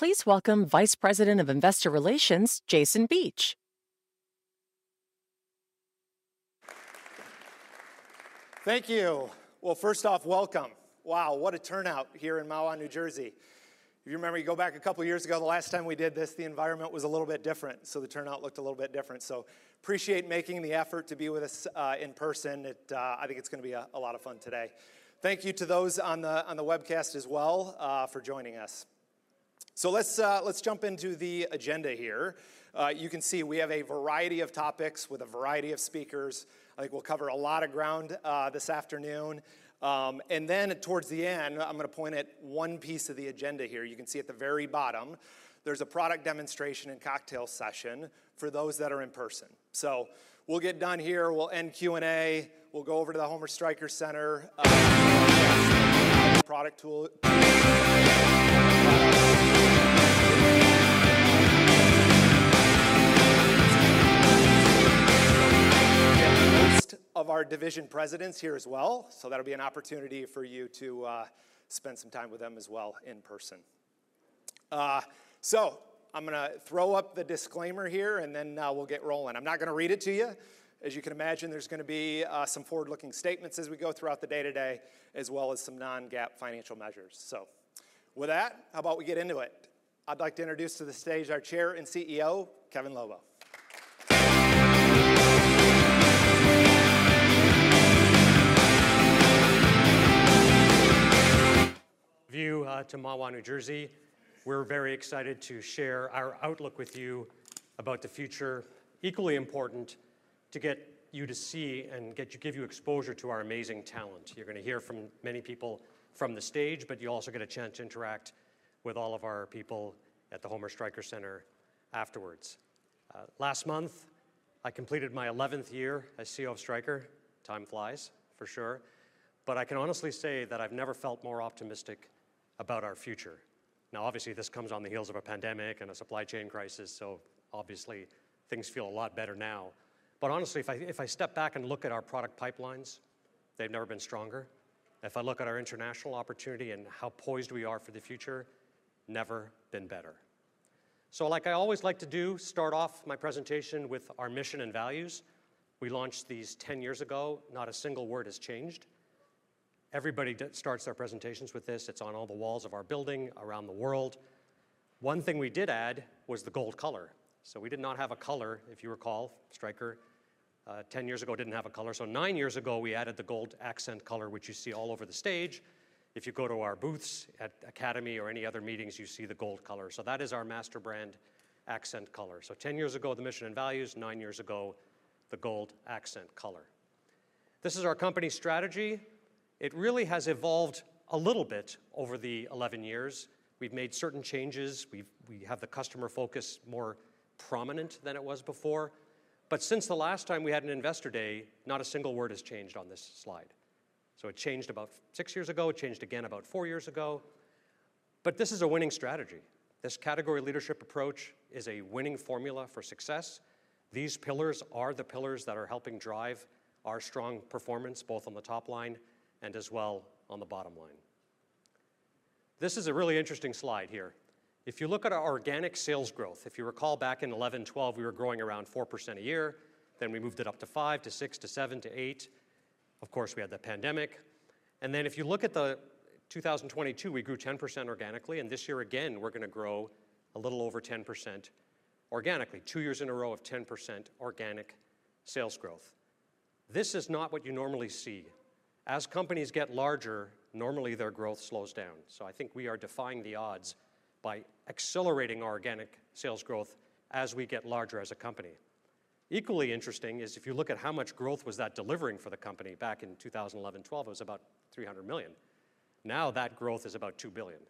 Please welcome Vice President of Investor Relations, Jason Beach. Thank you. Well, first off, welcome. Wow, what a turnout here in Mahwah, New Jersey. If you remember, you go back a couple years ago, the last time we did this, the environment was a little bit different, so the turnout looked a little bit different. So appreciate making the effort to be with us in person. I think it's gonna be a lot of fun today. Thank you to those on the webcast as well for joining us. So let's jump into the agenda here. You can see we have a variety of topics with a variety of speakers. I think we'll cover a lot of ground this afternoon. And then towards the end, I'm gonna point at one piece of the agenda here. You can see at the very bottom, there's a product demonstration and cocktail session for those that are in person. So we'll get done here, we'll end Q&A, we'll go over to the Homer Stryker Center. We have most of our division presidents here as well, so that'll be an opportunity for you to spend some time with them as well in person. So I'm gonna throw up the disclaimer here, and then we'll get rolling. I'm not gonna read it to you. As you can imagine, there's gonna be some forward-looking statements as we go throughout the day today, as well as some non-GAAP financial measures. So with that, how about we get into it? I'd like to introduce to the stage our Chair and CEO, Kevin Lobo. Welcome to Mahwah, New Jersey. We're very excited to share our outlook with you about the future. Equally important, to get you to see and get you, give you exposure to our amazing talent. You're gonna hear from many people from the stage, but you'll also get a chance to interact with all of our people at the Homer Stryker Center afterwards. Last month, I completed my eleventh year as CEO of Stryker. Time flies, for sure, but I can honestly say that I've never felt more optimistic about our future. Now, obviously, this comes on the heels of a pandemic and a supply chain crisis, so obviously, things feel a lot better now. But honestly, if I, if I step back and look at our product pipelines, they've never been stronger. If I look at our international opportunity and how poised we are for the future, never been better. So like I always like to do, start off my presentation with our mission and values. We launched these 10 years ago. Not a single word has changed. Everybody starts our presentations with this. It's on all the walls of our building around the world. One thing we did add was the gold color. So we did not have a color, if you recall, Stryker, 10 years ago, didn't have a color. So nine years ago, we added the gold accent color, which you see all over the stage. If you go to our booths at Academy or any other meetings, you see the gold color. So that is our master brand accent color. So 10 years ago, the mission and values, nine years ago, the gold accent color. This is our company strategy. It really has evolved a little bit over the 11 years. We've made certain changes. We have the customer focus more prominent than it was before. But since the last time we had an Investor Day, not a single word has changed on this slide. So it changed about six years ago, it changed again about four years ago, but this is a winning strategy. This category leadership approach is a winning formula for success. These pillars are the pillars that are helping drive our strong performance, both on the top line and as well on the bottom line. This is a really interesting slide here. If you look at our organic sales growth, if you recall, back in 2011, 2012, we were growing around 4% a year, then we moved it up to 5%, to 6%, to 7%, to 8%. Of course, we had the pandemic. Then if you look at 2022, we grew 10% organically, and this year, again, we're gonna grow a little over 10% organically. Two years in a row of 10% organic sales growth. This is not what you normally see. As companies get larger, normally their growth slows down. So I think we are defying the odds by accelerating our organic sales growth as we get larger as a company. Equally interesting is if you look at how much growth was that delivering for the company back in 2011, 2012, it was about $300 million. Now, that growth is about $2 billion.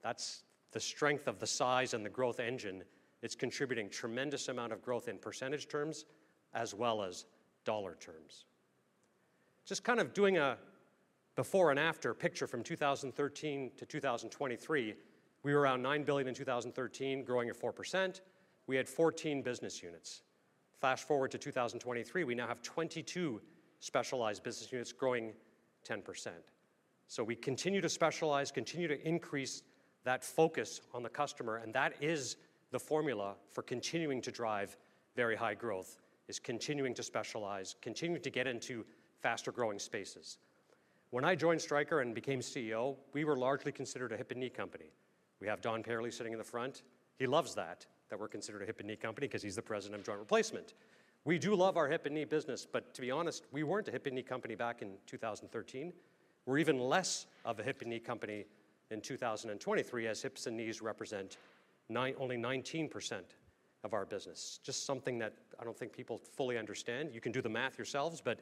That's the strength of the size and the growth engine. It's contributing tremendous amount of growth in percentage terms, as well as dollar terms. Just kind of doing a before and after picture from 2013 to 2023, we were around $9 billion in 2013, growing at 4%. We had 14 business units. Fast-forward to 2023, we now have 22 specialized business units growing 10%. So we continue to specialize, continue to increase that focus on the customer, and that is the formula for continuing to drive very high growth, is continuing to specialize, continuing to get into faster-growing spaces. When I joined Stryker and became CEO, we were largely considered a hip and knee company. We have Don Payerle sitting in the front. He loves that, that we're considered a hip and knee company, because he's the President of Joint Replacement. We do love our hip and knee business, but to be honest, we weren't a hip and knee company back in 2013. We're even less of a hip and knee company in 2023, as hips and knees represent 9%-only 19% of our business. Just something that I don't think people fully understand. You can do the math yourselves, but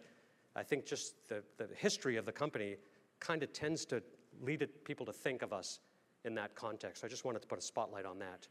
I think just the, the history of the company kind of tends to lead it, people to think of us in that context. I just wanted to put a spotlight on that.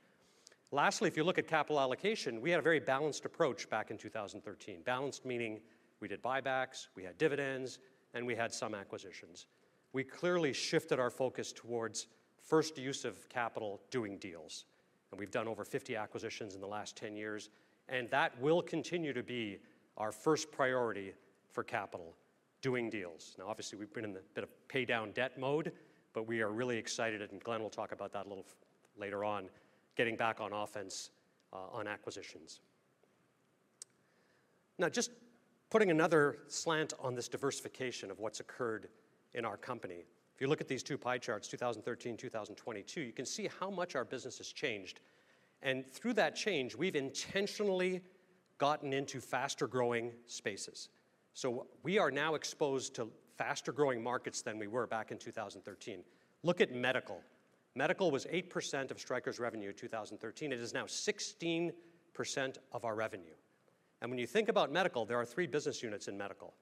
Lastly, if you look at capital allocation, we had a very balanced approach back in 2013. Balanced meaning we did buybacks, we had dividends, and we had some acquisitions. We clearly shifted our focus towards first use of capital, doing deals, and we've done over 50 acquisitions in the last 10 years, and that will continue to be our first priority for capital, doing deals. Now, obviously, we've been in a bit of pay down debt mode, but we are really excited, and Glenn will talk about that a little later on, getting back on offense on acquisitions. Now, just putting another slant on this diversification of what's occurred in our company. If you look at these two pie charts, 2013, 2022, you can see how much our business has changed, and through that change, we've intentionally gotten into faster-growing spaces. So we are now exposed to faster-growing markets than we were back in 2013. Look at Medical. Medical was 8% of Stryker's revenue in 2013. It is now 16% of our revenue. And when you think about Medical, there are three business units in Medical.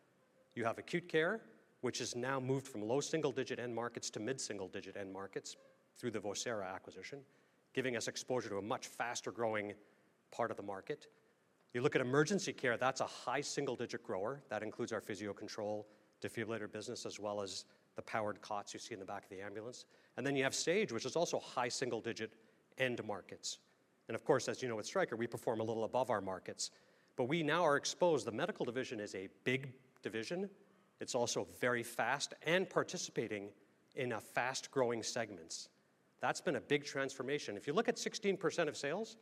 You have acute care, which has now moved from low single-digit end markets to mid-single-digit end markets through the Vocera acquisition, giving us exposure to a much faster-growing part of the market. You look at emergency care, that's a high single-digit grower. That includes our Physio-Control defibrillator business, as well as the powered cots you see in the back of the ambulance. And then you have Sage, which is also high single-digit end markets. And of course, as you know, with Stryker, we perform a little above our markets, but we now are exposed. The medical division is a big division. It's also very fast and participating in a fast-growing segments. That's been a big transformation. If you look at 16% of sales,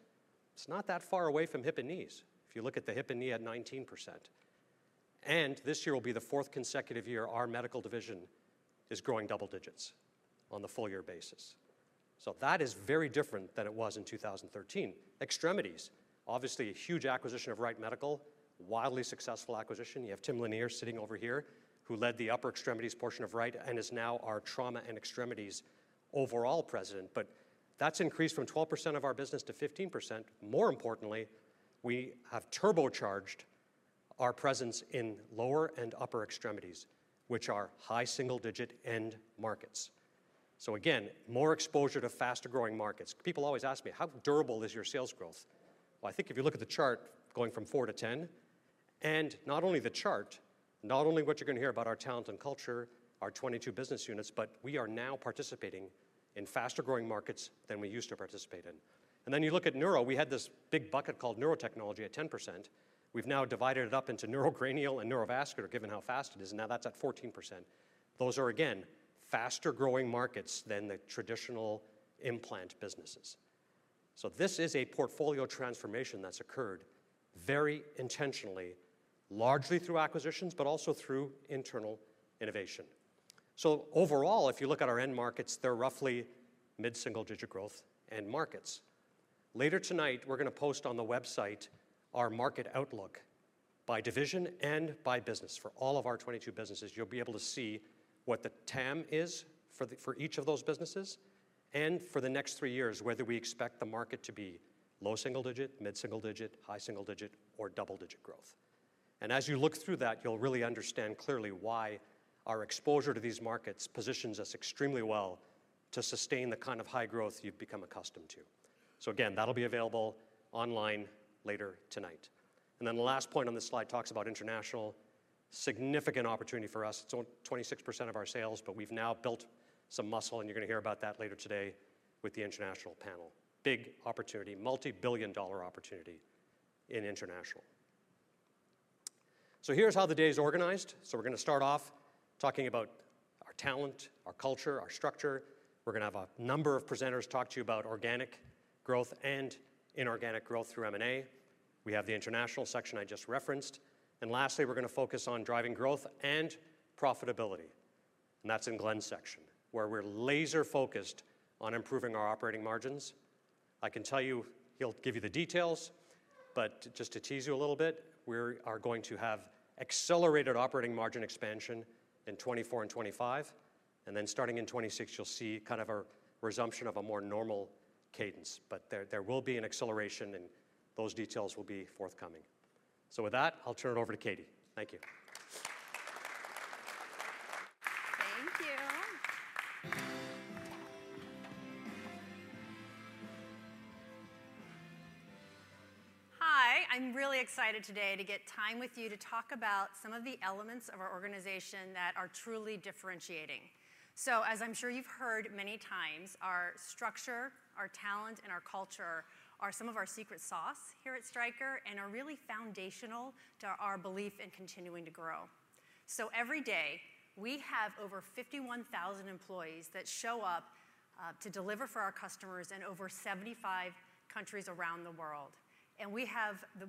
it's not that far away from hip and knees, if you look at the hip and knee at 19%. This year will be the fourth consecutive year our medical division is growing double digits on the full year basis. So that is very different than it was in 2013. Extremities, obviously, a huge acquisition of Wright Medical, wildly successful acquisition. You have Tim Lanier sitting over here, who led the upper extremities portion of Wright and is now our Trauma and Extremities overall President. But that's increased from 12% of our business to 15%. More importantly, we have turbocharged our presence in lower and upper extremities, which are high single-digit end markets. So again, more exposure to faster-growing markets. People always ask me: How durable is your sales growth? Well, I think if you look at the chart going from 4% to 10%, and not only the chart, not only what you're going to hear about our talent and culture, our 22 business units, but we are now participating in faster-growing markets than we used to participate in. And then you look at neuro. We had this big bucket called Neurotechnology at 10%. We've now divided it up into neurocranial and neurovascular, given how fast it is, and now that's at 14%. Those are, again, faster-growing markets than the traditional implant businesses. So this is a portfolio transformation that's occurred very intentionally, largely through acquisitions, but also through internal innovation. So overall, if you look at our end markets, they're roughly mid-single-digit growth end markets. Later tonight, we're going to post on the website our market outlook by division and by business. For all of our 22 businesses, you'll be able to see what the TAM is for each of those businesses and for the next three years, whether we expect the market to be low single digit, mid single digit, high single digit, or double-digit growth. And as you look through that, you'll really understand clearly why our exposure to these markets positions us extremely well to sustain the kind of high growth you've become accustomed to. So again, that'll be available online later tonight. And then the last point on this slide talks about international. Significant opportunity for us. It's only 26% of our sales, but we've now built some muscle, and you're going to hear about that later today with the international panel. Big opportunity, multi-billion dollar opportunity in international. So here's how the day is organized. So we're going to start off talking about our talent, our culture, our structure. We're going to have a number of presenters talk to you about organic growth and inorganic growth through M&A. We have the international section I just referenced. And lastly, we're going to focus on driving growth and profitability, and that's in Glenn's section, where we're laser-focused on improving our operating margins. I can tell you, he'll give you the details, but just to tease you a little bit, we're going to have accelerated operating margin expansion in 2024 and 2025, and then starting in 2026, you'll see kind of a resumption of a more normal cadence. But there will be an acceleration, and those details will be forthcoming. So with that, I'll turn it over to Katy. Thank you. Thank you. Hi, I'm really excited today to get time with you to talk about some of the elements of our organization that are truly differentiating. So as I'm sure you've heard many times, our structure, our talent, and our culture are some of our secret sauce here at Stryker and are really foundational to our belief in continuing to grow. So every day, we have over 51,000 employees that show up to deliver for our customers in over 75 countries around the world. And we have the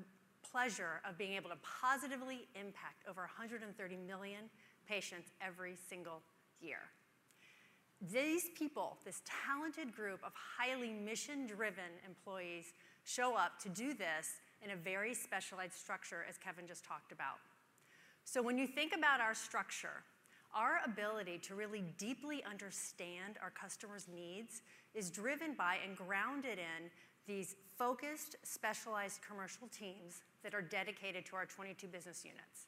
pleasure of being able to positively impact over 130 million patients every single year. These people, this talented group of highly mission-driven employees, show up to do this in a very specialized structure, as Kevin just talked about. So when you think about our structure, our ability to really deeply understand our customers' needs is driven by and grounded in these focused, specialized commercial teams that are dedicated to our 22 business units.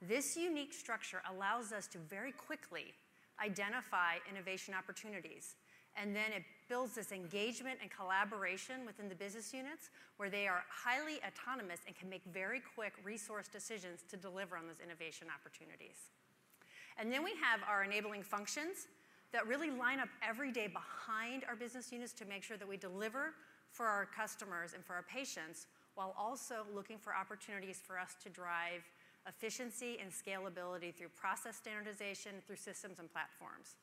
This unique structure allows us to very quickly identify innovation opportunities, and then it builds this engagement and collaboration within the business units, where they are highly autonomous and can make very quick resource decisions to deliver on those innovation opportunities. And then we have our enabling functions that really line up every day behind our business units to make sure that we deliver for our customers and for our patients, while also looking for opportunities for us to drive efficiency and scalability through process standardization, through systems and platforms.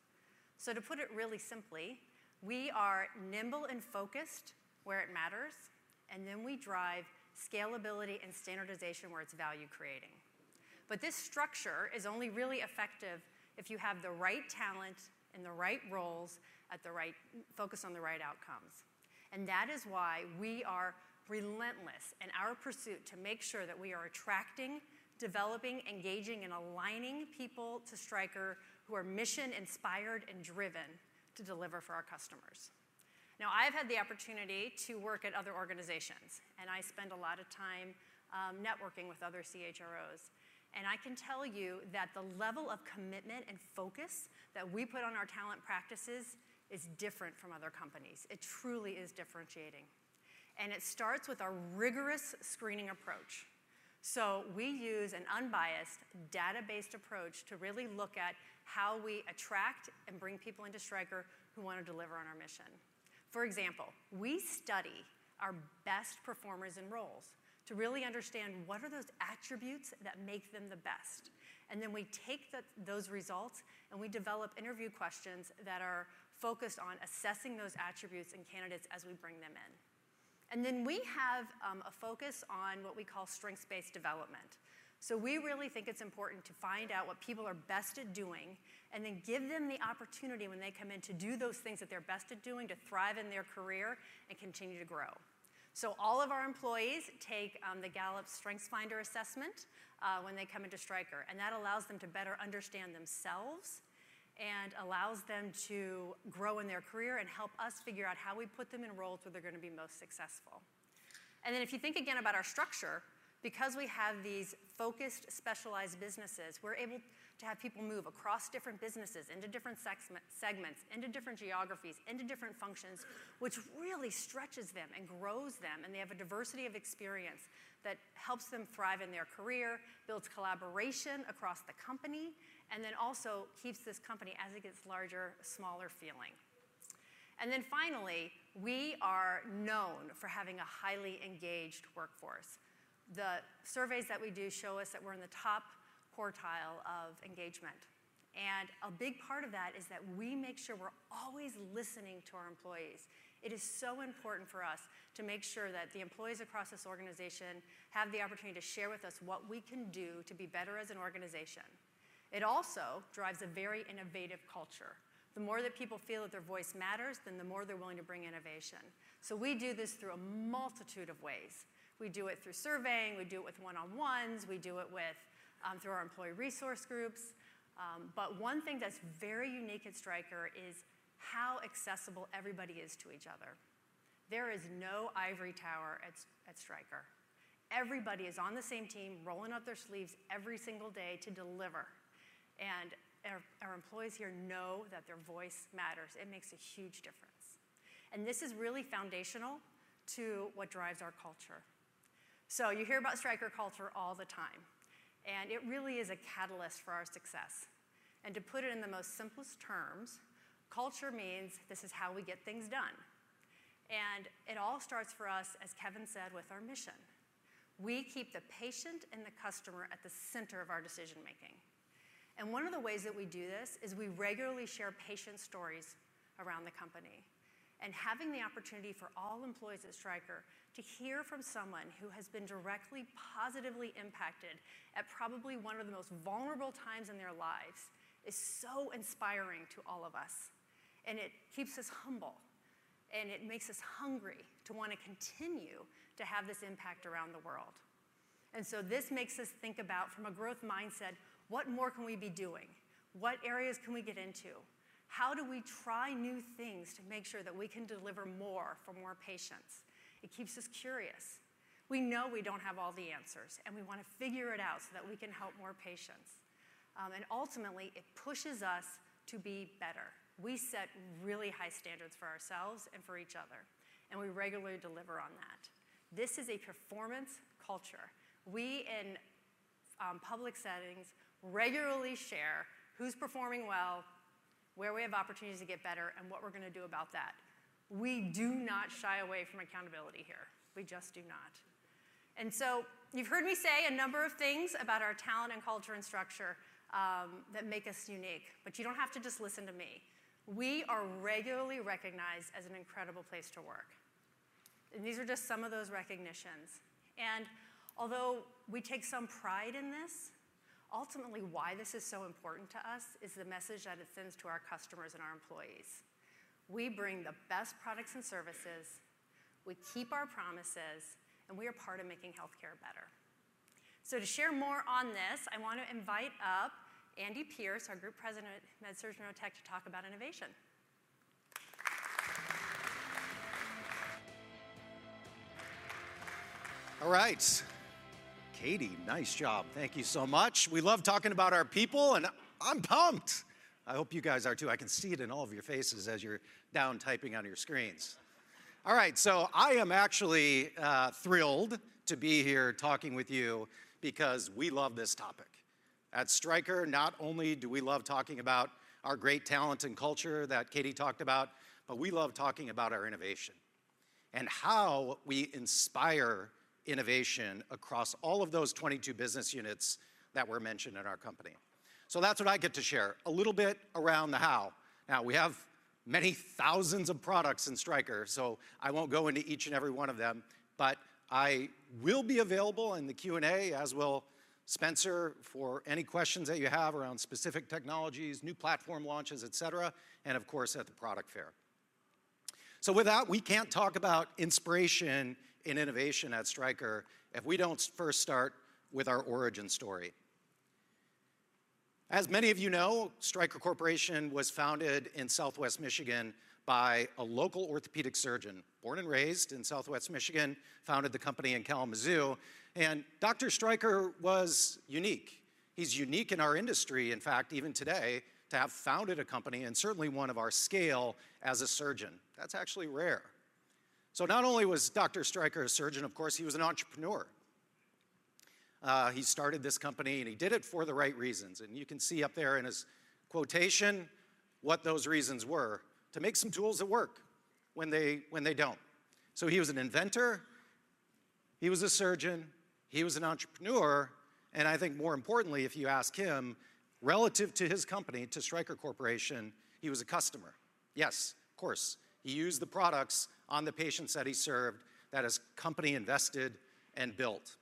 So to put it really simply, we are nimble and focused where it matters, and then we drive scalability and standardization where it's value creating. But this structure is only really effective if you have the right talent in the right roles at the right, focused on the right outcomes. And that is why we are relentless in our pursuit to make sure that we are attracting, developing, engaging, and aligning people to Stryker, who are mission-inspired and driven to deliver for our customers. Now, I've had the opportunity to work at other organizations, and I spend a lot of time, networking with other CHROs. And I can tell you that the level of commitment and focus that we put on our talent practices is different from other companies. It truly is differentiating, and it starts with our rigorous screening approach. So we use an unbiased, data-based approach to really look at how we attract and bring people into Stryker who wanna deliver on our mission. For example, we study our best performers and roles to really understand what are those attributes that make them the best, and then we take those results, and we develop interview questions that are focused on assessing those attributes and candidates as we bring them in. And then we have a focus on what we call strengths-based development. So we really think it's important to find out what people are best at doing, and then give them the opportunity when they come in, to do those things that they're best at doing, to thrive in their career and continue to grow. All of our employees take the Gallup StrengthsFinder assessment when they come into Stryker, and that allows them to better understand themselves, and allows them to grow in their career and help us figure out how we put them in roles where they're gonna be most successful. Then if you think again about our structure, because we have these focused, specialized businesses, we're able to have people move across different businesses, into different segments, into different geographies, into different functions, which really stretches them and grows them, and they have a diversity of experience that helps them thrive in their career, builds collaboration across the company, and then also keeps this company, as it gets larger, smaller feeling. Finally, we are known for having a highly engaged workforce. The surveys that we do show us that we're in the top quartile of engagement, and a big part of that is that we make sure we're always listening to our employees. It is so important for us to make sure that the employees across this organization have the opportunity to share with us what we can do to be better as an organization. It also drives a very innovative culture. The more that people feel that their voice matters, then the more they're willing to bring innovation. So we do this through a multitude of ways. We do it through surveying, we do it with one-on-ones, we do it with through our employee resource groups. But one thing that's very unique at Stryker is how accessible everybody is to each other. There is no ivory tower at Stryker. Everybody is on the same team, rolling up their sleeves every single day to deliver, and our employees here know that their voice matters. It makes a huge difference, and this is really foundational to what drives our culture. So you hear about Stryker culture all the time, and it really is a catalyst for our success. And to put it in the most simplest terms, culture means this is how we get things done, and it all starts for us, as Kevin said, with our mission. We keep the patient and the customer at the center of our decision-making, and one of the ways that we do this is we regularly share patient stories around the company. Having the opportunity for all employees at Stryker to hear from someone who has been directly positively impacted at probably one of the most vulnerable times in their lives, is so inspiring to all of us, and it keeps us humble, and it makes us hungry to wanna continue to have this impact around the world. So this makes us think about, from a growth mindset, what more can we be doing? What areas can we get into? How do we try new things to make sure that we can deliver more for more patients? It keeps us curious. We know we don't have all the answers, and we wanna figure it out, so that we can help more patients. Ultimately, it pushes us to be better. We set really high standards for ourselves and for each other, and we regularly deliver on that. This is a performance culture. We, in public settings, regularly share who's performing well, where we have opportunities to get better, and what we're gonna do about that. We do not shy away from accountability here. We just do not. And so you've heard me say a number of things about our talent and culture and structure, that make us unique, but you don't have to just listen to me. We are regularly recognized as an incredible place to work, and these are just some of those recognitions. And although we take some pride in this, ultimately, why this is so important to us, is the message that it sends to our customers and our employees. We bring the best products and services, we keep our promises, and we are part of making healthcare better. To share more on this, I wanna invite up Andy Pierce, our Group President, MedSurg and Neurotechnology, to talk about innovation. All right. Katy, nice job. Thank you so much. We love talking about our people, and I'm pumped! I hope you guys are, too. I can see it in all of your faces as you're down, typing on your screens. All right, so I am actually thrilled to be here talking with you because we love this topic. At Stryker, not only do we love talking about our great talent and culture that Katy talked about, but we love talking about our innovation and how we inspire innovation across all of those 22 business units that were mentioned in our company. So that's what I get to share, a little bit around the how. Now, we have many thousands of products in Stryker, so I won't go into each and every one of them, but I will be available in the Q&A, as will Spencer, for any questions that you have around specific technologies, new platform launches, et cetera, and of course, at the product fair. So we can't talk about inspiration and innovation at Stryker if we don't first start with our origin story. As many of you know, Stryker Corporation was founded in Southwest Michigan by a local orthopedic surgeon, born and raised in Southwest Michigan, founded the company in Kalamazoo, and Dr. Stryker was unique. He's unique in our industry, in fact, even today, to have founded a company, and certainly one of our scale, as a surgeon. That's actually rare. So not only was Dr. Stryker a surgeon, of course, he was an entrepreneur. He started this company, and he did it for the right reasons. And you can see up there in his quotation what those reasons were: to make some tools that work when they, when they don't. So he was an inventor, he was a surgeon, he was an entrepreneur, and I think more importantly, if you ask him, relative to his company, to Stryker Corporation, he was a customer. Yes, of course, he used the products on the patients that he served, that his company invested and built.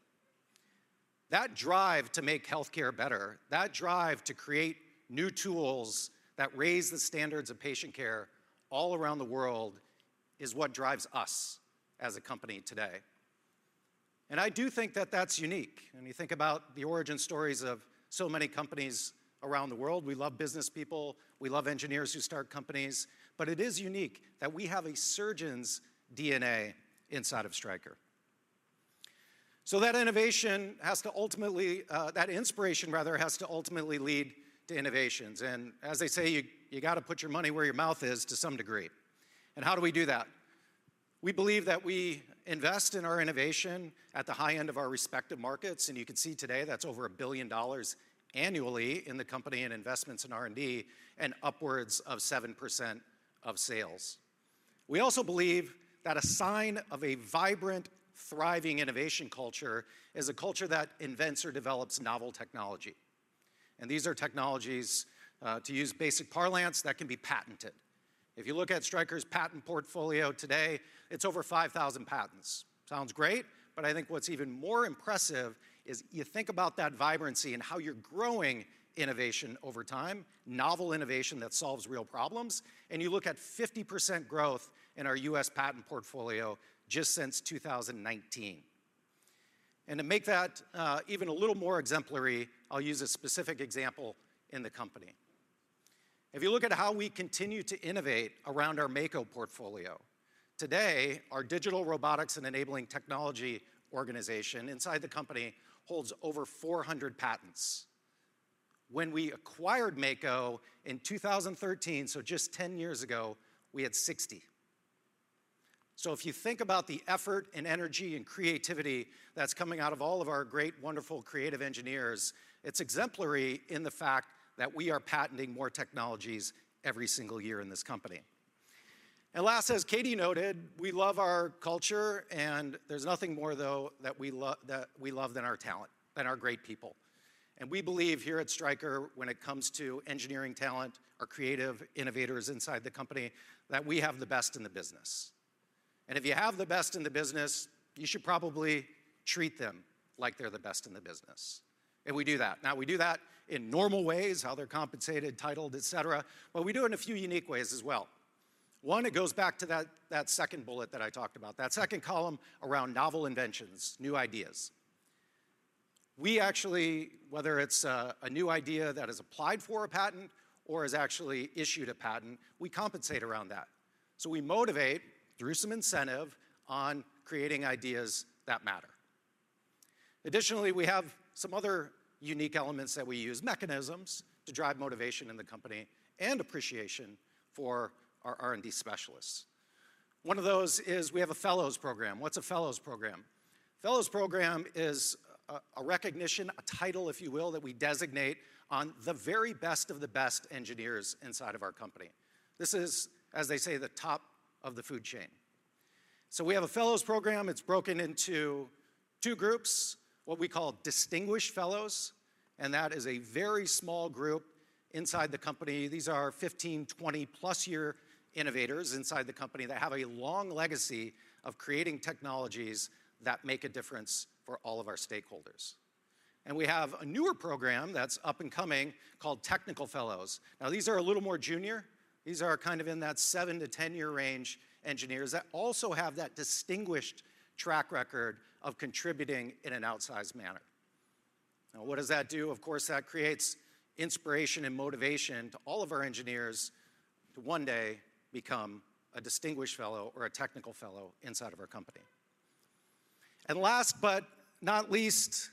That drive to make healthcare better, that drive to create new tools that raise the standards of patient care all around the world, is what drives us as a company today. And I do think that that's unique. When you think about the origin stories of so many companies around the world, we love business people, we love engineers who start companies, but it is unique that we have a surgeon's DNA inside of Stryker. So that innovation has to ultimately, that inspiration rather, has to ultimately lead to innovations. And as they say, you, you gotta put your money where your mouth is to some degree. And how do we do that? We believe that we invest in our innovation at the high end of our respective markets, and you can see today that's over $1 billion annually in the company in investments in R&D and upwards of 7% of sales. We also believe that a sign of a vibrant, thriving innovation culture is a culture that invents or develops novel technology, and these are technologies, to use basic parlance, that can be patented. If you look at Stryker's patent portfolio today, it's over 5,000 patents. Sounds great, but I think what's even more impressive is you think about that vibrancy and how you're growing innovation over time, novel innovation that solves real problems, and you look at 50% growth in our U.S. patent portfolio just since 2019. And to make that, even a little more exemplary, I'll use a specific example in the company. If you look at how we continue to innovate around our Mako portfolio, today, our digital robotics and enabling technology organization inside the company holds over 400 patents. When we acquired Mako in 2013, so just 10 years ago, we had 60. So if you think about the effort and energy and creativity that's coming out of all of our great, wonderful, creative engineers, it's exemplary in the fact that we are patenting more technologies every single year in this company. And last, as Katy noted, we love our culture, and there's nothing more, though, that we love than our talent, than our great people. And we believe here at Stryker, when it comes to engineering talent or creative innovators inside the company, that we have the best in the business. If you have the best in the business, you should probably treat them like they're the best in the business, and we do that. Now, we do that in normal ways, how they're compensated, titled, et cetera, but we do it in a few unique ways as well. One, it goes back to that, that second bullet that I talked about, that second column around novel inventions, new ideas. We actually, whether it's a new idea that has applied for a patent or has actually issued a patent, we compensate around that. So we motivate through some incentive on creating ideas that matter. Additionally, we have some other unique elements that we use, mechanisms to drive motivation in the company and appreciation for our R&D specialists. One of those is we have a fellows program. What's a fellows program? Fellows program is a recognition, a title, if you will, that we designate on the very best of the best engineers inside of our company. This is, as they say, the top of the food chain. So we have a fellows program. It's broken into two groups, what we call Distinguished Fellows, and that is a very small group inside the company. These are 15-year, 20 plus-year innovators inside the company that have a long legacy of creating technologies that make a difference for all of our stakeholders. And we have a newer program that's up and coming called Technical Fellows. Now, these are a little more junior. These are kind of in that seven-year to 10-year range engineers that also have that distinguished track record of contributing in an outsized manner. Now, what does that do? Of course, that creates inspiration and motivation to all of our engineers to one day become a distinguished fellow or a technical fellow inside of our company. Last but not least,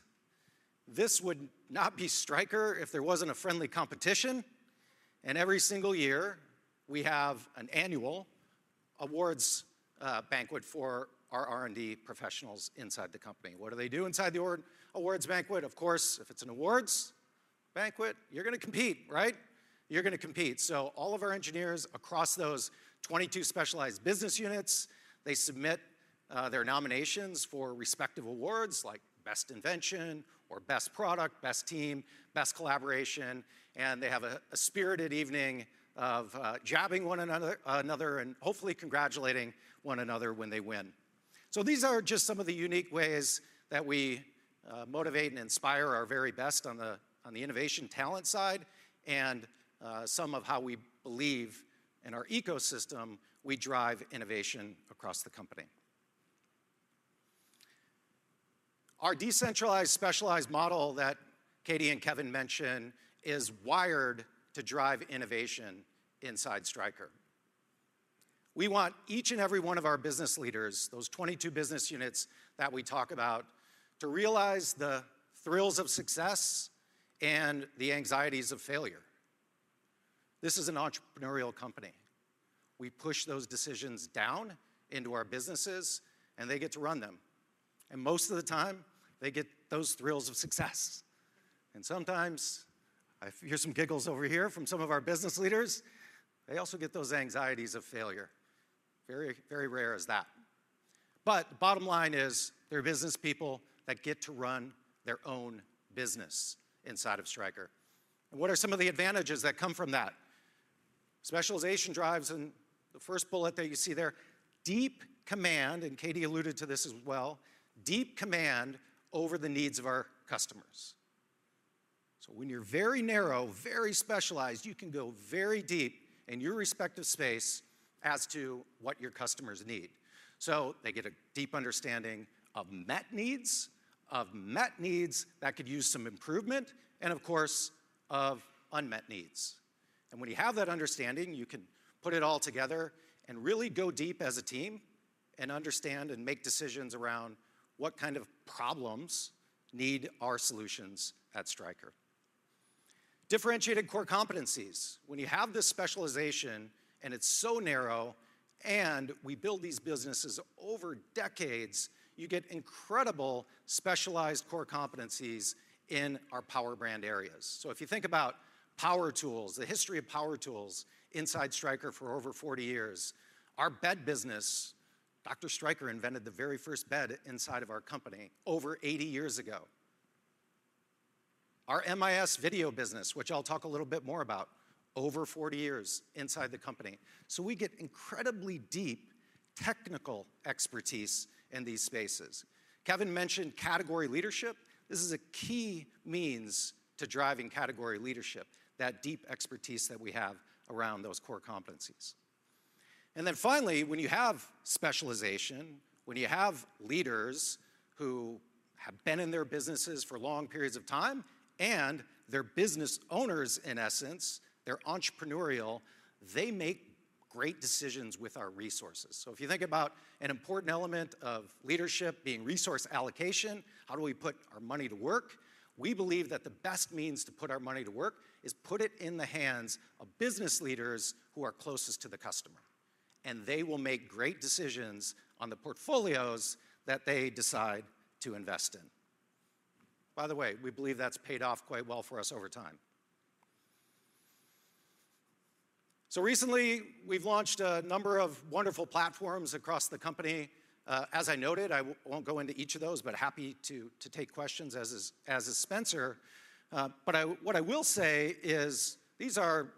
this would not be Stryker if there wasn't a friendly competition. Every single year, we have an annual awards banquet for our R&D professionals inside the company. What do they do inside the awards banquet? Of course, if it's an awards banquet, you're gonna compete, right? You're gonna compete. So all of our engineers across those 22 specialized business units, they submit their nominations for respective awards like Best Invention or Best Product, Best Team, Best Collaboration, and they have a spirited evening of jabbing one another and hopefully congratulating one another when they win. So these are just some of the unique ways that we motivate and inspire our very best on the, on the innovation talent side, and some of how we believe in our ecosystem, we drive innovation across the company. Our decentralized, specialized model that Katy and Kevin mentioned is wired to drive innovation inside Stryker. We want each and every one of our business leaders, those 22 business units that we talk about, to realize the thrills of success and the anxieties of failure. This is an entrepreneurial company. We push those decisions down into our businesses, and they get to run them. And most of the time, they get those thrills of success. And sometimes, I hear some giggles over here from some of our business leaders, they also get those anxieties of failure. Very, very rare is that. But bottom line is, they're business people that get to run their own business inside of Stryker. And what are some of the advantages that come from that? Specialization drives, and the first bullet that you see there, deep command, and Katy alluded to this as well, deep command over the needs of our customers. So when you're very narrow, very specialized, you can go very deep in your respective space as to what your customers need. So they get a deep understanding of met needs, of met needs that could use some improvement, and of course, of unmet needs. And when you have that understanding, you can put it all together and really go deep as a team and understand and make decisions around what kind of problems need our solutions at Stryker. Differentiated core competencies. When you have this specialization and it's so narrow, and we build these businesses over decades, you get incredible specialized core competencies in our power brand areas. So if you think about power tools, the history of power tools inside Stryker for over 40 years, our bed business, Dr. Stryker invented the very first bed inside of our company over 80 years ago. Our MIS video business, which I'll talk a little bit more about, over 40 years inside the company. So we get incredibly deep technical expertise in these spaces. Kevin mentioned category leadership. This is a key means to driving category leadership, that deep expertise that we have around those core competencies. And then finally, when you have specialization, when you have leaders who have been in their businesses for long periods of time, and they're business owners, in essence, they're entrepreneurial, they make great decisions with our resources. So if you think about an important element of leadership being resource allocation, how do we put our money to work? We believe that the best means to put our money to work is put it in the hands of business leaders who are closest to the customer, and they will make great decisions on the portfolios that they decide to invest in. By the way, we believe that's paid off quite well for us over time. So recently, we've launched a number of wonderful platforms across the company. As I noted, I won't go into each of those, but happy to take questions, as is Spencer. But I, what I will say is these are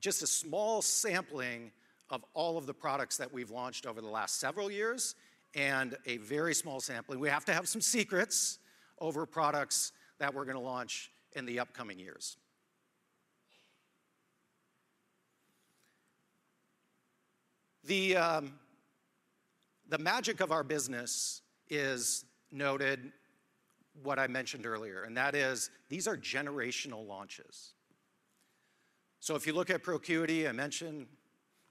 just a small sampling of all of the products that we've launched over the last several years, and a very small sampling. We have to have some secrets over products that we're gonna launch in the upcoming years. The magic of our business is what I mentioned earlier, and that is, these are generational launches. So if you look at Procuity, I mentioned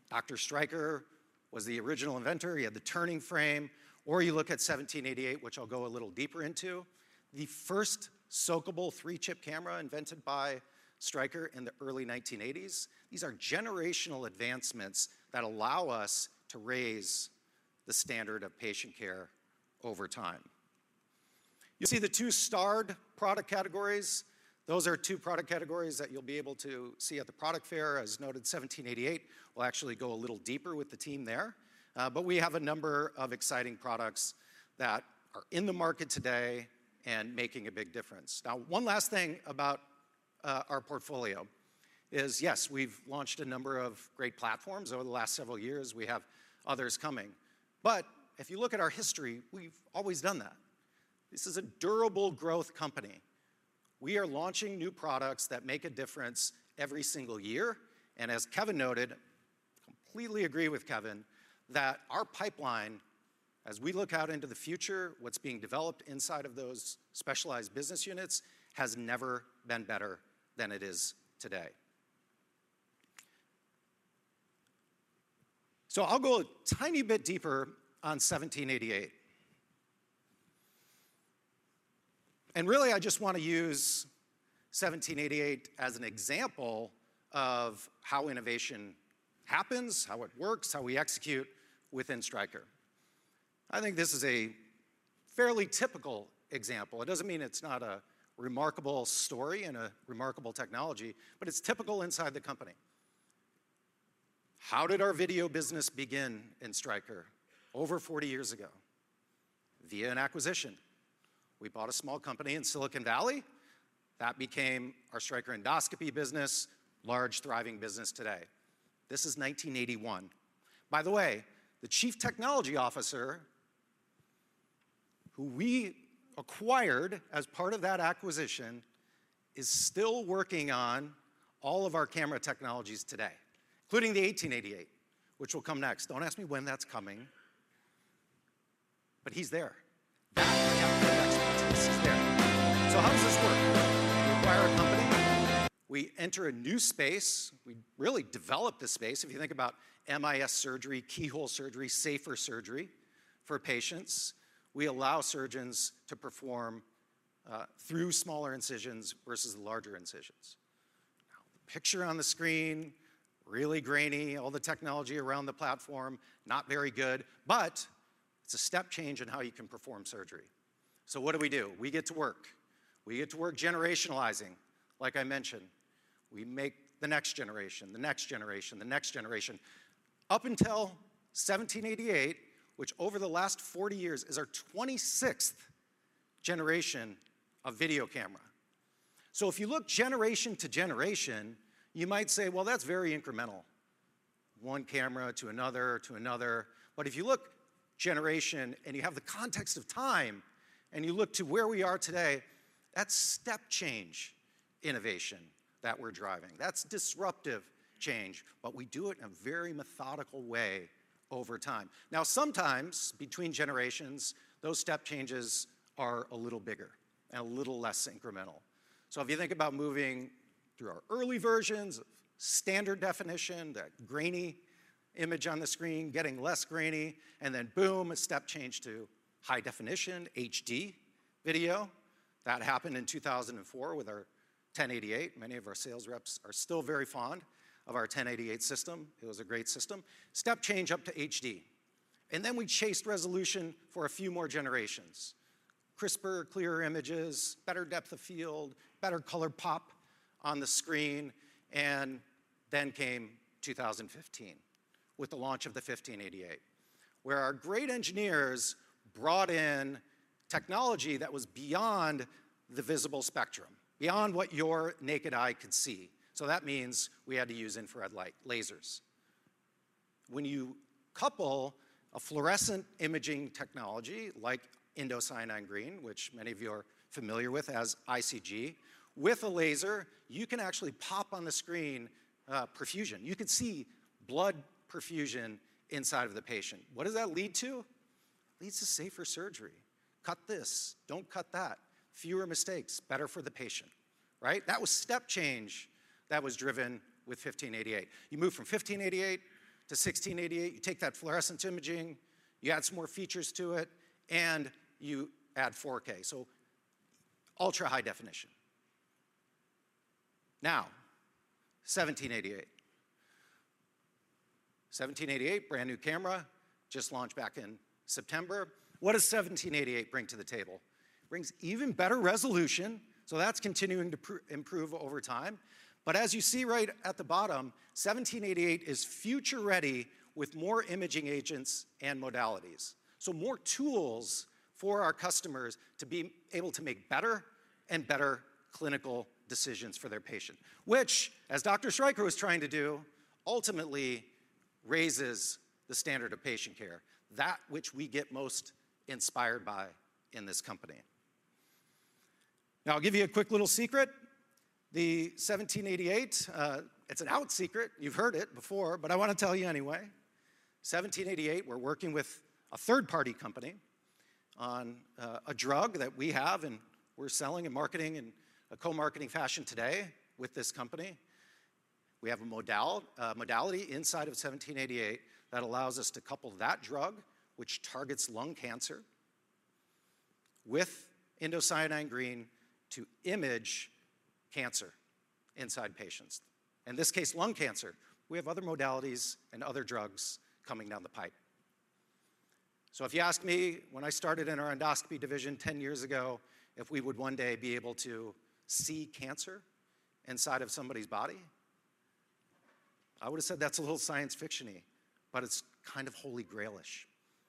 Dr. Stryker was the original inventor. He had the turning frame. Or you look at 1788, which I'll go a little deeper into, the first soakable three-chip camera invented by Stryker in the early 1980s. These are generational advancements that allow us to raise the standard of patient care over time. You see the two starred product categories. Those are two product categories that you'll be able to see at the product fair. As noted, 1788, we'll actually go a little deeper with the team there. But we have a number of exciting products that are in the market today and making a big difference. Now, one last thing about our portfolio is, yes, we've launched a number of great platforms over the last several years. We have others coming. But if you look at our history, we've always done that. This is a durable growth company. We are launching new products that make a difference every single year. And as Kevin noted, completely agree with Kevin, that our pipeline, as we look out into the future, what's being developed inside of those specialized business units, has never been better than it is today. So I'll go a tiny bit deeper on 1788. And really, I just wanna use 1788 as an example of how innovation happens, how it works, how we execute within Stryker. I think this is a fairly typical example. It doesn't mean it's not a remarkable story and a remarkable technology, but it's typical inside the company. How did our video business begin in Stryker over 40 years ago? Via an acquisition. We bought a small company in Silicon Valley that became our Stryker Endoscopy business, large, thriving business today. This is 1981. By the way, the chief technology officer, who we acquired as part of that acquisition, is still working on all of our camera technologies today, including the 1888, which will come next. Don't ask me when that's coming, but he's there. That announcement next, he's there. So how does this work? We acquire a company, we enter a new space. We really develop the space. If you think about MIS surgery, keyhole surgery, safer surgery for patients, we allow surgeons to perform through smaller incisions versus larger incisions. Now, the picture on the screen, really grainy, all the technology around the platform, not very good, but it's a step change in how you can perform surgery. So what do we do? We get to work. We get to work generationalizing, like I mentioned. We make the next generation, the next generation, the next generation, up until 1788, which over the last 40 years is our 26th generation of video camera. So if you look generation to generation, you might say, well, that's very incremental, one camera to another, to another. But if you look generation, and you have the context of time, and you look to where we are today, that's step change innovation that we're driving. That's disruptive change, but we do it in a very methodical way over time. Now, sometimes between generations, those step changes are a little bigger and a little less incremental. So if you think about moving through our early versions of standard definition, that grainy image on the screen, getting less grainy, and then boom, a step change to high definition, HD video. That happened in 2004 with our 1088. Many of our sales reps are still very fond of our 1088 system. It was a great system. Step change up to HD. And then we chased resolution for a few more generations. Crisper, clearer images, better depth of field, better color pop on the screen, and then came 2015, with the launch of the 1588, where our great engineers brought in technology that was beyond the visible spectrum, beyond what your naked eye could see. So that means we had to use infrared light, lasers. When you couple a fluorescent imaging technology, like Indocyanine Green, which many of you are familiar with as ICG, with a laser, you can actually pop on the screen, perfusion. You can see blood perfusion inside of the patient. What does that lead to? It leads to safer surgery. Cut this, don't cut that. Fewer mistakes, better for the patient, right? That was step change that was driven with 1588. You move from 1588 to 1688, you take that fluorescent imaging, you add some more features to it, and you add 4K, so ultra-high definition. Now, 1788. 1788, brand-new camera, just launched back in September. What does 1788 bring to the table? It brings even better resolution, so that's continuing to improve over time. But as you see right at the bottom, 1788 is future ready with more imaging agents and modalities, so more tools for our customers to be able to make better and better clinical decisions for their patient, which, as Dr. Stryker was trying to do, ultimately raises the standard of patient care, that which we get most inspired by in this company. Now, I'll give you a quick little secret. The 1788, it's an open secret. You've heard it before, but I wanna tell you anyway. 1788, we're working with a third-party company on a drug that we have, and we're selling and marketing in a co-marketing fashion today with this company. We have a modality inside of 1788 that allows us to couple that drug, which targets lung cancer, with indocyanine green to image cancer inside patients, in this case, lung cancer. We have other modalities and other drugs coming down the pipe. So if you asked me when I started in our endoscopy division 10 years ago, if we would one day be able to see cancer inside of somebody's body, I would've said, that's a little science fiction-y, but it's kind of Holy Grail-ish.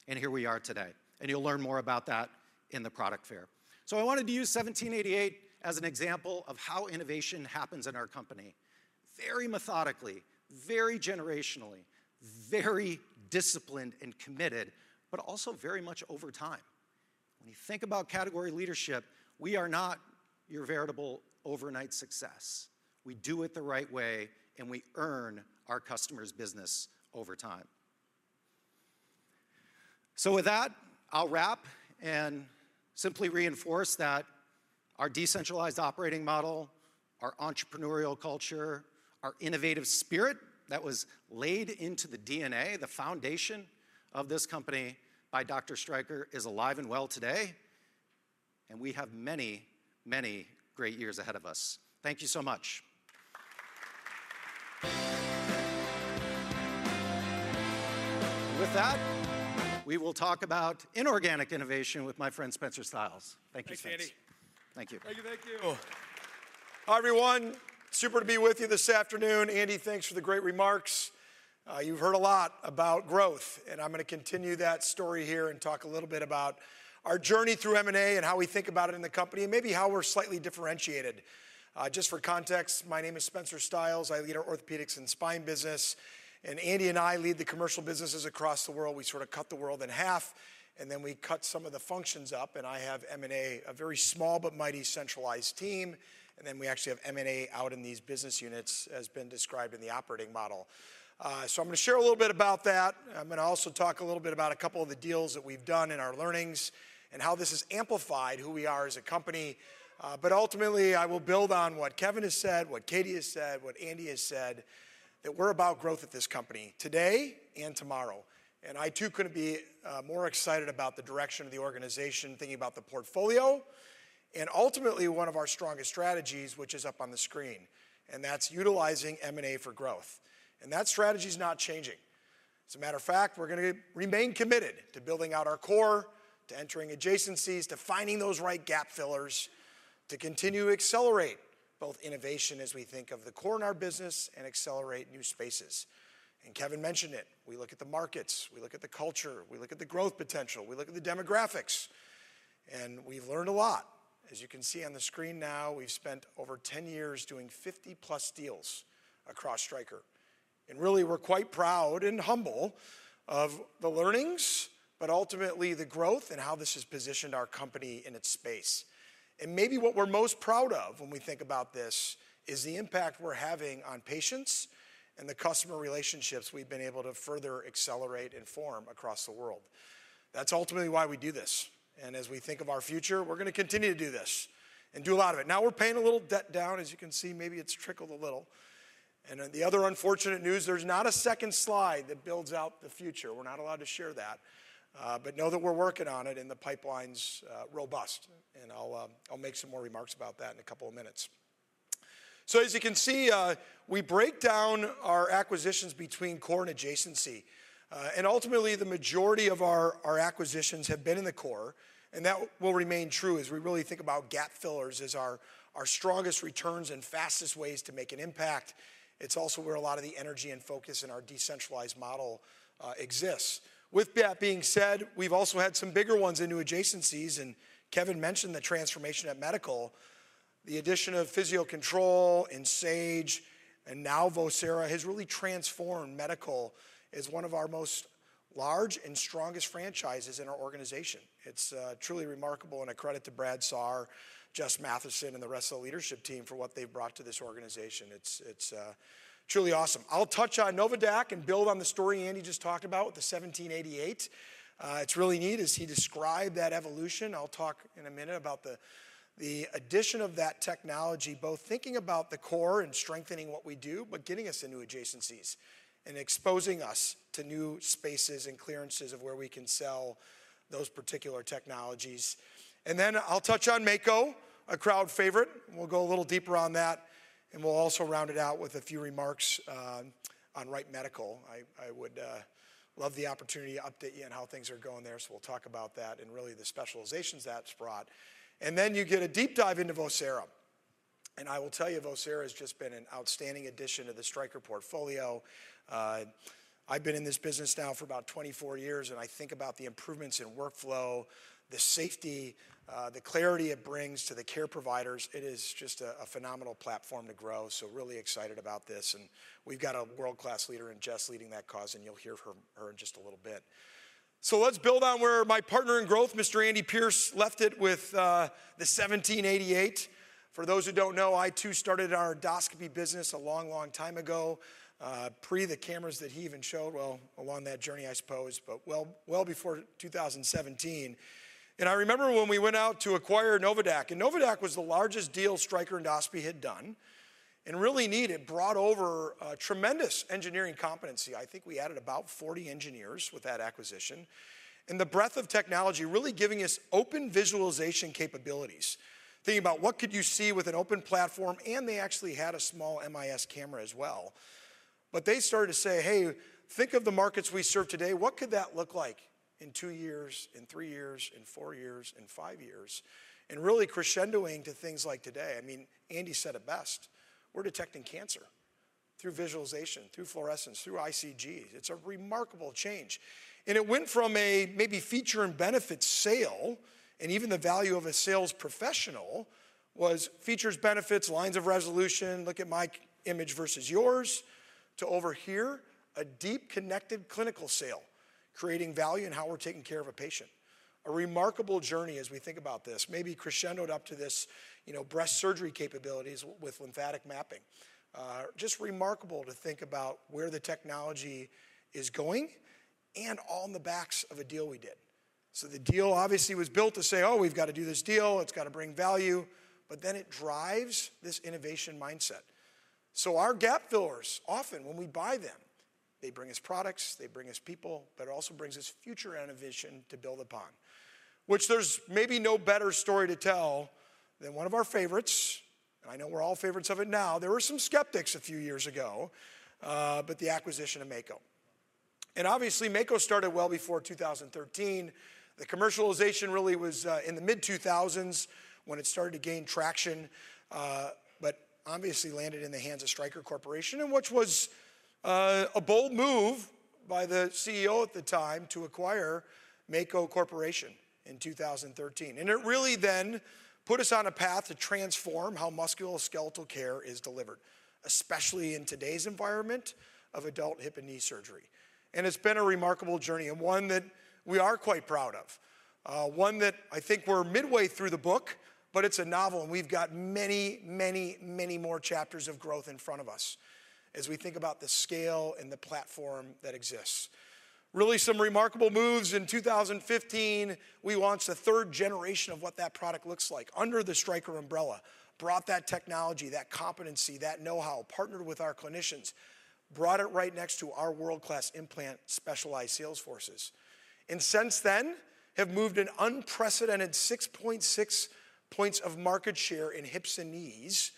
And here we are today, and you'll learn more about that in the product fair. So I wanted to use 1788 as an example of how innovation happens in our company, very methodically, very generationally, very disciplined and committed, but also very much over time. When you think about category leadership, we are not your veritable overnight success. We do it the right way, and we earn our customers' business over time. With that, I'll wrap and simply reinforce that our decentralized operating model, our entrepreneurial culture, our innovative spirit that was laid into the DNA, the foundation of this company by Dr. Stryker, is alive and well today, and we have many, many great years ahead of us. Thank you so much. With that, we will talk about inorganic innovation with my friend, Spencer Stiles. Thank you, Spence. Thanks, Andy. Thank you. Thank you. Thank you. Hi, everyone. Super to be with you this afternoon. Andy, thanks for the great remarks. You've heard a lot about growth, and I'm going to continue that story here and talk a little bit about our journey through M&A and how we think about it in the company, and maybe how we're slightly differentiated. Just for context, my name is Spencer Stiles. I lead our Orthopaedics and spine business, and Andy and I lead the commercial businesses across the world. We sort of cut the world in half, and then we cut some of the functions up, and I have M&A, a very small but mighty centralized team, and then we actually have M&A out in these business units, as has been described in the operating model. So I'm going to share a little bit about that. I'm going to also talk a little bit about a couple of the deals that we've done and our learnings, and how this has amplified who we are as a company. But ultimately, I will build on what Kevin has said, what Katy has said, what Andy has said, that we're about growth at this company today and tomorrow. And I, too, couldn't be more excited about the direction of the organization, thinking about the portfolio, and ultimately one of our strongest strategies, which is up on the screen, and that's utilizing M&A for growth. And that strategy is not changing. As a matter of fact, we're going to remain committed to building out our core, to entering adjacencies, to finding those right gap fillers, to continue to accelerate both innovation as we think of the core in our business and accelerate new spaces. Kevin mentioned it, we look at the markets, we look at the culture, we look at the growth potential, we look at the demographics, and we've learned a lot. As you can see on the screen now, we've spent over 10 years doing 50-plus deals across Stryker, and really, we're quite proud and humble of the learnings, but ultimately the growth and how this has positioned our company in its space. And maybe what we're most proud of when we think about this is the impact we're having on patients and the customer relationships we've been able to further accelerate and form across the world. That's ultimately why we do this, and as we think of our future, we're going to continue to do this and do a lot of it. Now, we're paying a little debt down. As you can see, maybe it's trickled a little. Then the other unfortunate news, there's not a second slide that builds out the future. We're not allowed to share that, but know that we're working on it, and the pipeline's robust, and I'll make some more remarks about that in a couple of minutes. As you can see, we break down our acquisitions between core and adjacency. And ultimately, the majority of our acquisitions have been in the core, and that will remain true as we really think about gap fillers as our strongest returns and fastest ways to make an impact. It's also where a lot of the energy and focus in our decentralized model exists. With that being said, we've also had some bigger ones into adjacencies, and Kevin mentioned the transformation at Medical. The addition of Physio-Control and Sage, and now Vocera, has really transformed Medical as one of our most large and strongest franchises in our organization. It's truly remarkable and a credit to Brad Saar, Jess Mathieson, and the rest of the leadership team for what they've brought to this organization. It's truly awesome. I'll touch on Novadaq and build on the story Andy just talked about with the 1788. It's really neat. As he described that evolution, I'll talk in a minute about the addition of that technology, both thinking about the core and strengthening what we do, but getting us into adjacencies and exposing us to new spaces and clearances of where we can sell those particular technologies. And then I'll touch on Mako, a crowd favorite. We'll go a little deeper on that, and we'll also round it out with a few remarks on Wright Medical. I would love the opportunity to update you on how things are going there, so we'll talk about that and really the specializations that's brought. And then you get a deep dive into Vocera, and I will tell you, Vocera has just been an outstanding addition to the Stryker portfolio. I've been in this business now for about 24 years, and I think about the improvements in workflow, the safety, the clarity it brings to the care providers. It is just a phenomenal platform to grow, so really excited about this, and we've got a world-class leader in Jess leading that cause, and you'll hear from her in just a little bit. So let's build on where my partner in growth, Mr. Andy Pierce, left it with the 1788. For those who don't know, I too started our endoscopy business a long, long time ago, pre the cameras that he even showed. Well, along that journey, I suppose, but well, well before 2017. And I remember when we went out to acquire Novadaq, and Novadaq was the largest deal Stryker Endoscopy had done, and really neat, it brought over a tremendous engineering competency. I think we added about 40 engineers with that acquisition. And the breadth of technology, really giving us open visualization capabilities, thinking about what could you see with an open platform, and they actually had a small MIS camera as well. But they started to say: Hey, think of the markets we serve today. What could that look like in two years, in three years, in four years, in five years? And really crescendoing to things like today, I mean, Andy said it best, we're detecting cancer through visualization, through fluorescence, through ICGs. It's a remarkable change. And it went from a maybe feature and benefit sale, and even the value of a sales professional was features, benefits, lines of resolution, look at my image versus yours, to over here, a deep connected clinical sale, creating value in how we're taking care of a patient. A remarkable journey as we think about this, maybe crescendoed up to this, you know, breast surgery capabilities with lymphatic mapping. Just remarkable to think about where the technology is going, and all on the backs of a deal we did. So the deal obviously was built to say, oh, we've got to do this deal. It's got to bring value, but then it drives this innovation mindset. So our gap fillers, often when we buy them, they bring us products, they bring us people, but it also brings us future innovation to build upon. Which there's maybe no better story to tell than one of our favorites, and I know we're all favorites of it now. There were some skeptics a few years ago, but the acquisition of Mako. And obviously, Mako started well before 2013. The commercialization really was in the mid-2000s when it started to gain traction, but obviously landed in the hands of Stryker Corporation, and which was a bold move by the CEO at the time to acquire Mako Corporation in 2013. And it really then put us on a path to transform how musculoskeletal care is delivered, especially in today's environment of adult hip and knee surgery. And it's been a remarkable journey, and one that we are quite proud of. One that I think we're midway through the book, but it's a novel, and we've got many, many, many more chapters of growth in front of us as we think about the scale and the platform that exists. Really, some remarkable moves in 2015. We launched a third generation of what that product looks like. Under the Stryker umbrella, brought that technology, that competency, that know-how, partnered with our clinicians, brought it right next to our world-class implant specialized sales forces. And since then, we have moved an unprecedented 6.6 points of market share in hips and knees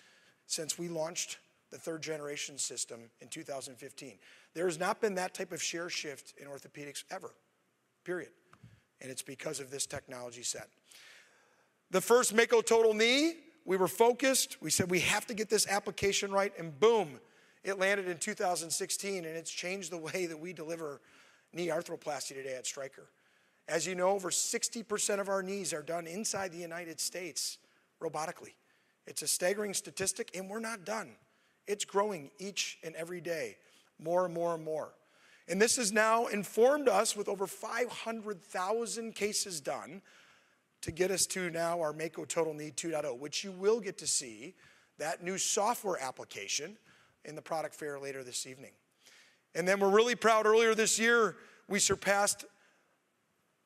since we launched the 3rd generation system in 2015. There has not been that type of share shift in orthopedics ever, period, and it's because of this technology set. The first Mako Total Knee, we were focused. We said, we have to get this application right, and boom! It landed in 2016, and it's changed the way that we deliver knee arthroplasty today at Stryker. As you know, over 60% of our knees are done inside the United States robotically. It's a staggering statistic, and we're not done. It's growing each and every day, more, and more, and more. This has now informed us, with over 500,000 cases done, to get us to now our Mako Total Knee 2.0, which you will get to see that new software application in the product fair later this evening. Then we're really proud, earlier this year, we surpassed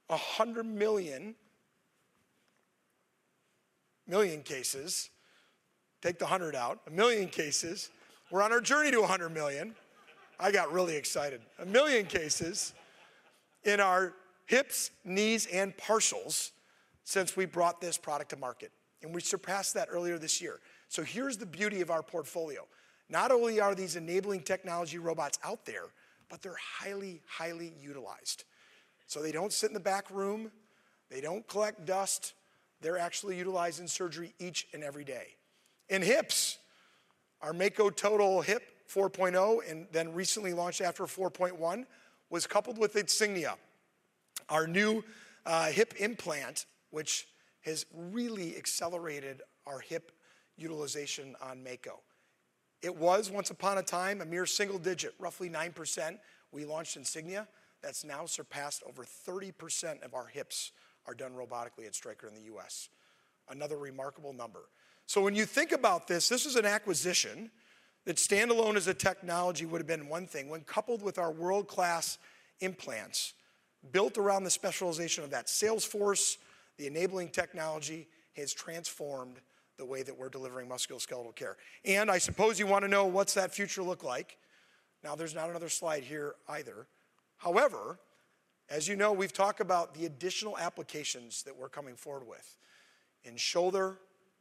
100 million, million cases. Take the 100 out, 1 million cases. We're on our journey to 100 million. I got really excited. 1 million cases in our hips, knees, and partials since we brought this product to market, and we surpassed that earlier this year. So here's the beauty of our portfolio. Not only are these enabling technology robots out there, but they're highly, highly utilized. So they don't sit in the back room, they don't collect dust, they're actually utilized in surgery each and every day. In hips, our Mako Total Hip 4.0, and then recently launched after, 4.1, was coupled with Insignia, our new hip implant, which has really accelerated our hip utilization on Mako. It was, once upon a time, a mere single digit, roughly 9%. We launched Insignia. That's now surpassed over 30% of our hips are done robotically at Stryker in the U.S. Another remarkable number. So when you think about this, this is an acquisition that standalone as a technology would have been one thing. When coupled with our world-class implants, built around the specialization of that sales force, the enabling technology, has transformed the way that we're delivering musculoskeletal care. And I suppose you want to know, what's that future look like? Now, there's not another slide here either. However, as you know, we've talked about the additional applications that we're coming forward with, in shoulder,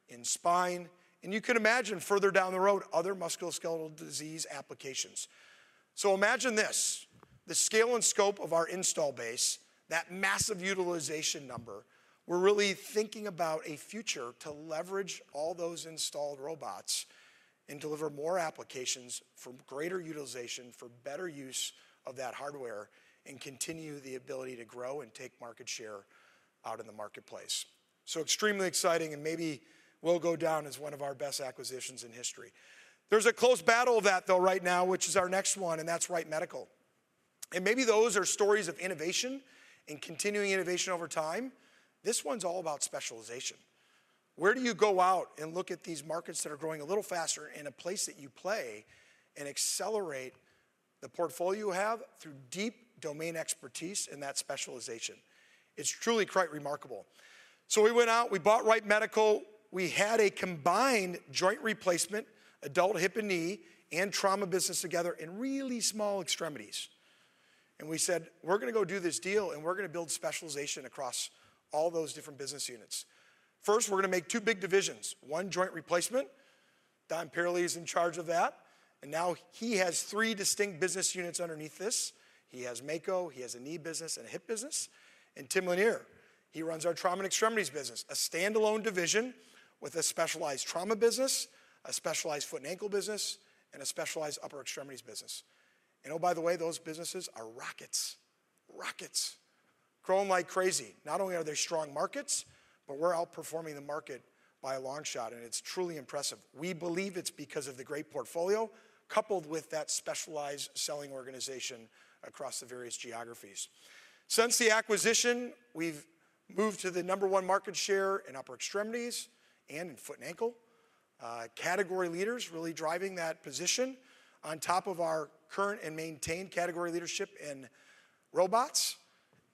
in spine, and you can imagine further down the road, other musculoskeletal disease applications. So imagine this, the scale and scope of our installed base, that massive utilization number. We're really thinking about a future to leverage all those installed robots and deliver more applications for greater utilization, for better use of that hardware, and continue the ability to grow and take market share out in the marketplace. So extremely exciting, and maybe will go down as one of our best acquisitions in history. There's a close battle of that, though, right now, which is our next one, and that's Wright Medical. And maybe those are stories of innovation and continuing innovation over time. This one's all about specialization. Where do you go out and look at these markets that are growing a little faster in a place that you play and accelerate the portfolio you have through deep domain expertise in that specialization? It's truly quite remarkable. So we went out, we bought Wright Medical. We had a combined joint replacement, adult hip and knee, and trauma business together in really small extremities. And we said, we're going to go do this deal, and we're going to build specialization across all those different business units." First, we're going to make two big divisions. One, joint replacement. Don Payerle is in charge of that, and now he has three distinct business units underneath this. He has Mako, he has a knee business and a hip business. Tim Lanier, he runs our trauma and extremities business, a standalone division with a specialized trauma business, a specialized foot and ankle business, and a specialized upper extremities business. Oh, by the way, those businesses are rockets. Rockets! Growing like crazy. Not only are they strong markets, but we're outperforming the market by a long shot, and it's truly impressive. We believe it's because of the great portfolio, coupled with that specialized selling organization across the various geographies. Since the acquisition, we've moved to the number one market share in upper extremities and in foot and ankle. Category leaders really driving that position on top of our current and maintained category leadership in robots,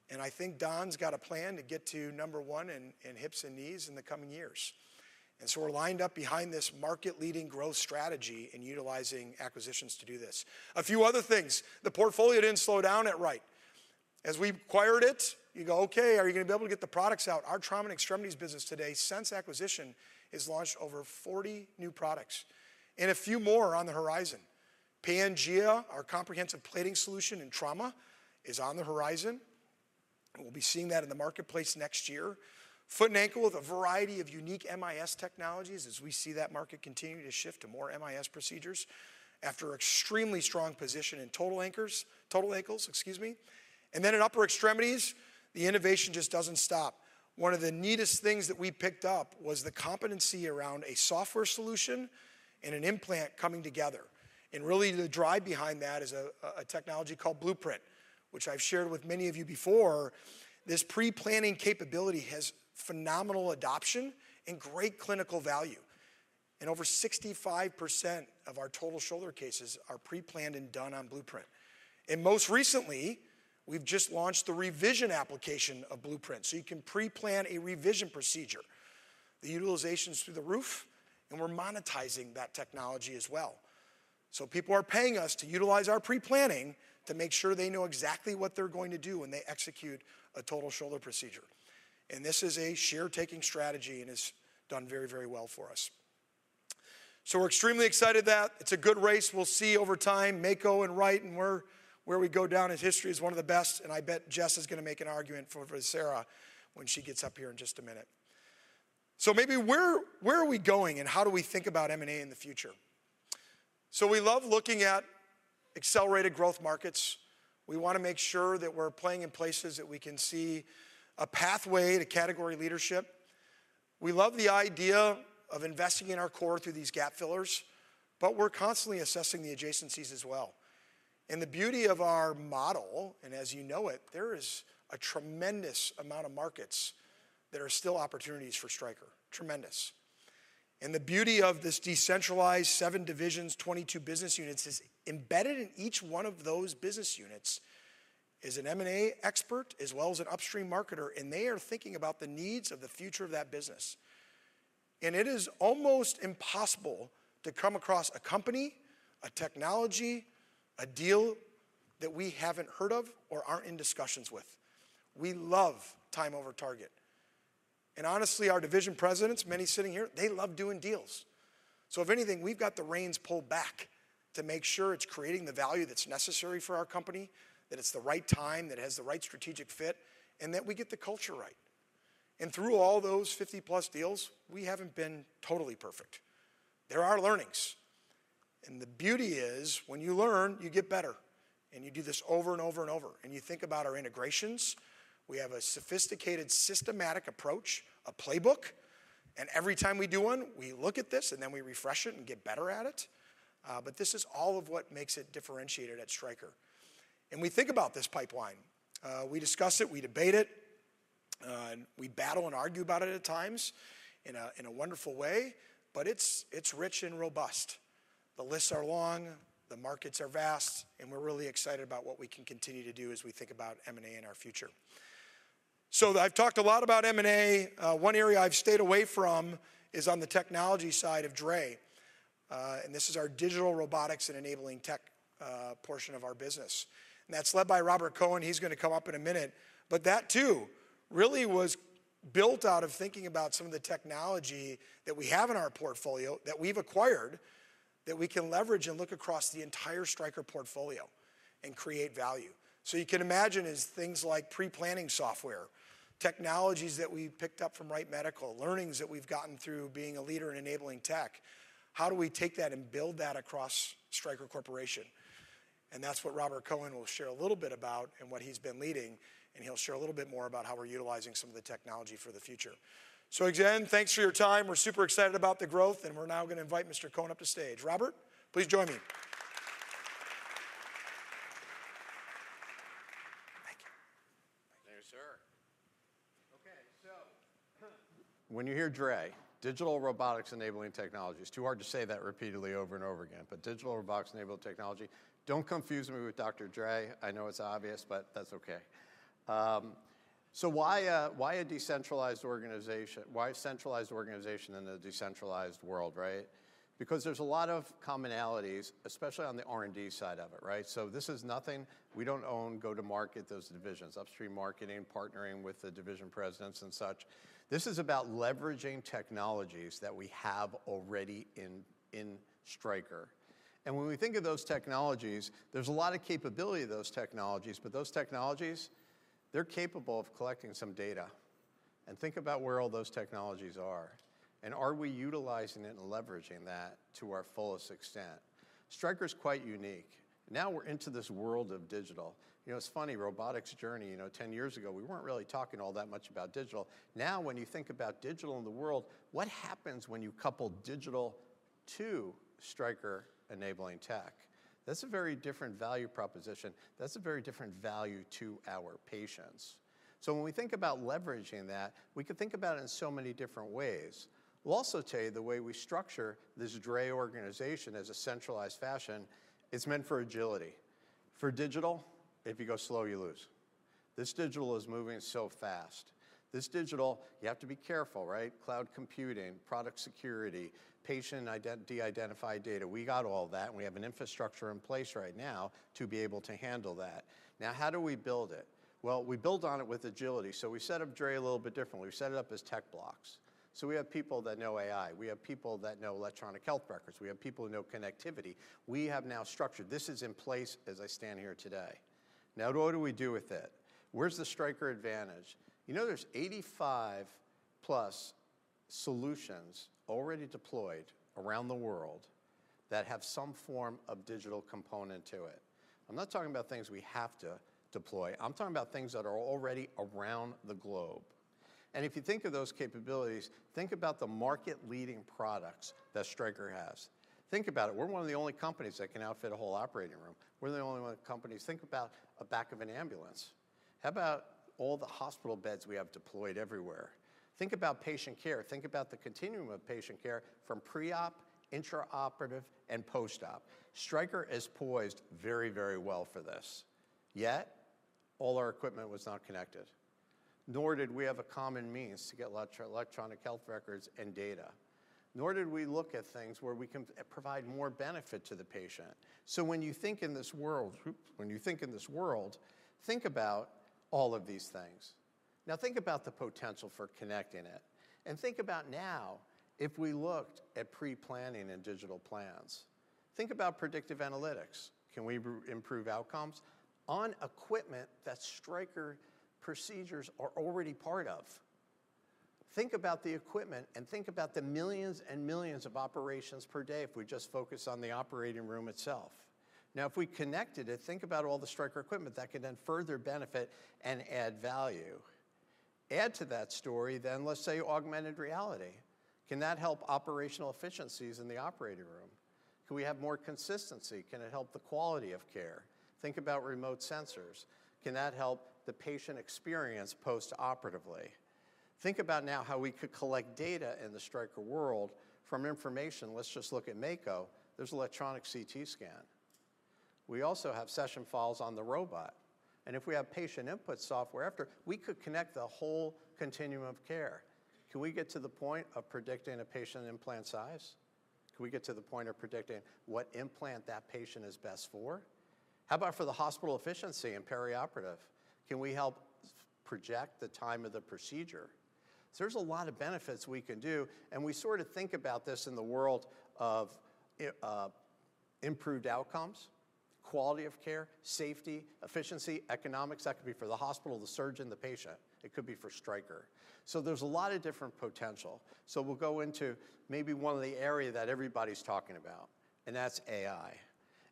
and I think Don's got a plan to get to number one in hips and knees in the coming years. So we're lined up behind this market-leading growth strategy and utilizing acquisitions to do this. A few other things: the portfolio didn't slow down at Wright. As we acquired it, you go, okay, are you gonna be able to get the products out? Our Trauma and Extremities business today, since acquisition, has launched over 40 new products, and a few more are on the horizon. Pangea, our comprehensive plating solution in trauma, is on the horizon, and we'll be seeing that in the marketplace next year. Foot and Ankle, with a variety of unique MIS technologies, as we see that market continue to shift to more MIS procedures after extremely strong position in total anchors - total ankles, excuse me. And then in Upper Extremities, the innovation just doesn't stop. One of the neatest things that we picked up was the competency around a software solution and an implant coming together. And really, the drive behind that is a technology called Blueprint, which I've shared with many of you before. This pre-planning capability has phenomenal adoption and great clinical value, and over 65% of our total shoulder cases are pre-planned and done on Blueprint. And most recently, we've just launched the revision application of Blueprint, so you can pre-plan a revision procedure. The utilization's through the roof, and we're monetizing that technology as well. So people are paying us to utilize our pre-planning to make sure they know exactly what they're going to do when they execute a total shoulder procedure. And this is a share-taking strategy, and it's done very, very well for us. So we're extremely excited that it's a good race. We'll see over time, Mako and Wright and where we go down in history as one of the best, and I bet Jess is gonna make an argument for Vocera when she gets up here in just a minute. So maybe where are we going, and how do we think about M&A in the future? So we love looking at accelerated growth markets. We wanna make sure that we're playing in places that we can see a pathway to category leadership. We love the idea of investing in our core through these gap fillers, but we're constantly assessing the adjacencies as well. And the beauty of our model, and as you know, there is a tremendous amount of markets that are still opportunities for Stryker, tremendous. The beauty of this decentralized seven divisions, 22 business units is embedded in each one of those business units, is an M&A expert as well as an upstream marketer, and they are thinking about the needs of the future of that business. It is almost impossible to come across a company, a technology, a deal that we haven't heard of or aren't in discussions with. We love time over target. Honestly, our division presidents, many sitting here, they love doing deals. So if anything, we've got the reins pulled back to make sure it's creating the value that's necessary for our company, that it's the right time, that it has the right strategic fit, and that we get the culture right. Through all those 50+ deals, we haven't been totally perfect. There are learnings, and the beauty is, when you learn, you get better, and you do this over and over and over. And you think about our integrations, we have a sophisticated, systematic approach, a playbook, and every time we do one, we look at this, and then we refresh it and get better at it. But this is all of what makes it differentiated at Stryker. And we think about this pipeline. We discuss it, we debate it, and we battle and argue about it at times in a, in a wonderful way, but it's, it's rich and robust. The lists are long, the markets are vast, and we're really excited about what we can continue to do as we think about M&A in our future. So I've talked a lot about M&A. One area I've stayed away from is on the technology side of DRE, and this is our Digital Robotics and Enabling Technology portion of our business, and that's led by Robert Cohen. He's gonna come up in a minute. But that, too, really was built out of thinking about some of the technology that we have in our portfolio that we've acquired, that we can leverage and look across the entire Stryker portfolio and create value. So you can imagine is things like pre-planning software, technologies that we've picked up from Wright Medical, learnings that we've gotten through being a leader in enabling tech. How do we take that and build that across Stryker Corporation? That's what Robert Cohen will share a little bit about and what he's been leading, and he'll share a little bit more about how we're utilizing some of the technology for the future. Again, thanks for your time. We're super excited about the growth, and we're now gonna invite Mr. Cohen up to stage. Robert, please join me. Thank you. Thank you, sir. Okay, so when you hear DRE, Digital Robotics Enabling Technology, it's too hard to say that repeatedly over and over again, but Digital Robotics Enabling Technology. Don't confuse me with Dr. Dre. I know it's obvious, but that's okay. So why, why a decentralized organization, why a centralized organization in a decentralized world, right? Because there's a lot of commonalities, especially on the R&D side of it, right? So this is nothing. We don't own, go to market, those divisions, upstream marketing, partnering with the division presidents and such. This is about leveraging technologies that we have already in, in Stryker. And when we think of those technologies, there's a lot of capability of those technologies, but those technologies, they're capable of collecting some data. And think about where all those technologies are, and are we utilizing it and leveraging that to our fullest extent? Stryker is quite unique. Now we're into this world of digital. You know, it's funny, robotics journey, you know, 10 years ago, we weren't really talking all that much about digital. Now, when you think about digital in the world, what happens when you couple digital to Stryker enabling tech? That's a very different value proposition. That's a very different value to our patients. So when we think about leveraging that, we could think about it in so many different ways. We'll also tell you the way we structure this DRE organization as a centralized fashion, it's meant for agility. For digital, if you go slow, you lose. This digital is moving so fast. This digital, you have to be careful, right? Cloud computing, product security, patient de-identified data. We got all that, and we have an infrastructure in place right now to be able to handle that. Now, how do we build it? Well, we build on it with agility, so we set up DRE a little bit differently. We set it up as tech blocks. So we have people that know AI. We have people that know electronic health records. We have people who know connectivity. We have now structured. This is in place as I stand here today. Now, what do we do with it? Where's the Stryker advantage? You know, there's 85+ solutions already deployed around the world that have some form of digital component to it. I'm not talking about things we have to deploy. I'm talking about things that are already around the globe. And if you think of those capabilities, think about the market-leading products that Stryker has. Think about it. We're one of the only companies that can outfit a whole operating room. We're the only one of the companies. Think about a back of an ambulance. How about all the hospital beds we have deployed everywhere? Think about patient care. Think about the continuum of patient care from pre-op, intraoperative, and post-op. Stryker is poised very, very well for this, yet all our equipment was not connected, nor did we have a common means to get electronic health records and data, nor did we look at things where we can provide more benefit to the patient. So when you think in this world, think about all of these things. Now, think about the potential for connecting it, and think about now if we looked at pre-planning and digital plans. Think about predictive analytics. Can we improve outcomes on equipment that Stryker procedures are already part of? Think about the equipment, and think about the millions and millions of operations per day if we just focus on the operating room itself. Now, if we connected it, think about all the Stryker equipment that can then further benefit and add value. Add to that story, then, let's say, augmented reality. Can that help operational efficiencies in the operating room? Can we have more consistency? Can it help the quality of care? Think about remote sensors. Can that help the patient experience post-operatively? Think about now how we could collect data in the Stryker world from information. Let's just look at Mako. There's electronic CT scan. We also have session files on the robot, and if we have patient input software after, we could connect the whole continuum of care. Can we get to the point of predicting a patient implant size? Can we get to the point of predicting what implant that patient is best for? How about for the hospital efficiency and perioperative? Can we help project the time of the procedure? So there's a lot of benefits we can do, and we sort of think about this in the world of improved outcomes, quality of care, safety, efficiency, economics. That could be for the hospital, the surgeon, the patient. It could be for Stryker. So there's a lot of different potential. So we'll go into maybe one of the area that everybody's talking about, and that's AI.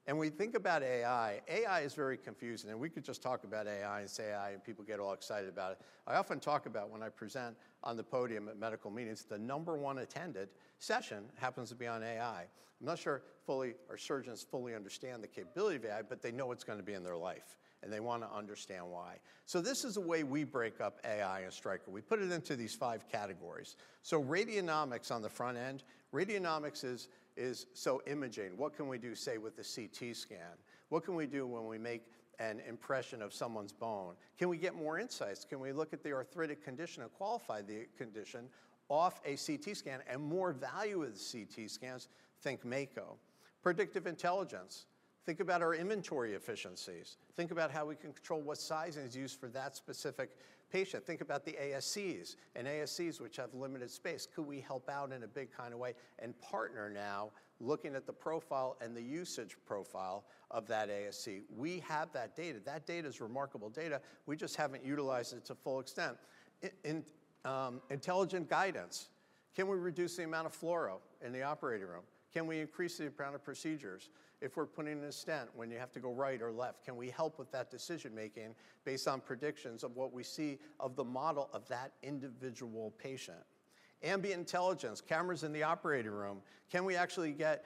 And when we think about AI, AI is very confusing, and we could just talk about AI and say AI, and people get all excited about it. I often talk about when I present on the podium at medical meetings, the number one attended session happens to be on AI. I'm not sure fully, or surgeons fully understand the capability of AI, but they know it's gonna be in their life, and they wanna understand why. So this is the way we break up AI at Stryker. We put it into these five categories. So Radiomics on the front end. Radiomics is so imaging. What can we do, say, with a CT Scan? What can we do when we make an impression of someone's bone? Can we get more insights? Can we look at the arthritic condition or qualify the condition off a CT Scan and more value of the CT Scans? Think Mako. Predictive Intelligence. Think about our inventory efficiencies. Think about how we can control what sizing is used for that specific patient. Think about the ASCs and ASCs which have limited space. Could we help out in a big kind of way and partner now, looking at the profile and the usage profile of that ASC? We have that data. That data is remarkable data. We just haven't utilized it to full extent. In Intelligent Guidance, can we reduce the amount of fluoro in the operating room? Can we increase the amount of procedures? If we're putting in a stent, when you have to go right or left, can we help with that decision-making based on predictions of what we see of the model of that individual patient? Ambient Intelligence, cameras in the operating room, can we actually get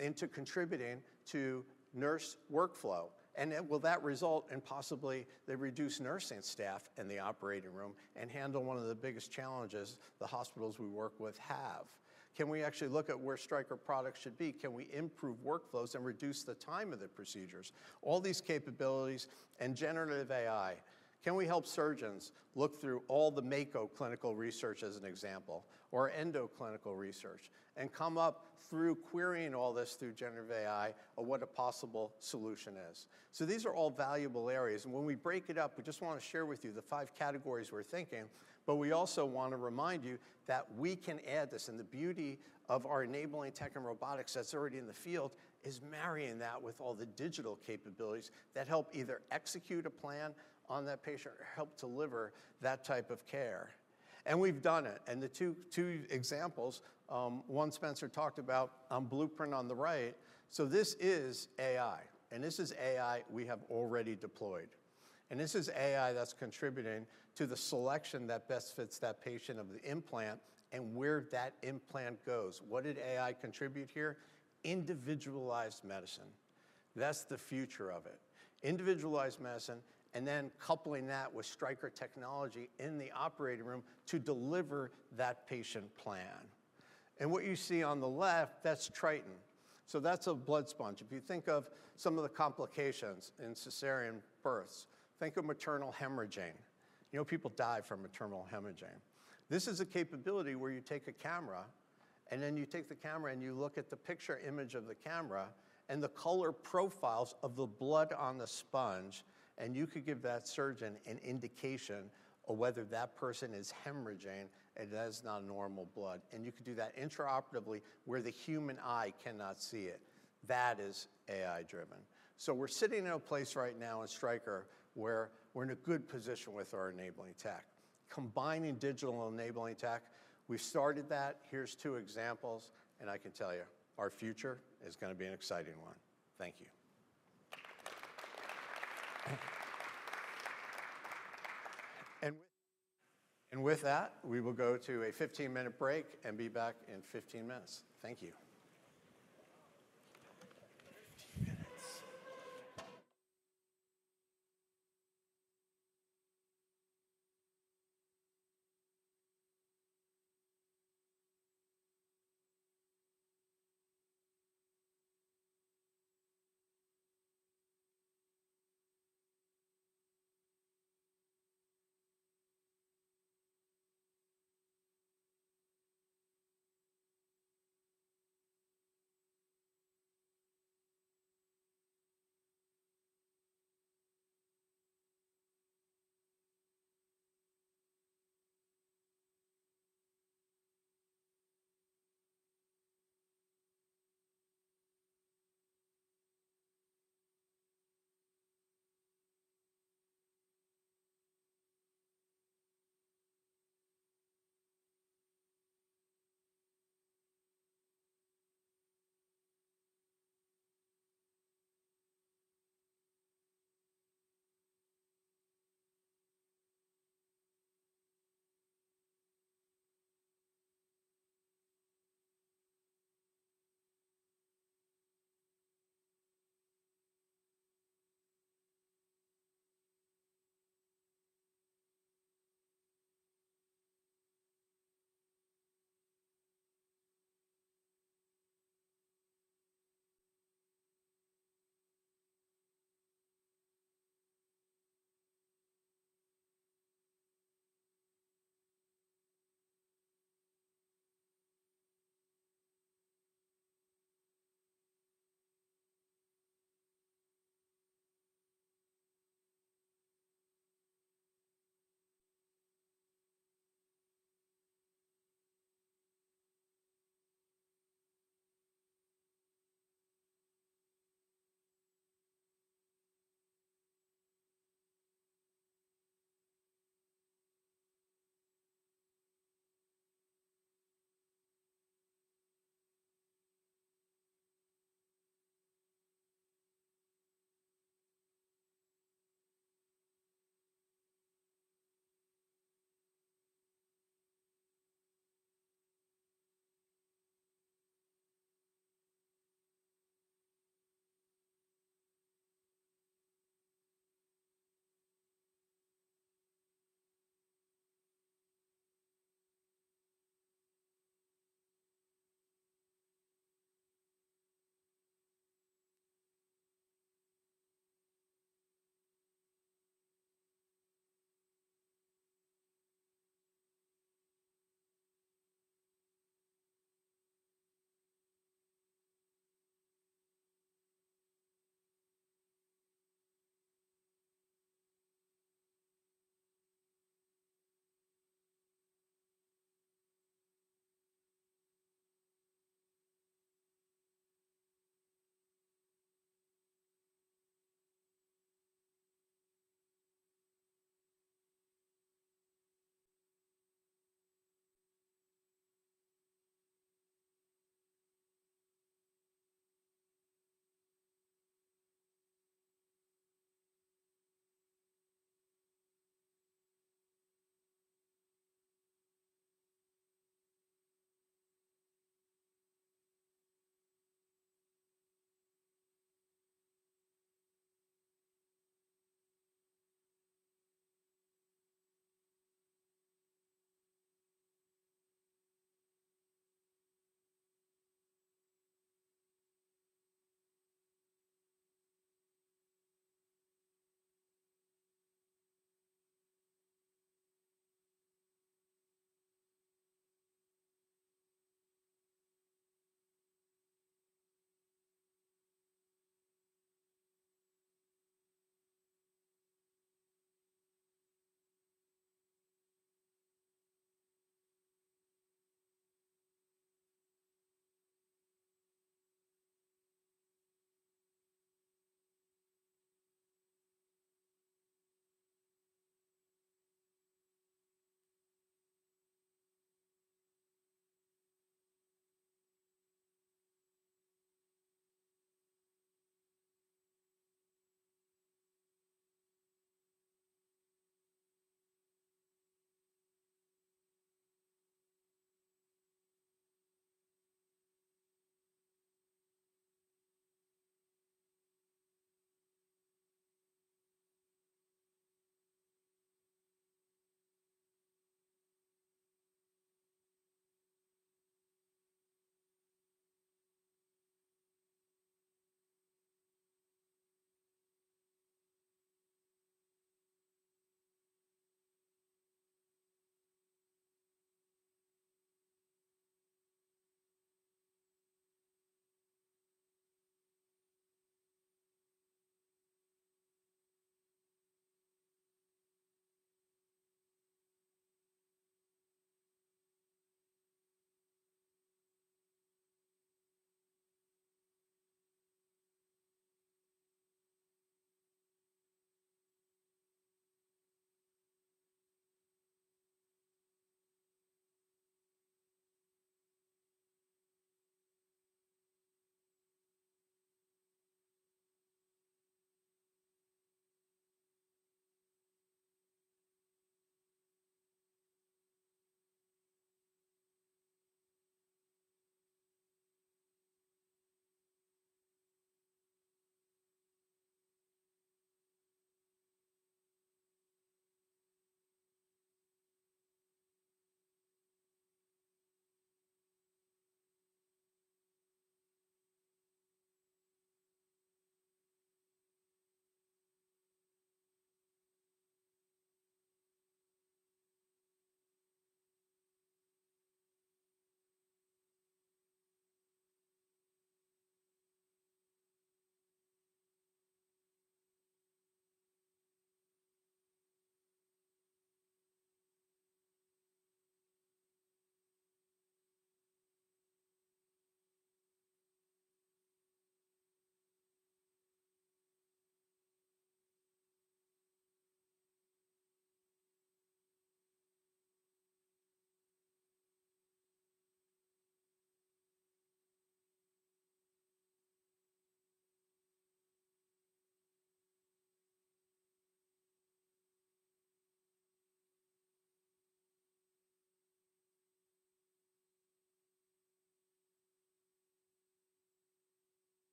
into contributing to nurse workflow? And will that result in possibly the reduced nursing staff in the operating room and handle one of the biggest challenges the hospitals we work with have? Can we actually look at where Stryker products should be? Can we improve workflows and reduce the time of the procedures? All these capabilities and generative AI, can we help surgeons look through all the Mako clinical research as an example or endo-clinical research and come up through querying all this through generative AI of what a possible solution is? So these are all valuable areas, and when we break it up, we just wanna share with you the five categories we're thinking. But we also want to remind you that we can add this, and the beauty of our enabling tech and robotics that's already in the field is marrying that with all the digital capabilities that help either execute a plan on that patient or help deliver that type of care, and we've done it. The two examples, one Spencer talked about on Blueprint on the right. So this is AI, and this is AI we have already deployed. And this is AI that's contributing to the selection that best fits that patient of the implant and where that implant goes. What did AI contribute here? Individualized medicine. That's the future of it. Individualized medicine, and then coupling that with Stryker technology in the operating room to deliver that patient plan. And what you see on the left, that's Triton. So that's a blood sponge. If you think of some of the complications in cesarean births, think of maternal hemorrhaging. You know, people die from maternal hemorrhaging. This is a capability where you take a camera, and then you take the camera and you look at the picture image of the camera and the color profiles of the blood on the sponge, and you could give that surgeon an indication of whether that person is hemorrhaging and that is not normal blood. You could do that intraoperatively where the human eye cannot see it. That is AI driven. We're sitting in a place right now at Stryker, where we're in a good position with our enabling tech. Combining digital enabling tech, we've started that. Here's two examples, and I can tell you, our future is going to be an exciting one. Thank you. With that, we will go to a 15-minute break and be back in 15 minutes. Thank you.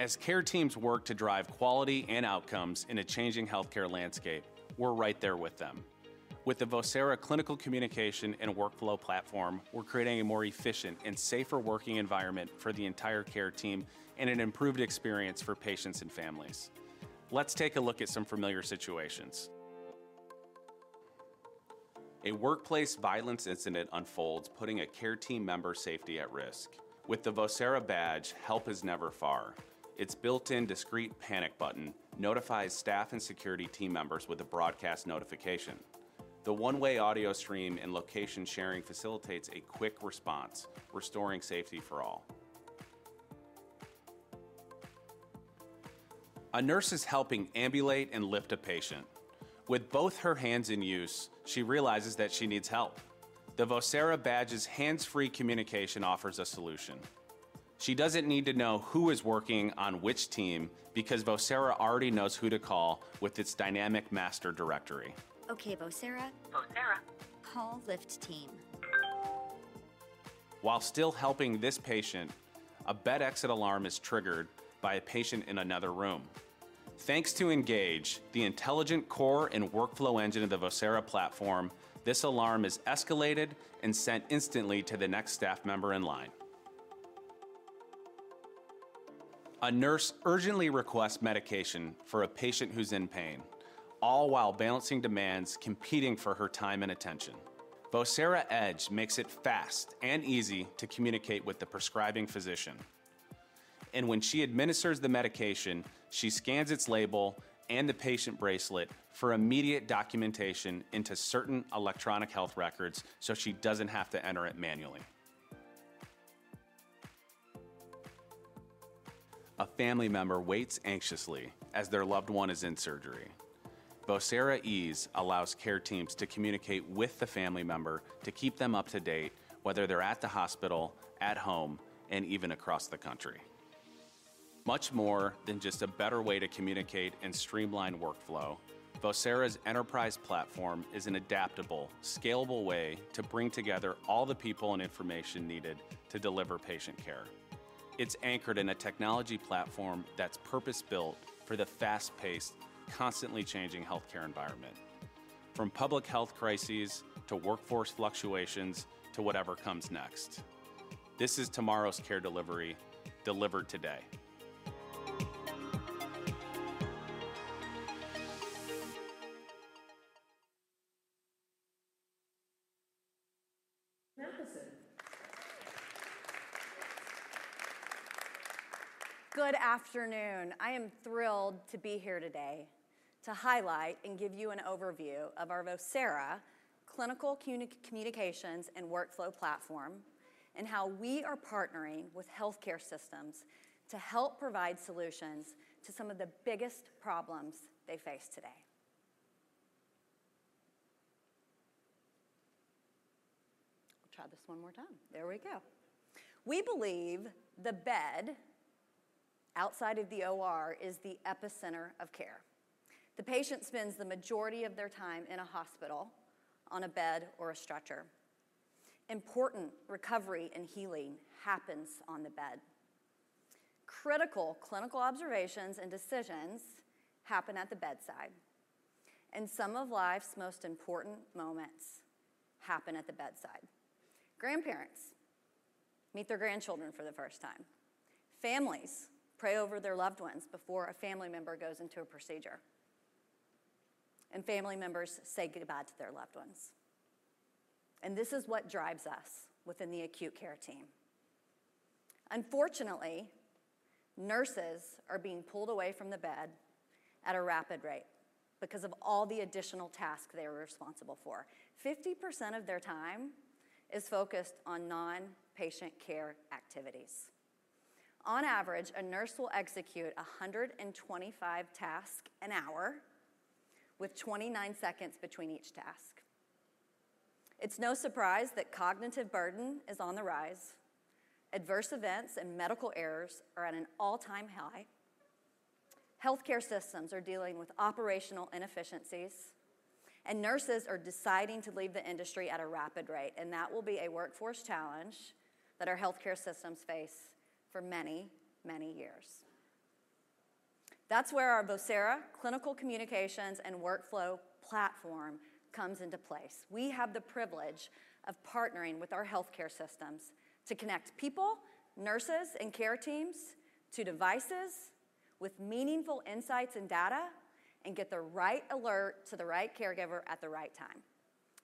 15 minutes. As care teams work to drive quality and outcomes in a changing healthcare landscape, we're right there with them. With the Vocera clinical communication and workflow platform, we're creating a more efficient and safer working environment for the entire care team and an improved experience for patients and families. Let's take a look at some familiar situations. A workplace violence incident unfolds, putting a care team member's safety at risk. With the Vocera Badge, help is never far. Its built-in discrete panic button notifies staff and security team members with a broadcast notification. The one-way audio stream and location sharing facilitates a quick response, restoring safety for all. A nurse is helping ambulate and lift a patient. With both her hands in use, she realizes that she needs help. The Vocera Badge's hands-free communication offers a solution. She doesn't need to know who is working on which team, because Vocera already knows who to call with its dynamic master directory. Okay, Vocera? Vocera. Call lift team. While still helping this patient, a bed exit alarm is triggered by a patient in another room. Thanks to Engage, the intelligent core and workflow engine of the Vocera platform, this alarm is escalated and sent instantly to the next staff member in line. A nurse urgently requests medication for a patient who's in pain, all while balancing demands competing for her time and attention. Vocera Edge makes it fast and easy to communicate with the prescribing physician, and when she administers the medication, she scans its label and the patient bracelet for immediate documentation into certain electronic health records, so she doesn't have to enter it manually. A family member waits anxiously as their loved one is in surgery. Vocera Ease allows care teams to communicate with the family member to keep them up to date, whether they're at the hospital, at home, and even across the country. Much more than just a better way to communicate and streamline workflow, Vocera's enterprise platform is an adaptable, scalable way to bring together all the people and information needed to deliver patient care. It's anchored in a technology platform that's purpose-built for the fast-paced, constantly changing healthcare environment, from public health crises to workforce fluctuations to whatever comes next. This is tomorrow's care delivery, delivered today. Good afternoon. I am thrilled to be here today to highlight and give you an overview of our Vocera clinical communications and workflow platform, and how we are partnering with healthcare systems to help provide solutions to some of the biggest problems they face today. I'll try this one more time. There we go. We believe the bed outside of the OR is the epicenter of care. The patient spends the majority of their time in a hospital, on a bed or a stretcher. Important recovery and healing happens on the bed. Critical clinical observations and decisions happen at the bedside, and some of life's most important moments happen at the bedside. Grandparents meet their grandchildren for the first time, families pray over their loved ones before a family member goes into a procedure, and family members say goodbye to their loved ones, and this is what drives us within the acute care team. Unfortunately, nurses are being pulled away from the bed at a rapid rate because of all the additional tasks they are responsible for. 50% of their time is focused on non-patient care activities. On average, a nurse will execute 125 tasks an hour, with 29 seconds between each task. It's no surprise that cognitive burden is on the rise, adverse events and medical errors are at an all-time high, healthcare systems are dealing with operational inefficiencies, and nurses are deciding to leave the industry at a rapid rate, and that will be a workforce challenge that our healthcare systems face for many, many years. That's where our Vocera clinical communications and workflow platform comes into place. We have the privilege of partnering with our healthcare systems to connect people, nurses, and care teams to devices with meaningful insights and data, and get the right alert to the right caregiver at the right time.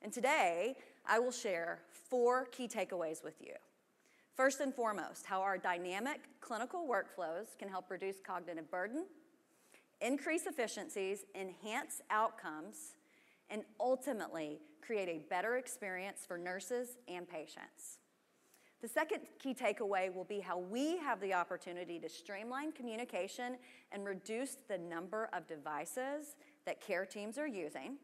And today, I will share four key takeaways with you. First and foremost, how our dynamic clinical workflows can help reduce cognitive burden, increase efficiencies, enhance outcomes, and ultimately create a better experience for nurses and patients. The second key takeaway will be how we have the opportunity to streamline communication and reduce the number of devices that care teams are using.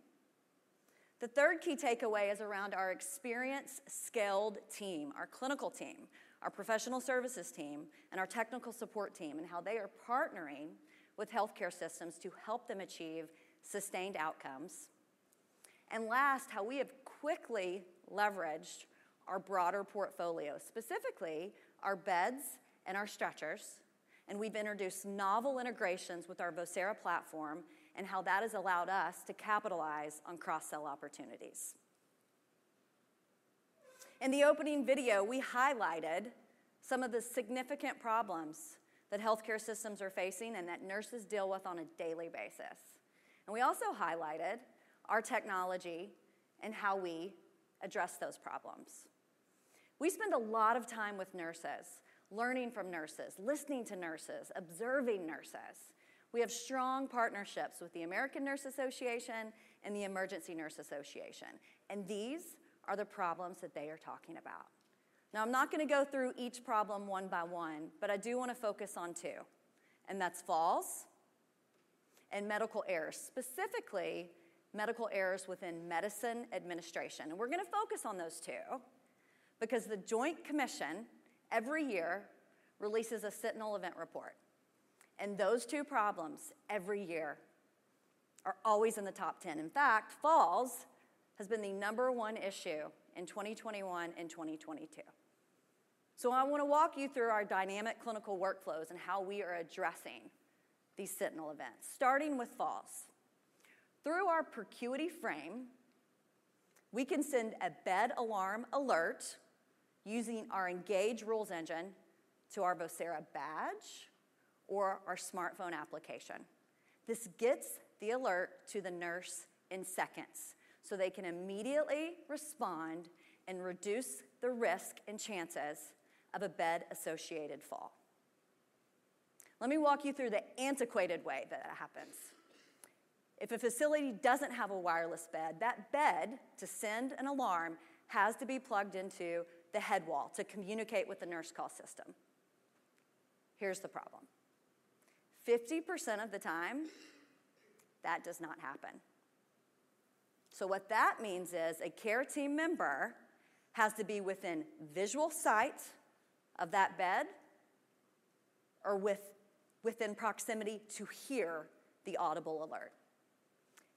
The third key takeaway is around our experienced, skilled team, our clinical team, our professional services team, and our technical support team, and how they are partnering with healthcare systems to help them achieve sustained outcomes. Last, how we have quickly leveraged our broader portfolio, specifically our beds and our stretchers, and we've introduced novel integrations with our Vocera platform, and how that has allowed us to capitalize on cross-sell opportunities. In the opening video, we highlighted some of the significant problems that healthcare systems are facing and that nurses deal with on a daily basis, and we also highlighted our technology and how we address those problems. We spend a lot of time with nurses, learning from nurses, listening to nurses, observing nurses. We have strong partnerships with the American Nurses Association and the Emergency Nurses Association, and these are the problems that they are talking about. Now, I'm not gonna go through each problem one by one, but I do wanna focus on two, and that's falls and medical errors, specifically medical errors within medicine administration. We're gonna focus on those two because the Joint Commission, every year, releases a sentinel event report, and those two problems, every year, are always in the top 10. In fact, falls has been the number one issue in 2021 and 2022. I wanna walk you through our dynamic clinical workflows and how we are addressing these sentinel events, starting with falls. Through our ProCuity frame, we can send a bed alarm alert using our Engage rules engine to our Vocera Badge or our smartphone application. This gets the alert to the nurse in seconds, so they can immediately respond and reduce the risk and chances of a bed-associated fall. Let me walk you through the antiquated way that it happens. If a facility doesn't have a wireless bed, that bed, to send an alarm, has to be plugged into the head wall to communicate with the nurse call system. Here's the problem, 50% of the time, that does not happen. So what that means is a care team member has to be within visual sight of that bed or within proximity to hear the audible alert,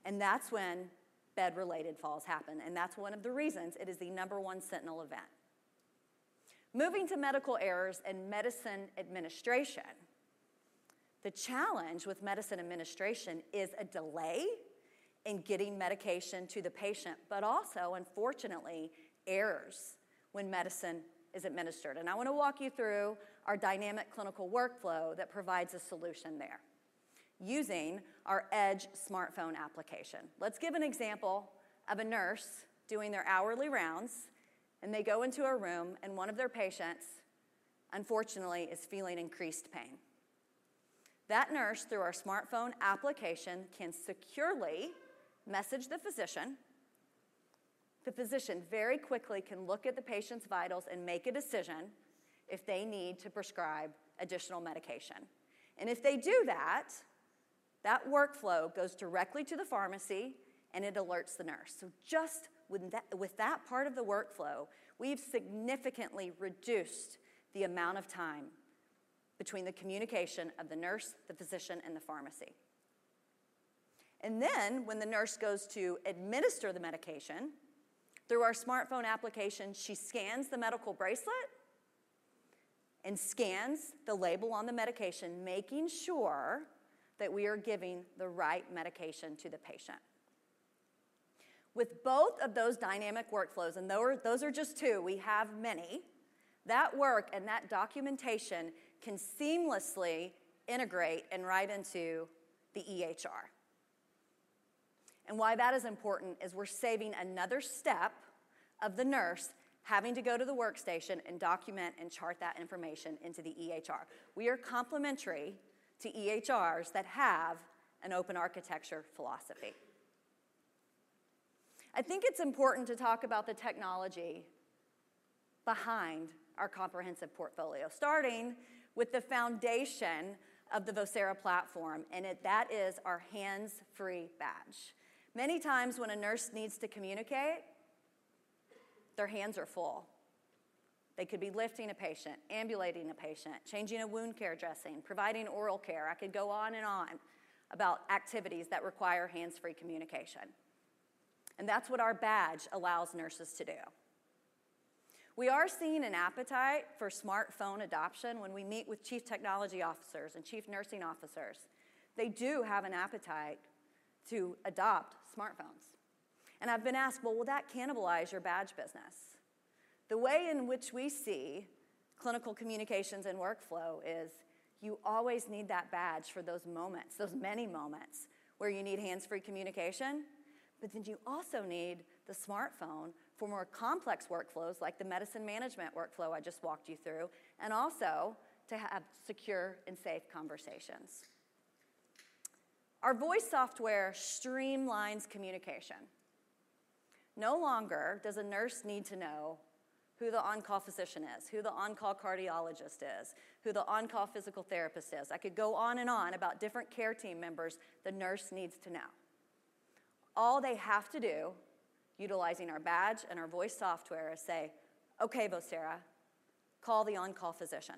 and that's when bed-related falls happen, and that's one of the reasons it is the number one sentinel event. Moving to medical errors and medicine administration, the challenge with medicine administration is a delay in getting medication to the patient, but also, unfortunately, errors when medicine is administered. I wanna walk you through our dynamic clinical workflow that provides a solution there using our Edge smartphone application. Let's give an example of a nurse doing their hourly rounds, and they go into a room, and one of their patients, unfortunately, is feeling increased pain. That nurse, through our smartphone application, can securely message the physician. The physician very quickly can look at the patient's vitals and make a decision if they need to prescribe additional medication. If they do that, that workflow goes directly to the pharmacy, and it alerts the nurse. Just with that part of the workflow, we've significantly reduced the amount of time between the communication of the nurse, the physician, and the pharmacy. Then, when the nurse goes to administer the medication, through our smartphone application, she scans the medical bracelet and scans the label on the medication, making sure that we are giving the right medication to the patient. With both of those dynamic workflows, and though those are just two, we have many, that work and that documentation can seamlessly integrate right into the EHR. Why that is important is we're saving another step of the nurse having to go to the workstation and document and chart that information into the EHR. We are complementary to EHRs that have an open architecture philosophy. I think it's important to talk about the technology behind our comprehensive portfolio, starting with the foundation of the Vocera platform, and that is our hands-free badge. Many times, when a nurse needs to communicate, their hands are full. They could be lifting a patient, ambulating a patient, changing a wound care dressing, providing oral care. I could go on and on about activities that require hands-free communication, and that's what our badge allows nurses to do. We are seeing an appetite for smartphone adoption when we meet with chief technology officers and chief nursing officers. They do have an appetite to adopt smartphones. I've been asked, well, will that cannibalize your badge business? The way in which we see clinical communications and workflow is you always need that badge for those moments, those many moments, where you need hands-free communication. But then you also need the smartphone for more complex workflows, like the medicine management workflow I just walked you through, and also to have secure and safe conversations. Our voice software streamlines communication. No longer does a nurse need to know who the on-call physician is, who the on-call cardiologist is, who the on-call physical therapist is. I could go on and on about different care team members the nurse needs to know. All they have to do, utilizing our badge and our voice software, is say, okay, Vocera, call the on-call physician.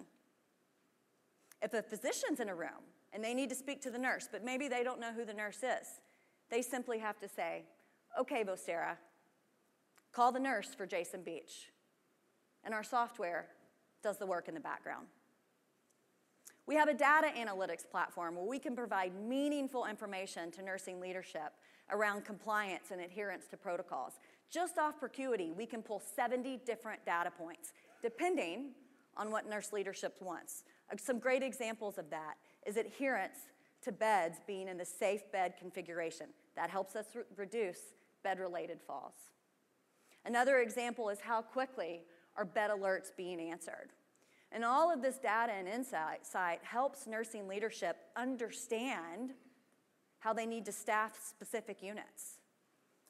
If a physician's in a room and they need to speak to the nurse, but maybe they don't know who the nurse is, they simply have to say, okay, Vocera, call the nurse for Jason Beach, and our software does the work in the background. We have a data analytics platform where we can provide meaningful information to nursing leadership around compliance and adherence to protocols. Just off ProCuity, we can pull 70 different data points, depending on what nurse leadership wants. Some great examples of that is adherence to beds being in the safe bed configuration. That helps us reduce bed-related falls. Another example is how quickly are bed alerts being answered? And all of this data and insights helps nursing leadership understand how they need to staff specific units,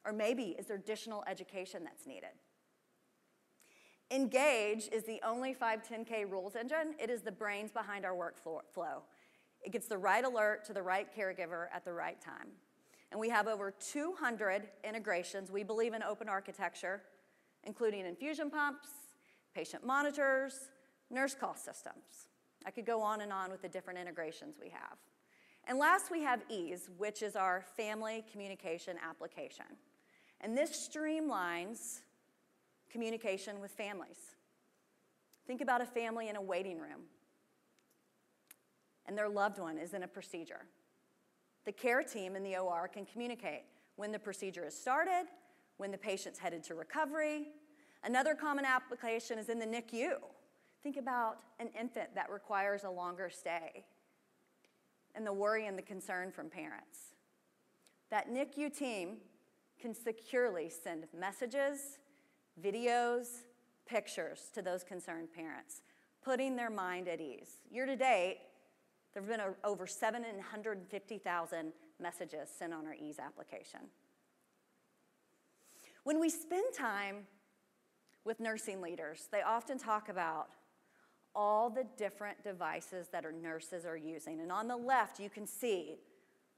or maybe, is there additional education that's needed? Engage is the only 510(k) rules engine. It is the brains behind our workflow. It gets the right alert to the right caregiver at the right time, and we have over 200 integrations, we believe, in open architecture, including infusion pumps, patient monitors, nurse call systems. I could go on and on with the different integrations we have. And last, we have Ease, which is our family communication application, and this streamlines communication with families. Think about a family in a waiting room, and their loved one is in a procedure. The care team in the OR can communicate when the procedure is started, when the patient's headed to recovery. Another common application is in the NICU. Think about an infant that requires a longer stay, and the worry and the concern from parents. That NICU team can securely send messages, videos, pictures to those concerned parents, putting their mind at ease. Year to date, there have been over 750,000 messages sent on our Ease application. When we spend time with nursing leaders, they often talk about all the different devices that our nurses are using, and on the left, you can see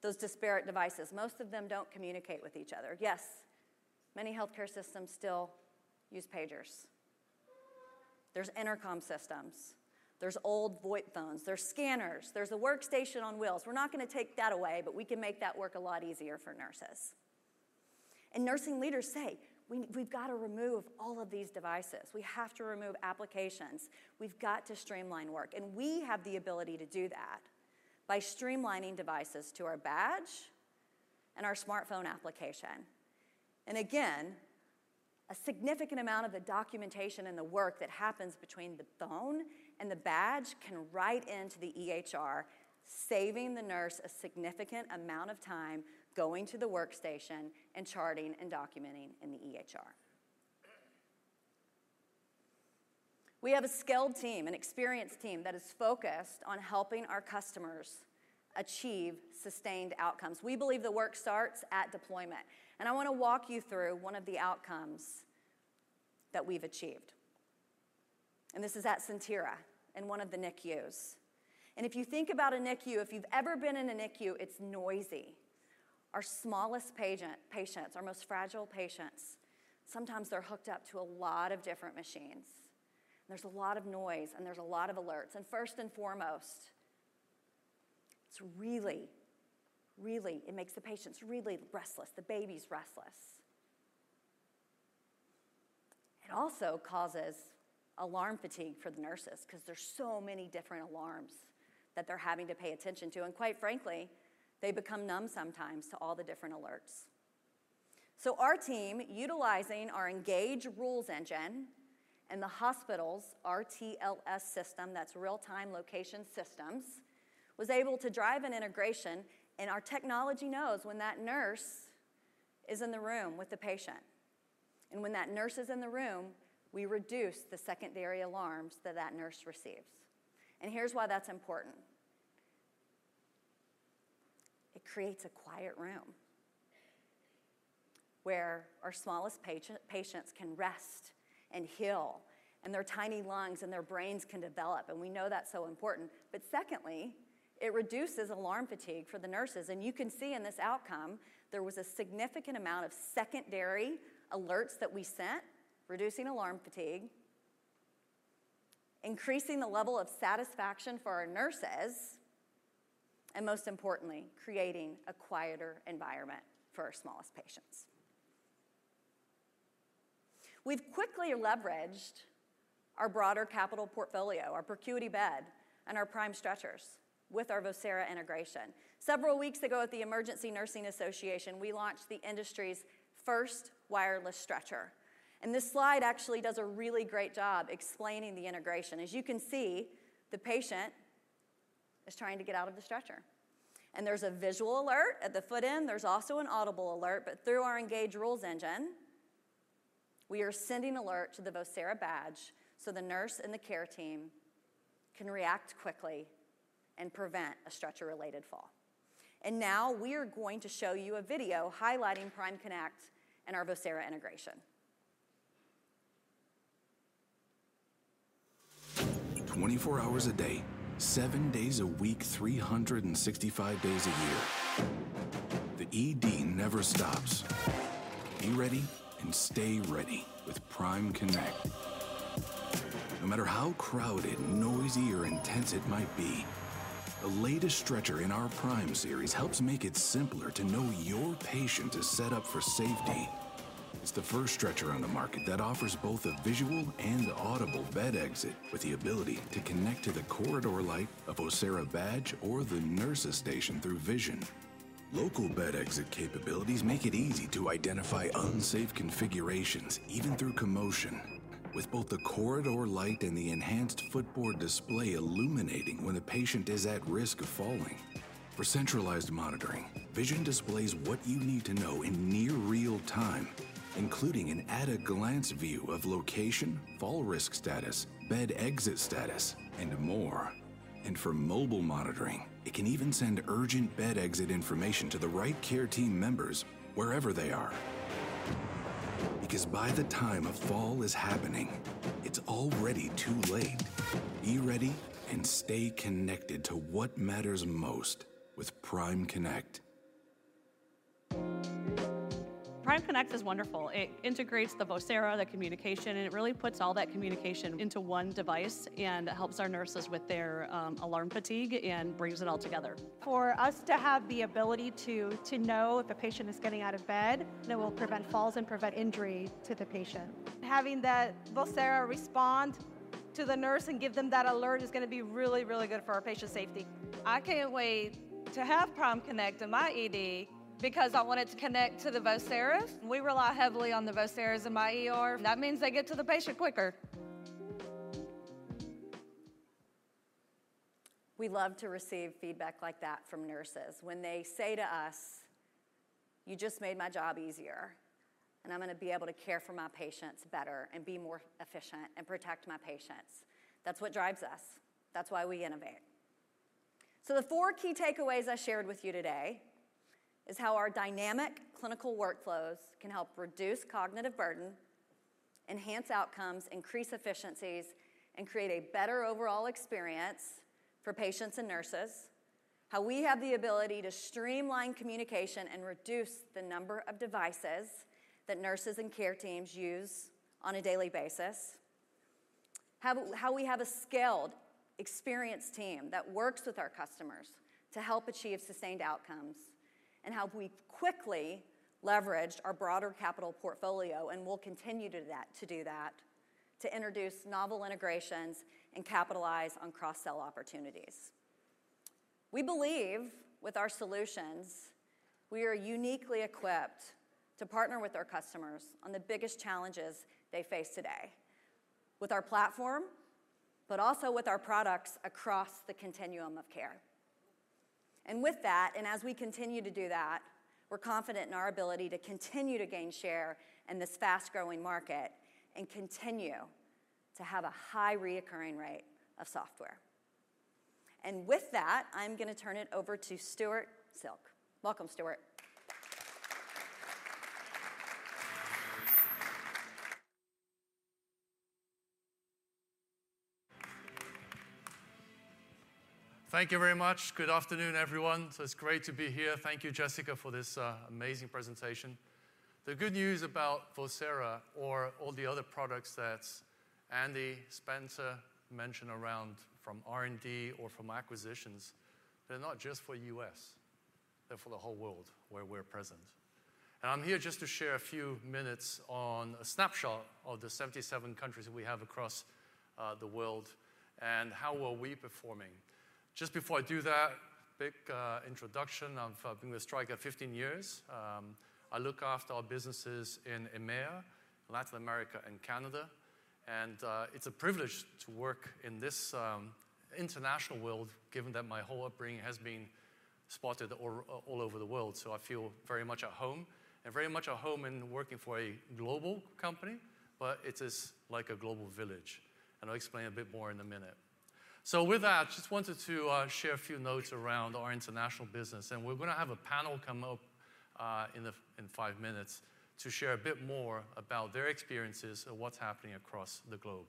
those disparate devices. Most of them don't communicate with each other. Yes, many healthcare systems still use pagers. There's intercom systems, there's old VoIP phones, there's scanners, there's a workstation on wheels. We're not gonna take that away, but we can make that work a lot easier for nurses. And nursing leaders say, we've got to remove all of these devices. We have to remove applications. We've got to streamline work. And we have the ability to do that by streamlining devices to our badge and our smartphone application. And again, a significant amount of the documentation and the work that happens between the phone and the badge can write into the EHR, saving the nurse a significant amount of time going to the workstation and charting and documenting in the EHR. We have a skilled team, an experienced team, that is focused on helping our customers achieve sustained outcomes. We believe the work starts at deployment, and I wanna walk you through one of the outcomes that we've achieved, and this is at Sentara in one of the NICUs. And if you think about a NICU, if you've ever been in a NICU, it's noisy. Our smallest patients, our most fragile patients, sometimes they're hooked up to a lot of different machines. There's a lot of noise, and there's a lot of alerts, and first and foremost, it's really, really, it makes the patients really restless, the babies restless. It also causes alarm fatigue for the nurses, 'cause there's so many different alarms that they're having to pay attention to, and quite frankly, they become numb sometimes to all the different alerts. So our team, utilizing our Engage Rules Engine and the hospital's RTLS system, that's Real-Time Location Systems, was able to drive an integration, and our technology knows when that nurse is in the room with the patient. And when that nurse is in the room, we reduce the secondary alarms that that nurse receives. And here's why that's important: it creates a quiet room, where our smallest patient- patients can rest and heal, and their tiny lungs and their brains can develop, and we know that's so important. But secondly, it reduces alarm fatigue for the nurses, and you can see in this outcome, there was a significant amount of secondary alerts that we sent, reducing alarm fatigue, increasing the level of satisfaction for our nurses, and most importantly, creating a quieter environment for our smallest patients. We've quickly leveraged our broader capital portfolio, our ProCuity bed and our Prime stretchers, with our Vocera integration. Several weeks ago at the Emergency Nurse Association, we launched the industry's first wireless stretcher, and this slide actually does a really great job explaining the integration. As you can see, the patient is trying to get out of the stretcher, and there's a visual alert at the foot end. There's also an audible alert, but through our Engage Rules Engine, we are sending alert to the Vocera Badge, so the nurse and the care team can react quickly and prevent a stretcher-related fall. Now, we are going to show you a video highlighting Prime Connect and our Vocera integration. 24 hours a day, seven days a week, 365 days a year, the ED never stops. Be ready and stay ready with Prime Connect. No matter how crowded, noisy, or intense it might be, the latest stretcher in our Prime series helps make it simpler to know your patient is set up for safety. It's the first stretcher on the market that offers both a visual and audible bed exit, with the ability to connect to the corridor light, a Vocera Badge, or the nurse's station through Vision. Local bed exit capabilities make it easy to identify unsafe configurations, even through commotion, with both the corridor light and the enhanced footboard display illuminating when a patient is at risk of falling. For centralized monitoring, Vision displays what you need to know in near real-time, including an at-a-glance view of location, fall risk status, bed exit status, and more. For mobile monitoring, it can even send urgent bed exit information to the right care team members wherever they are. Because by the time a fall is happening, it's already too late. Be ready and stay connected to what matters most with Prime Connect. Prime Connect is wonderful. It integrates the Vocera, the communication, and it really puts all that communication into one device and helps our nurses with their, alarm fatigue and brings it all together. For us to have the ability to know if a patient is getting out of bed, it will prevent falls and prevent injury to the patient. Having that Vocera respond to the nurse and give them that alert is gonna be really, really good for our patient safety. I can't wait to have Prime Connect in my ED, because I want it to connect to the Voceras. We rely heavily on the Voceras in my ER. That means they get to the patient quicker. We love to receive feedback like that from nurses. When they say to us, you just made my job easier, and I'm gonna be able to care for my patients better and be more efficient and protect my patients, that's what drives us. That's why we innovate. So the four key takeaways I shared with you today is how our dynamic clinical workflows can help reduce cognitive burden, enhance outcomes, increase efficiencies, and create a better overall experience for patients and nurses. How we have the ability to streamline communication and reduce the number of devices that nurses and care teams use on a daily basis. How we have a skilled, experienced team that works with our customers to help achieve sustained outcomes. And how we've quickly leveraged our broader capital portfolio, and will continue to that, to do that, to introduce novel integrations and capitalize on cross-sell opportunities. We believe, with our solutions, we are uniquely equipped to partner with our customers on the biggest challenges they face today, with our platform, but also with our products across the continuum of care. And with that, and as we continue to do that, we're confident in our ability to continue to gain share in this fast-growing market and continue to have a high recurring rate of software. And with that, I'm gonna turn it over to Stuart Silk. Welcome, Stuart. Thank you very much. Good afternoon, everyone. So it's great to be here. Thank you, Jessica, for this amazing presentation. The good news about Vocera or all the other products that Andy, Spencer mentioned around from R&D or from acquisitions, they're not just for U.S., they're for the whole world where we're present. And I'm here just to share a few minutes on a snapshot of the 77 countries that we have across the world and how are we performing. Just before I do that, quick introduction. I've been with Stryker 15 years. I look after our businesses in EMEA, Latin America and Canada, and it's a privilege to work in this international world, given that my whole upbringing has been spotted all over the world. So I feel very much at home, and very much at home in working for a global company, but it is like a global village, and I'll explain a bit more in a minute. So with that, just wanted to share a few notes around our international business, and we're gonna have a panel come up in five minutes to share a bit more about their experiences of what's happening across the globe.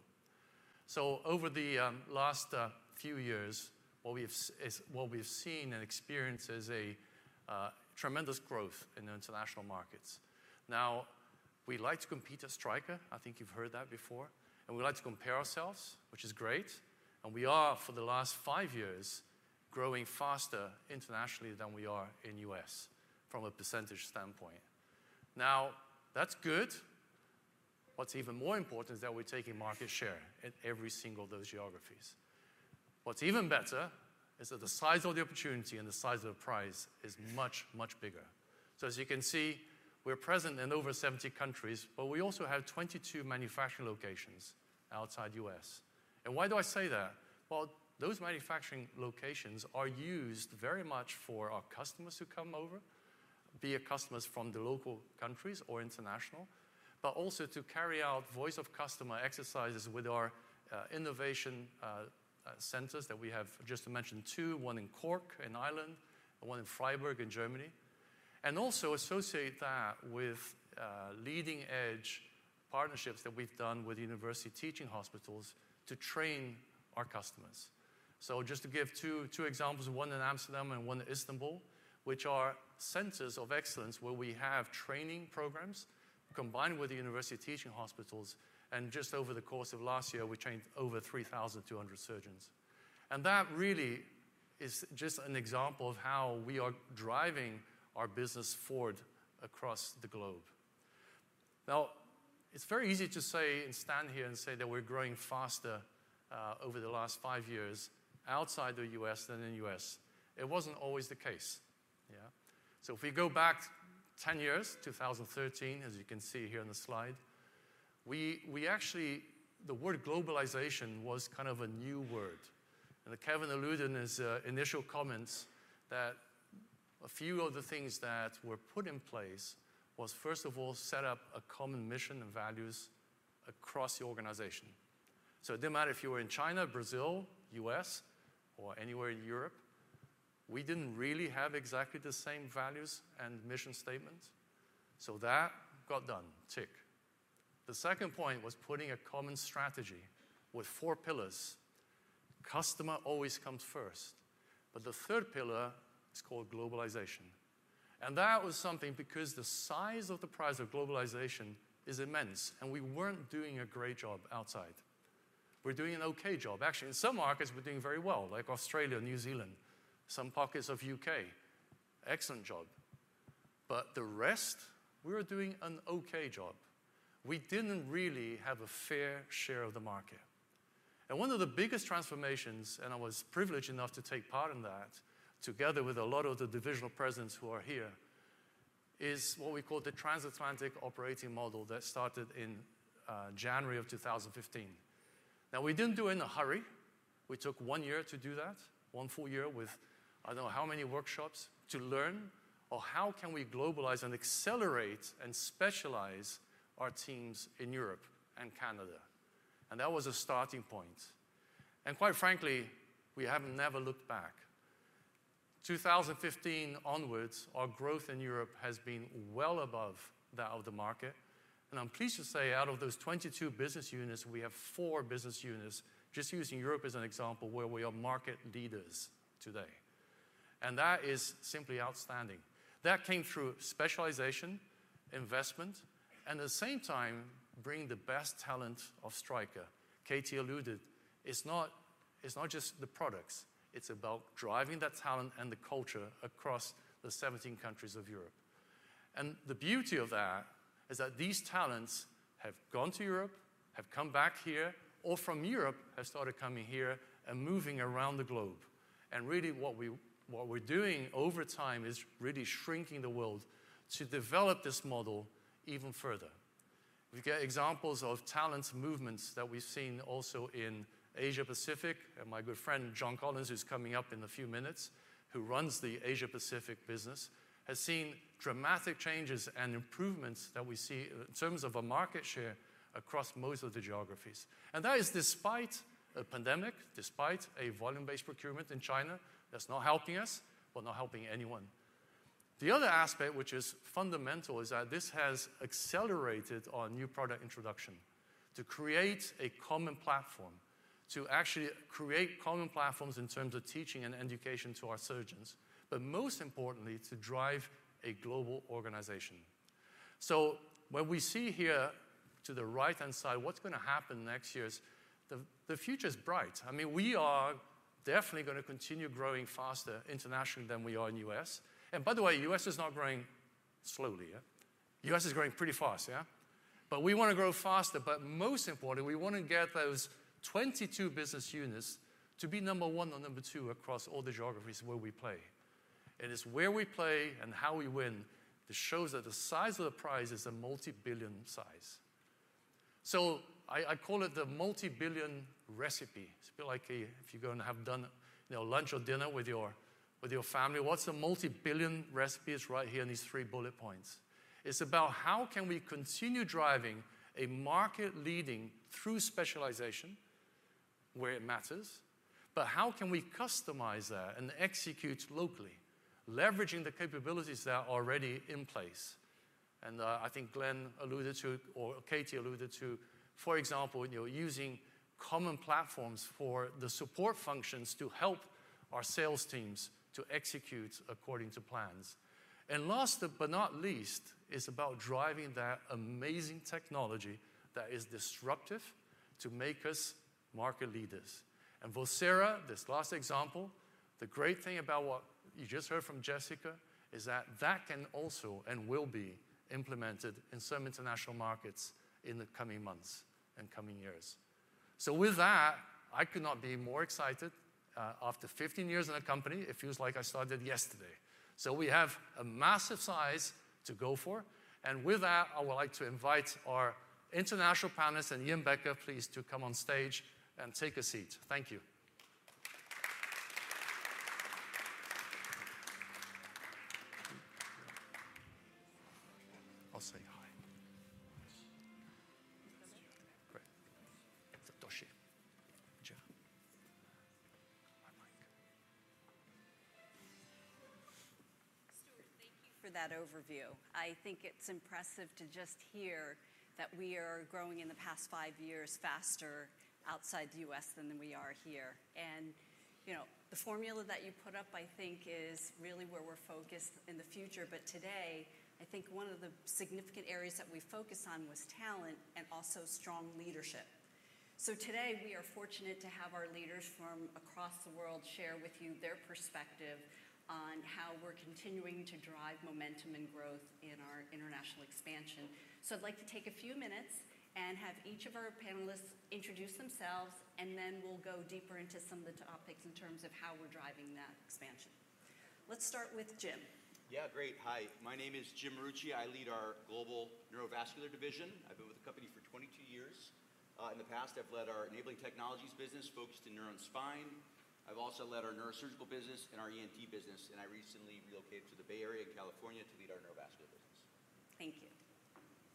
So over the last few years, what we've seen and experienced is a tremendous growth in the international markets. Now, we like to compete at Stryker, I think you've heard that before, and we like to compare ourselves, which is great, and we are, for the last five years, growing faster internationally than we are in U.S., from a percentage standpoint. Now, that's good. What's even more important is that we're taking market share in every single of those geographies. What's even better is that the size of the opportunity and the size of the prize is much, much bigger. So as you can see, we're present in over 70 countries, but we also have 22 manufacturing locations outside U.S. And why do I say that? Well, those manufacturing locations are used very much for our customers who come over, be it customers from the local countries or international, but also to carry out voice of customer exercises with our innovation centers that we have, just to mention two, one in Cork, Ireland, and one in Freiburg, Germany. And also associate that with leading-edge partnerships that we've done with university teaching hospitals to train our customers. So just to give two examples, one in Amsterdam and one in Istanbul, which are centers of excellence, where we have training programs combined with the university teaching hospitals, and just over the course of last year, we trained over 3,200 surgeons. And that really is just an example of how we are driving our business forward across the globe. Now, it's very easy to say and stand here and say that we're growing faster over the last five years outside the U.S. than in the U.S. It wasn't always the case. Yeah? So if we go back 10 years, 2013, as you can see here on the slide, we actually, the word globalization was kind of a new word. Kevin alluded in his initial comments that a few of the things that were put in place was, first of all, set up a common mission and values across the organization. So it didn't matter if you were in China, Brazil, U.S., or anywhere in Europe, we didn't really have exactly the same values and mission statements. So that got done. Tick. The second point was putting a common strategy with four pillars. Customer always comes first, but the third pillar is called globalization. And that was something because the size of the prize of globalization is immense, and we weren't doing a great job outside. We're doing an okay job. Actually, in some markets, we're doing very well, like Australia, New Zealand, some pockets of U.K., excellent job, but the rest, we were doing an okay job. We didn't really have a fair share of the market. One of the biggest transformations, and I was privileged enough to take part in that, together with a lot of the divisional presidents who are here, is what we call the Transatlantic Operating Model that started in January of 2015. Now, we didn't do it in a hurry. We took one year to do that, one full year with I don't know how many workshops to learn on how can we globalize and accelerate and specialize our teams in Europe and Canada? That was a starting point, and quite frankly, we have never looked back. 2015 onwards, our growth in Europe has been well above that of the market, and I'm pleased to say out of those 22 business units, we have four business units, just using Europe as an example, where we are market leaders today, and that is simply outstanding. That came through specialization, investment, and at the same time, bringing the best talent of Stryker. Katy alluded, it's not, it's not just the products, it's about driving that talent and the culture across the 17 countries of Europe. And the beauty of that is that these talents have gone to Europe, have come back here, or from Europe, have started coming here and moving around the globe. And really, what we, what we're doing over time is really shrinking the world to develop this model even further. We get examples of talent movements that we've seen also in Asia Pacific, and my good friend John Collings, who's coming up in a few minutes, who runs the Asia Pacific business, has seen dramatic changes and improvements that we see in terms of a market share across most of the geographies. And that is despite a pandemic, despite a volume-based procurement in China, that's not helping us, but not helping anyone. The other aspect, which is fundamental, is that this has accelerated our new product introduction to create a common platform, to actually create common platforms in terms of teaching and education to our surgeons, but most importantly, to drive a global organization. So what we see here to the right-hand side, what's gonna happen next year is the future is bright. I mean, we are definitely gonna continue growing faster internationally than we are in U.S. And by the way, U.S. is not growing slowly, yeah? U.S. is growing pretty fast, yeah. But we wanna grow faster, but most importantly, we wanna get those 22 business units to be number one or number two across all the geographies where we play. It is where we play and how we win that shows that the size of the prize is a multi-billion size. So I, I call it the multi-billion recipe. It's a bit like if you're going to have done, you know, lunch or dinner with your, with your family, what's the multi-billion recipe? It's right here in these three bullet points. It's about how can we continue driving a market leading through specialization where it matters, but how can we customize that and execute locally, leveraging the capabilities that are already in place? I think Glenn alluded to, or Katy alluded to, for example, you know, using common platforms for the support functions to help our sales teams to execute according to plans. And last, but not least, is about driving that amazing technology that is disruptive to make us market leaders. Vocera, this last example, the great thing about what you just heard from Jessica is that that can also and will be implemented in some international markets in the coming months and coming years. So with that, I could not be more excited. After 15 years in the company, it feels like I started yesterday. So we have a massive size to go for, and with that, I would like to invite our international panelists and Yin Becker, please, to come on stage and take a seat. Thank you. I'll say hi. Great. Satoshi. John. My mic. Stuart, thank you for that overview. I think it's impressive to just hear that we are growing in the past five years faster outside the U.S. than we are here. You know, the formula that you put up, I think, is really where we're focused in the future. Today, I think one of the significant areas that we focused on was talent and also strong leadership. Today, we are fortunate to have our leaders from across the world share with you their perspective on how we're continuing to drive momentum and growth in our international expansion. I'd like to take a few minutes and have each of our panelists introduce themselves, and then we'll go deeper into some of the topics in terms of how we're driving that expansion. Let's start with Jim. Yeah, great. Hi, my name is Jim Marucci. I lead our Global Neurovascular Division. I've been with the company for 22 years. In the past, I've led our enabling technologies business focused in neuro and spine. I've also led our neurosurgical business and our ENT business, and I recently relocated to the Bay Area in California to lead our neurovascular business. Thank you.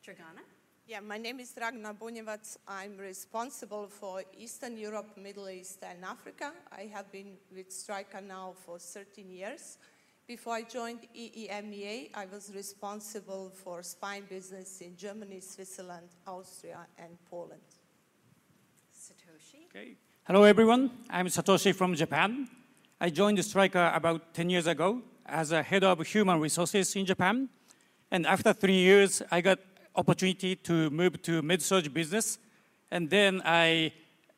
Dragana? Yeah, my name is Dragana Bunjevac. I'm responsible for Eastern Europe, Middle East, and Africa. I have been with Stryker now for 13 years. Before I joined EEMEA, I was responsible for spine business in Germany, Switzerland, Austria, and Poland. Satoshi? Okay. Hello, everyone. I'm Satoshi from Japan. I joined Stryker about 10 years ago as a head of human resources in Japan, and after three years, I got opportunity to move to MedSurg business, and then I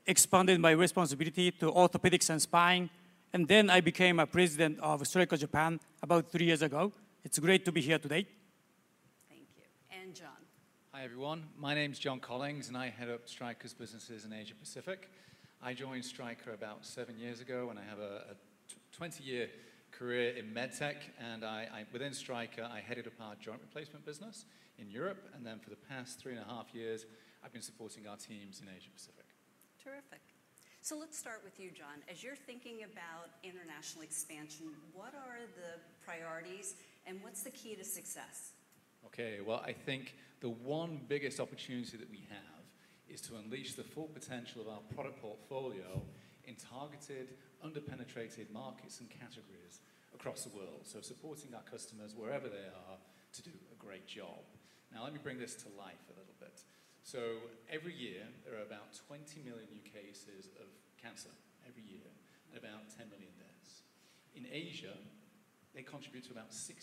expanded my responsibility to orthopedics and spine, and then I became a president of Stryker Japan about three years ago. It's great to be here today. Thank you, and John? Hi, everyone. My name's John Collings, and I head up Stryker's businesses in Asia Pacific. I joined Stryker about seven years ago, and I have a 20-year career in med tech, and within Stryker, I headed up our joint replacement business in Europe, and then for the past three and half years, I've been supporting our teams in Asia Pacific. Terrific. So let's start with you, John. As you're thinking about international expansion, what are the priorities, and what's the key to success? Okay, well, I think the one biggest opportunity that we have is to unleash the full potential of our product portfolio in targeted, under-penetrated markets and categories across the world, so supporting our customers wherever they are to do a great job. Now, let me bring this to life a little bit. So every year, there are about 20 million new cases of cancer, every year, and about 10 million deaths. In Asia, they contribute to about 60%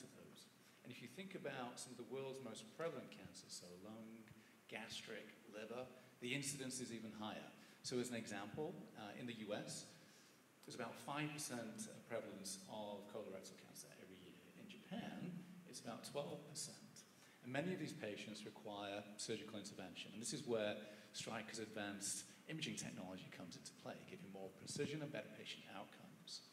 of those, and if you think about some of the world's most prevalent cancers, so lung, gastric, liver, the incidence is even higher. So as an example, in the U.S., there's about 5% prevalence of colorectal cancer every year. In Japan, it's about 12%, and many of these patients require surgical intervention, and this is where Stryker's advanced imaging technology comes into play, giving more precision and better patient outcomes.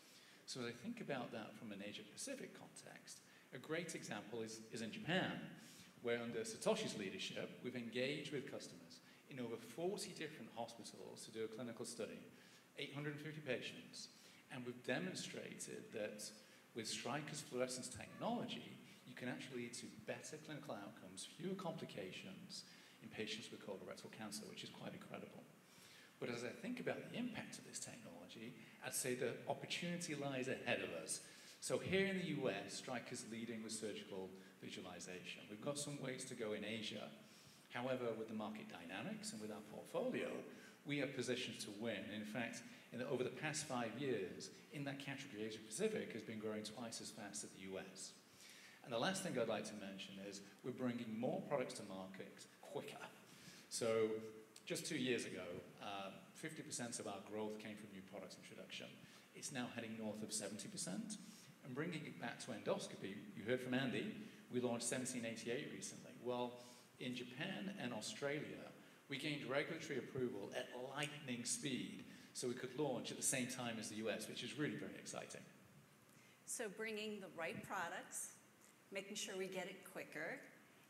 So when I think about that from an Asia Pacific context, a great example is in Japan, where under Satoshi's leadership, we've engaged with customers in over 40 different hospitals to do a clinical study, 850 patients, and we've demonstrated that with Stryker's fluorescence technology, you can actually lead to better clinical outcomes, fewer complications in patients with colorectal cancer, which is quite incredible. But as I think about the impact of this technology, I'd say the opportunity lies ahead of us. So here in the U.S., Stryker is leading with surgical visualization. We've got some ways to go in Asia. However, with the market dynamics and with our portfolio, we are positioned to win. In fact, over the past five years, in that category, Asia Pacific has been growing twice as fast as the U.S. The last thing I'd like to mention is we're bringing more products to markets quicker. Just two years ago, 50% of our growth came from new product introduction. It's now heading north of 70%, and bringing it back to endoscopy, you heard from Andy, we launched 1788 recently. Well, in Japan and Australia, we gained regulatory approval at lightning speed, so we could launch at the same time as the U.S., which is really very exciting. So bringing the right products, making sure we get it quicker,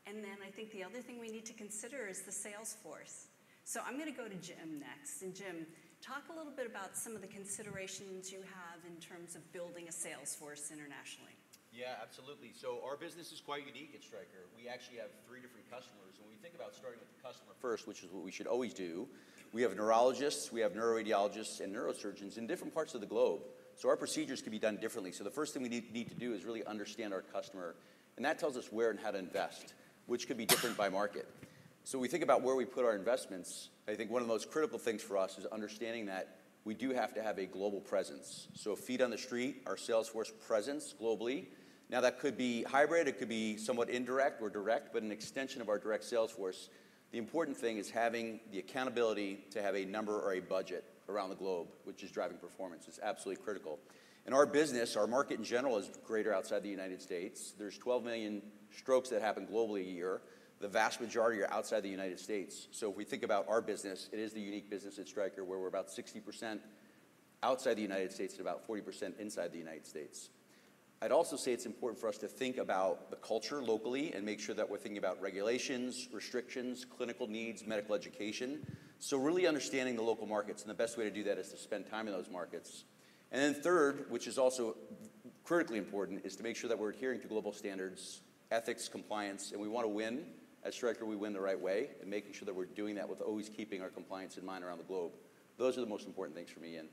and then I think the other thing we need to consider is the sales force. So I'm gonna go to Jim next, and Jim, talk a little bit about some of the considerations you have in terms of building a sales force internationally. Yeah, absolutely. So our business is quite unique at Stryker. We actually have three different customers, and we think about starting with the customer first, which is what we should always do. We have neurologists, we have neuroradiologists, and neurosurgeons in different parts of the globe, so our procedures can be done differently. So the first thing we need to do is really understand our customer, and that tells us where and how to invest, which could be different by market. So we think about where we put our investments. I think one of the most critical things for us is understanding that we do have to have a global presence, so feet on the street, our sales force presence globally. Now, that could be hybrid, it could be somewhat indirect or direct, but an extension of our direct sales force. The important thing is having the accountability to have a number or a budget around the globe, which is driving performance. It's absolutely critical. In our business, our market, in general, is greater outside the United States. There's 12 million strokes that happen globally a year. The vast majority are outside the United States. So if we think about our business, it is the unique business at Stryker, where we're about 60% outside the United States and about 40% inside the United States. I'd also say it's important for us to think about the culture locally and make sure that we're thinking about regulations, restrictions, clinical needs, medical education, so really understanding the local markets, and the best way to do that is to spend time in those markets. And then third, which is also critically important, is to make sure that we're adhering to global standards, ethics, compliance, and we want to win. At Stryker, we win the right way and making sure that we're doing that with always keeping our compliance in mind around the globe. Those are the most important things for me in.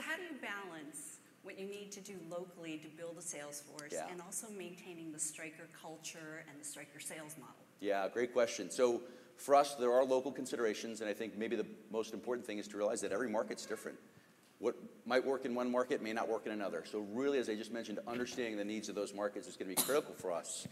How do you balance what you need to do locally to build a sales force? Yeah. And also maintaining the Stryker culture and the Stryker sales model? Yeah, great question. So for us, there are local considerations, and I think maybe the most important thing is to realize that every market's different. What might work in one market may not work in another. So really, as I just mentioned, understanding the needs of those markets is gonna be critical for us,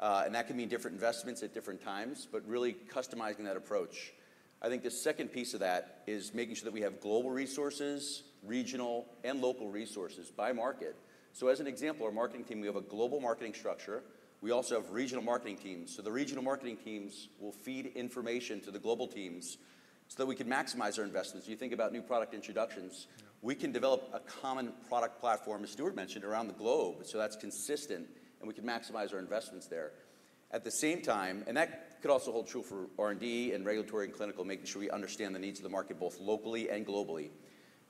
and that can mean different investments at different times, but really customizing that approach. I think the second piece of that is making sure that we have global resources, regional and local resources by market. So as an example, our marketing team, we have a global marketing structure. We also have regional marketing teams. So the regional marketing teams will feed information to the global teams so that we can maximize our investments. You think about new product introductions, we can develop a common product platform, as Stuart mentioned, around the globe, so that's consistent, and we can maximize our investments there. At the same time, that could also hold true for R&D and regulatory and clinical, making sure we understand the needs of the market, both locally and globally.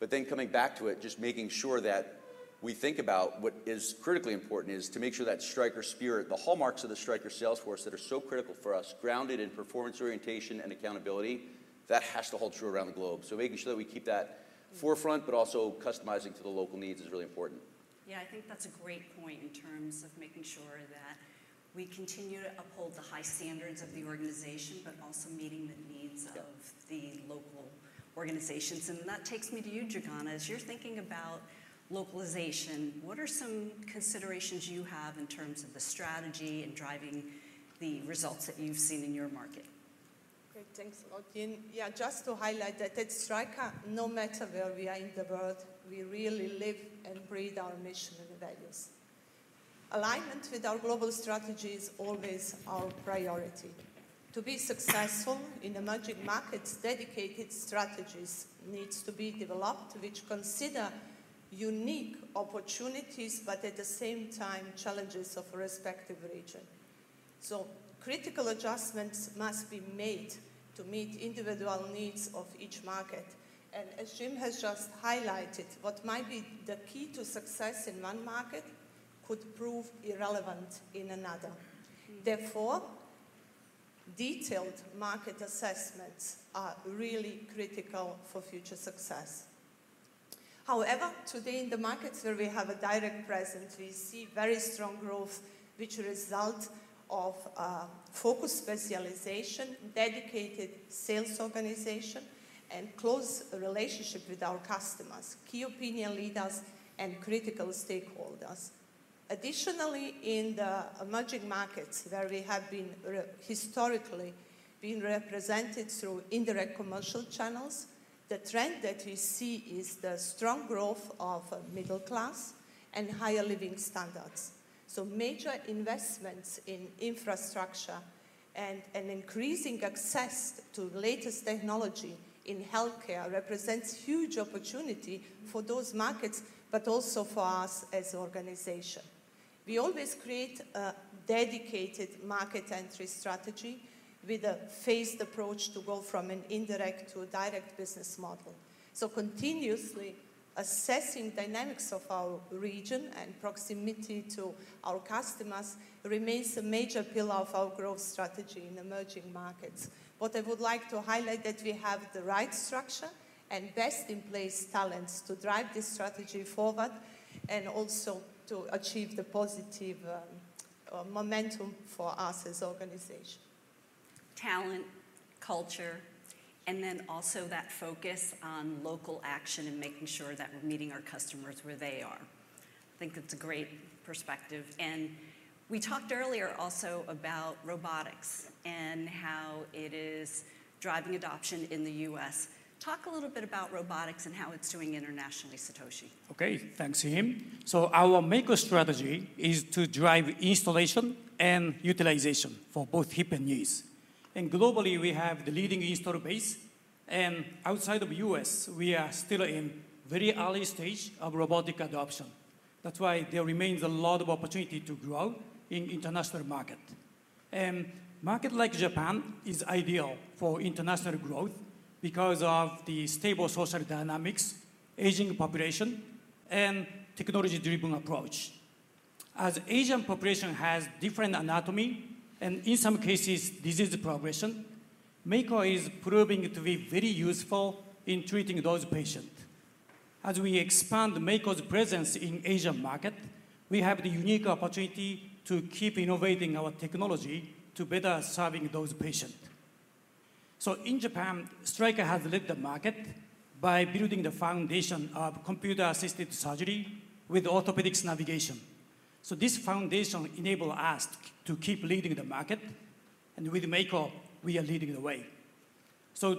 Then coming back to it, just making sure that we think about what is critically important is to make sure that Stryker spirit, the hallmarks of the Stryker sales force that are so critical for us, grounded in performance orientation and accountability, that has to hold true around the globe. So making sure that we keep that forefront, but also customizing to the local needs is really important. Yeah, I think that's a great point in terms of making sure that we continue to uphold the high standards of the organization, but also meeting the needs of the organizations, and that takes me to you, Dragana. As you're thinking about localization, what are some considerations you have in terms of the strategy and driving the results that you've seen in your market? Great, thanks a lot, Yin. Yeah, just to highlight that at Stryker, no matter where we are in the world, we really live and breathe our mission and values. Alignment with our global strategy is always our priority. To be successful in emerging markets, dedicated strategies needs to be developed which consider unique opportunities, but at the same time, challenges of respective region. So critical adjustments must be made to meet individual needs of each market. And as Jim has just highlighted, what might be the key to success in one market could prove irrelevant in another. Therefore, detailed market assessments are really critical for future success. However, today in the markets where we have a direct presence, we see very strong growth, which result of, focused specialization, dedicated sales organization, and close relationship with our customers, key opinion leaders, and critical stakeholders. Additionally, in the emerging markets where we have historically been represented through indirect commercial channels, the trend that we see is the strong growth of middle class and higher living standards. So major investments in infrastructure and, and increasing access to latest technology in healthcare represents huge opportunity for those markets, but also for us as an organization. We always create a dedicated market entry strategy with a phased approach to go from an indirect to a direct business model. So continuously assessing dynamics of our region and proximity to our customers remains a major pillar of our growth strategy in emerging markets. What I would like to highlight, that we have the right structure and best-in-place talents to drive this strategy forward, and also to achieve the positive momentum for us as organization. Talent, culture, and then also that focus on local action and making sure that we're meeting our customers where they are. I think that's a great perspective. We talked earlier also about robotics- Yep. And how it is driving adoption in the U.S. Talk a little bit about robotics and how it's doing internationally, Satoshi. Okay, thanks, Yin. So our Mako strategy is to drive installation and utilization for both hip and knees. And globally, we have the leading install base, and outside of U.S., we are still in very early stage of robotic adoption. That's why there remains a lot of opportunity to grow in international market. And market like Japan is ideal for international growth because of the stable social dynamics, aging population, and technology-driven approach. As Asian population has different anatomy, and in some cases, disease progression, Mako is proving to be very useful in treating those patients. As we expand Mako's presence in Asian market, we have the unique opportunity to keep innovating our technology to better serving those patients. So in Japan, Stryker has led the market by building the foundation of computer-assisted surgery with orthopedics navigation. So this foundation enable us to keep leading the market, and with Mako, we are leading the way. So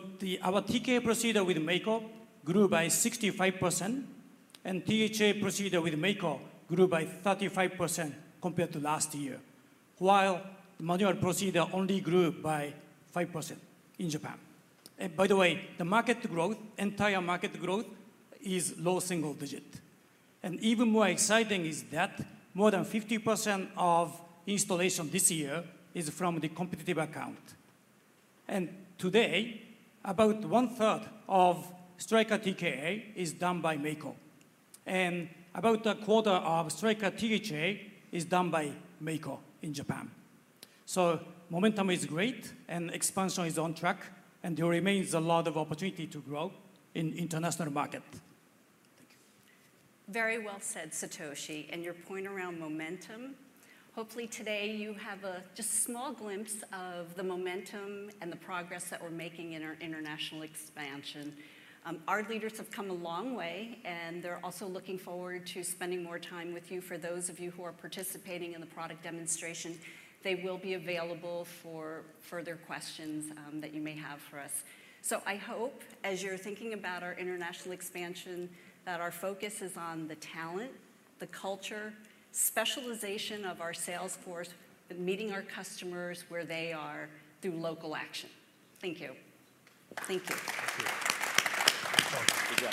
our TKA procedure with Mako grew by 65%, and THA procedure with Mako grew by 35% compared to last year, while the manual procedure only grew by 5% in Japan. And by the way, the market growth, entire market growth, is low single digit. And even more exciting is that more than 50% of installation this year is from the competitive account. And today, about 1/3 of Stryker TKA is done by Mako, and about a quarter of Stryker THA is done by Mako in Japan. So momentum is great, and expansion is on track, and there remains a lot of opportunity to grow in international market. Very well said, Satoshi, and your point around momentum. Hopefully today you have a just small glimpse of the momentum and the progress that we're making in our international expansion. Our leaders have come a long way, and they're also looking forward to spending more time with you. For those of you who are participating in the product demonstration, they will be available for further questions that you may have for us. So I hope, as you're thinking about our international expansion, that our focus is on the talent, the culture, specialization of our sales force, and meeting our customers where they are through local action. Thank you. Thank you. Thank you.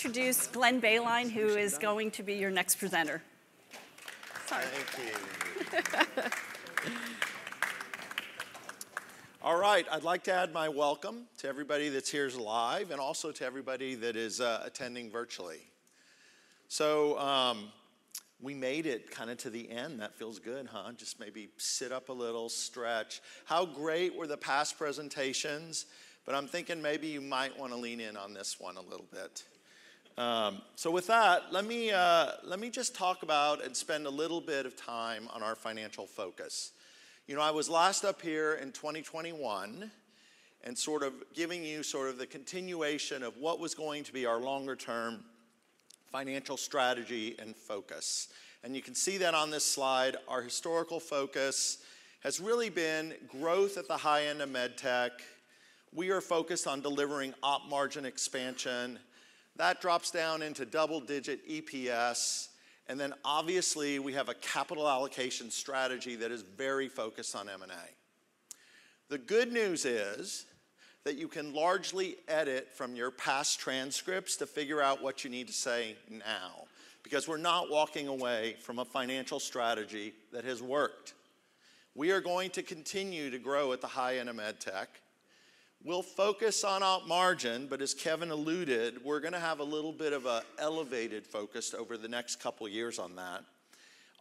Good job. Oh, yeah. My apologies. Introduce Glenn Boehnlein, who is going to be your next presenter. Sorry. Thank you. All right, I'd like to add my welcome to everybody that's here live, and also to everybody that is attending virtually. So, we made it kind of to the end. That feels good, huh? Just maybe sit up a little, stretch. How great were the past presentations? But I'm thinking maybe you might wanna lean in on this one a little bit. So with that, let me just talk about and spend a little bit of time on our financial focus. You know, I was last up here in 2021, and sort of giving you sort of the continuation of what was going to be our longer term financial strategy and focus. And you can see that on this slide, our historical focus has really been growth at the high end of med tech. We are focused on delivering op margin expansion. That drops down into double-digit EPS, and then obviously, we have a capital allocation strategy that is very focused on M&A. The good news is that you can largely edit from your past transcripts to figure out what you need to say now, because we're not walking away from a financial strategy that has worked. We are going to continue to grow at the high end of med tech. We'll focus on op margin, but as Kevin alluded, we're gonna have a little bit of a elevated focus over the next couple years on that.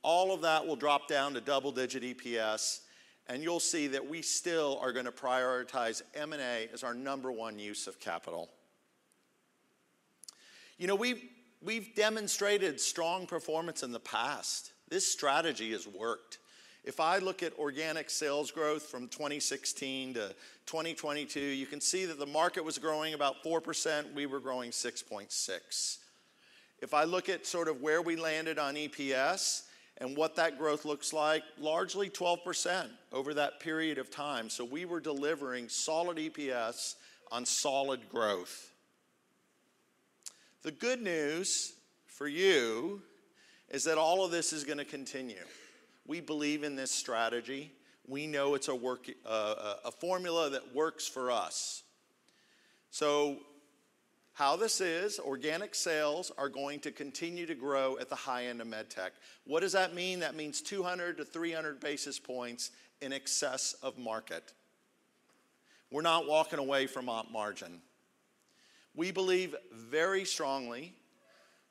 All of that will drop down to double-digit EPS, and you'll see that we still are gonna prioritize M&A as our number one use of capital. You know, we've demonstrated strong performance in the past. This strategy has worked. If I look at organic sales growth from 2016 to 2022, you can see that the market was growing about 4%, we were growing 6.6%. If I look at sort of where we landed on EPS and what that growth looks like, largely 12% over that period of time, so we were delivering solid EPS on solid growth. The good news for you is that all of this is gonna continue. We believe in this strategy. We know it's a formula that works for us. So how this is, organic sales are going to continue to grow at the high end of med tech. What does that mean? That means 200-300 basis points in excess of market. We're not walking away from op margin. We believe very strongly,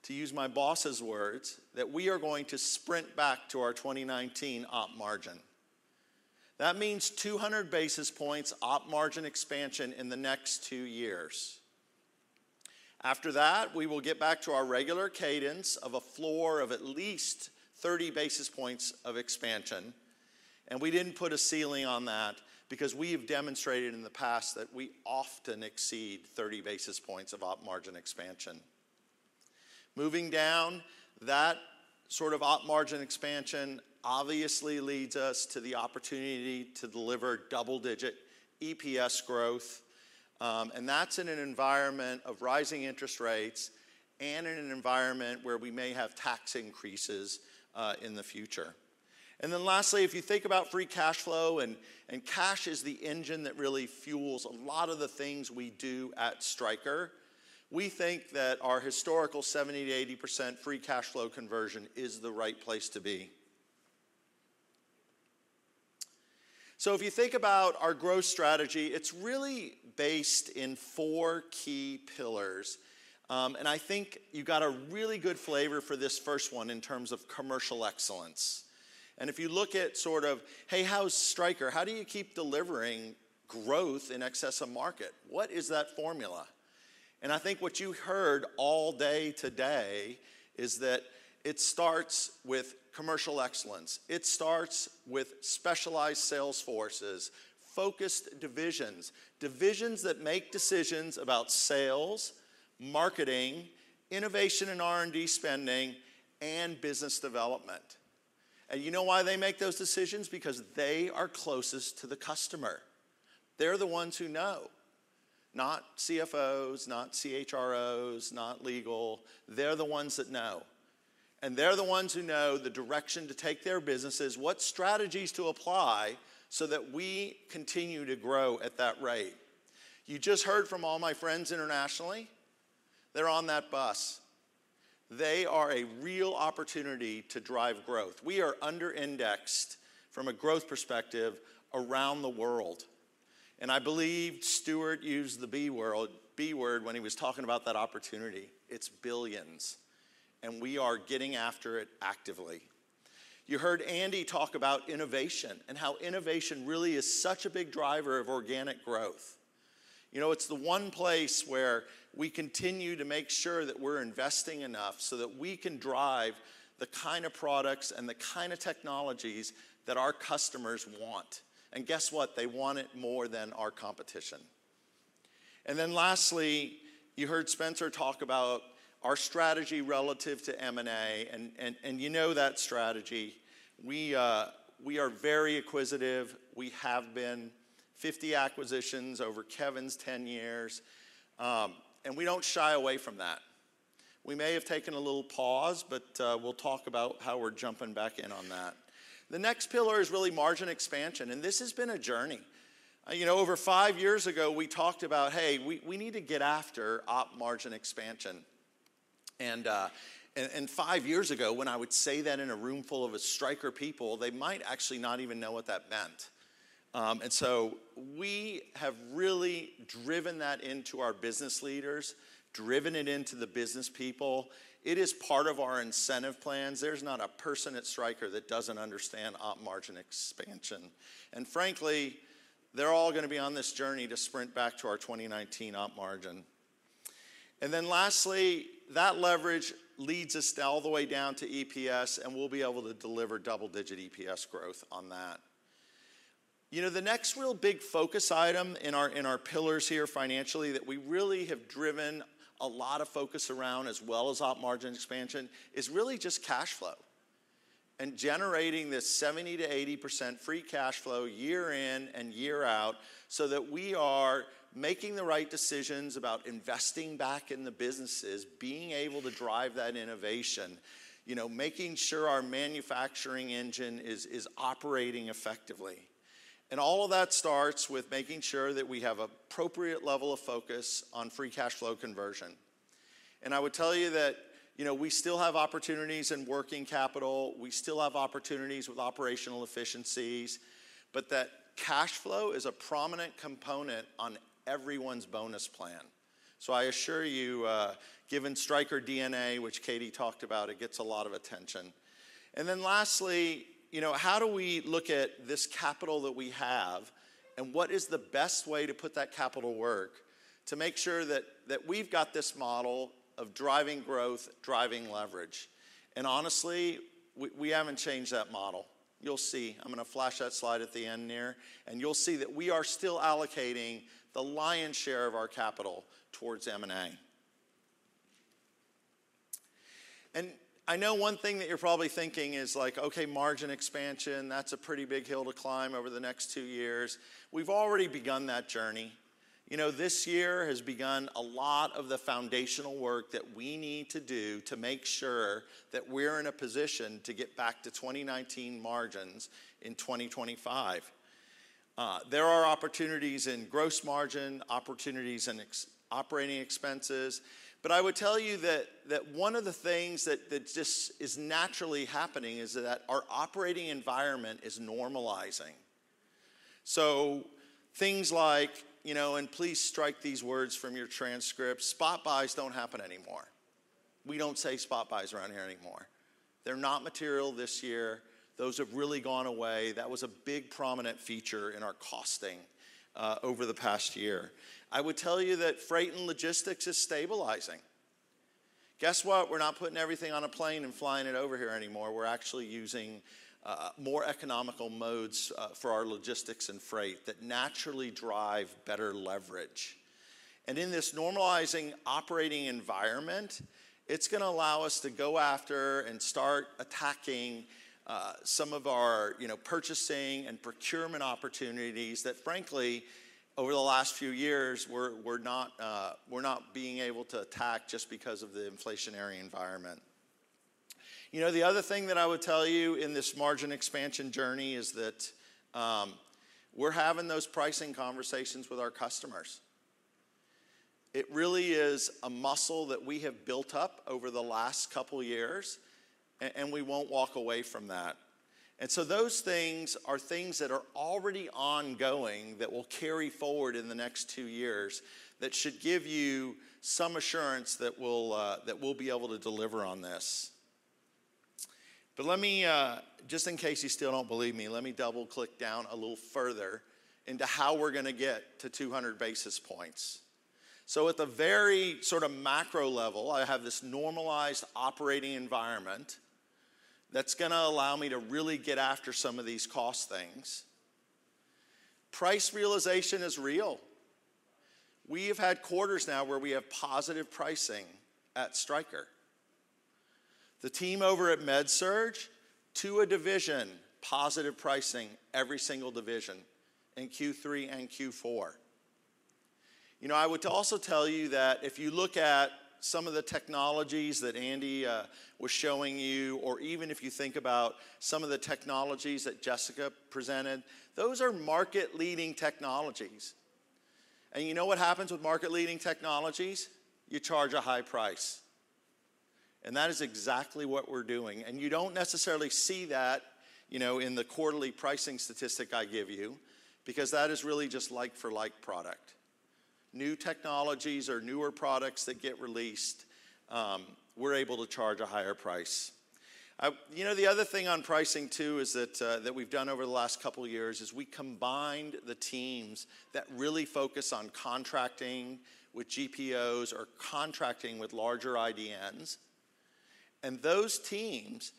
to use my boss's words, that we are going to sprint back to our 2019 op margin. That means 200 basis points op margin expansion in the next two years. After that, we will get back to our regular cadence of a floor of at least 30 basis points of expansion, and we didn't put a ceiling on that because we have demonstrated in the past that we often exceed 30 basis points of op margin expansion. Moving down, that sort of op margin expansion obviously leads us to the opportunity to deliver double-digit EPS growth, and that's in an environment of rising interest rates and in an environment where we may have tax increases in the future. And then lastly, if you think about free cash flow, and cash is the engine that really fuels a lot of the things we do at Stryker, we think that our historical 70%-80% free cash flow conversion is the right place to be. If you think about our growth strategy, it's really based in four key pillars, and I think you got a really good flavor for this first one in terms of commercial excellence. If you look at sort of, hey, how's Stryker? How do you keep delivering growth in excess of market? What is that formula? I think what you heard all day today is that it starts with commercial excellence. It starts with specialized sales forces, focused divisions, divisions that make decisions about sales, marketing, innovation and R&D spending, and business development. You know why they make those decisions? Because they are closest to the customer. They're the ones who know, not CFOs, not CHROs, not legal. They're the ones that know, and they're the ones who know the direction to take their businesses, what strategies to apply, so that we continue to grow at that rate. You just heard from all my friends internationally. They're on that bus. They are a real opportunity to drive growth. We are under-indexed from a growth perspective around the world, and I believe Stuart used the B world-B word when he was talking about that opportunity. It's billions, and we are getting after it actively. You heard Andy talk about innovation and how innovation really is such a big driver of organic growth. You know, it's the one place where we continue to make sure that we're investing enough so that we can drive the kind of products and the kind of technologies that our customers want, and guess what? They want it more than our competition. And then lastly, you heard Spencer talk about our strategy relative to M&A, and you know that strategy. We are very acquisitive. We have been 50 acquisitions over Kevin's 10 years, and we don't shy away from that. We may have taken a little pause, but we'll talk about how we're jumping back in on that. The next pillar is really margin expansion, and this has been a journey. You know, over five years ago, we talked about, hey, we need to get after op margin expansion. And five years ago, when I would say that in a room full of Stryker people, they might actually not even know what that meant. And so we have really driven that into our business leaders, driven it into the business people. It is part of our incentive plans. There's not a person at Stryker that doesn't understand op margin expansion, and frankly, they're all gonna be on this journey to sprint back to our 2019 op margin. And then lastly, that leverage leads us down all the way down to EPS, and we'll be able to deliver double-digit EPS growth on that. You know, the next real big focus item in our, in our pillars here financially, that we really have driven a lot of focus around, as well as op margin expansion, is really just cash flow and generating this 70%-80% free cash flow year in and year out, so that we are making the right decisions about investing back in the businesses, being able to drive that innovation, you know, making sure our manufacturing engine is, is operating effectively. And all of that starts with making sure that we have appropriate level of focus on free cash flow conversion. And I would tell you that, you know, we still have opportunities in working capital, we still have opportunities with operational efficiencies, but that cash flow is a prominent component on everyone's bonus plan. So I assure you, given Stryker DNA, which Katy talked about, it gets a lot of attention. And then lastly, you know, how do we look at this capital that we have, and what is the best way to put that capital work to make sure that, that we've got this model of driving growth, driving leverage? And honestly, we haven't changed that model. You'll see. I'm gonna flash that slide at the end here, and you'll see that we are still allocating the lion's share of our capital towards M&A. I know one thing that you're probably thinking is like, okay, margin expansion, that's a pretty big hill to climb over the next two years. We've already begun that journey. You know, this year has begun a lot of the foundational work that we need to do to make sure that we're in a position to get back to 2019 margins in 2025. There are opportunities in gross margin, opportunities in ex, operating expenses, but I would tell you that, that one of the things that, that just is naturally happening is that our operating environment is normalizing. So things like, you know, and please strike these words from your transcript, spot buys don't happen anymore. We don't say spot buys around here anymore. They're not material this year. Those have really gone away. That was a big, prominent feature in our costing over the past year. I would tell you that freight and logistics is stabilizing. Guess what? We're not putting everything on a plane and flying it over here anymore. We're actually using more economical modes for our logistics and freight that naturally drive better leverage. And in this normalizing operating environment, it's gonna allow us to go after and start attacking some of our, you know, purchasing and procurement opportunities that frankly, over the last few years, we're, we're not being able to attack just because of the inflationary environment. You know, the other thing that I would tell you in this margin expansion journey is that we're having those pricing conversations with our customers. It really is a muscle that we have built up over the last couple years, and we won't walk away from that. And so those things are things that are already ongoing, that will carry forward in the next two years, that should give you some assurance that we'll, that we'll be able to deliver on this. But let me, just in case you still don't believe me, let me double-click down a little further into how we're gonna get to 200 basis points. So at the very sort of macro level, I have this normalized operating environment that's gonna allow me to really get after some of these cost things. Price realization is real. We have had quarters now where we have positive pricing at Stryker. The team over at MedSurg, to a division, positive pricing every single division in Q3 and Q4. You know, I would also tell you that if you look at some of the technologies that Andy was showing you, or even if you think about some of the technologies that Jessica presented, those are market-leading technologies. And you know what happens with market-leading technologies? You charge a high price, and that is exactly what we're doing. And you don't necessarily see that, you know, in the quarterly pricing statistic I give you, because that is really just like for like product. New technologies or newer products that get released, we're able to charge a higher price. You know, the other thing on pricing, too, is that that we've done over the last couple of years, is we combined the teams that really focus on contracting with GPOs or contracting with larger IDNs, and those teams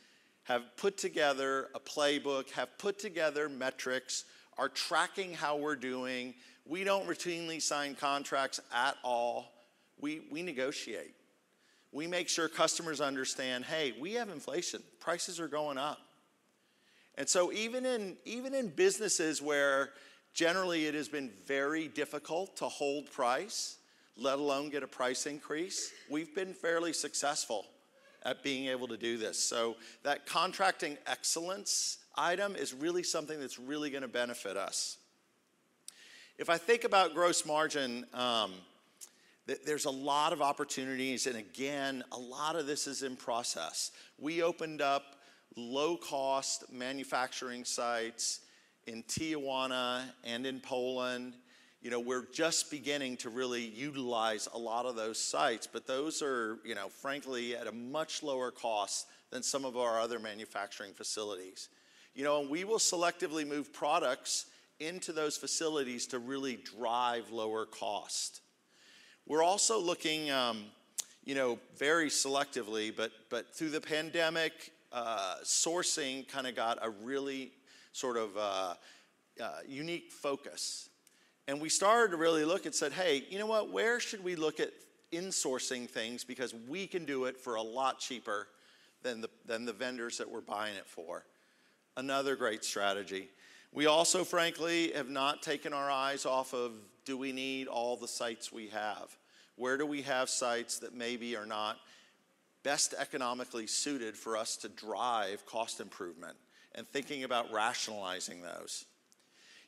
have put together a playbook, have put together metrics, are tracking how we're doing. We don't routinely sign contracts at all. We, we negotiate. We make sure customers understand, hey, we have inflation. Prices are going up. And so even in, even in businesses where generally it has been very difficult to hold price, let alone get a price increase, we've been fairly successful at being able to do this. So that contracting excellence item is really something that's really gonna benefit us. If I think about gross margin, there's a lot of opportunities, and again, a lot of this is in process. We opened up low-cost manufacturing sites in Tijuana and in Poland. You know, we're just beginning to really utilize a lot of those sites, but those are, you know, frankly, at a much lower cost than some of our other manufacturing facilities. You know, and we will selectively move products into those facilities to really drive lower cost. We're also looking, you know, very selectively, but through the pandemic, sourcing kind of got a really sort of unique focus. And we started to really look and said, hey, you know what? Where should we look at insourcing things because we can do it for a lot cheaper than the vendors that we're buying it for? Another great strategy. We also, frankly, have not taken our eyes off of, do we need all the sites we have? Where do we have sites that maybe are not best economically suited for us to drive cost improvement, and thinking about rationalizing those.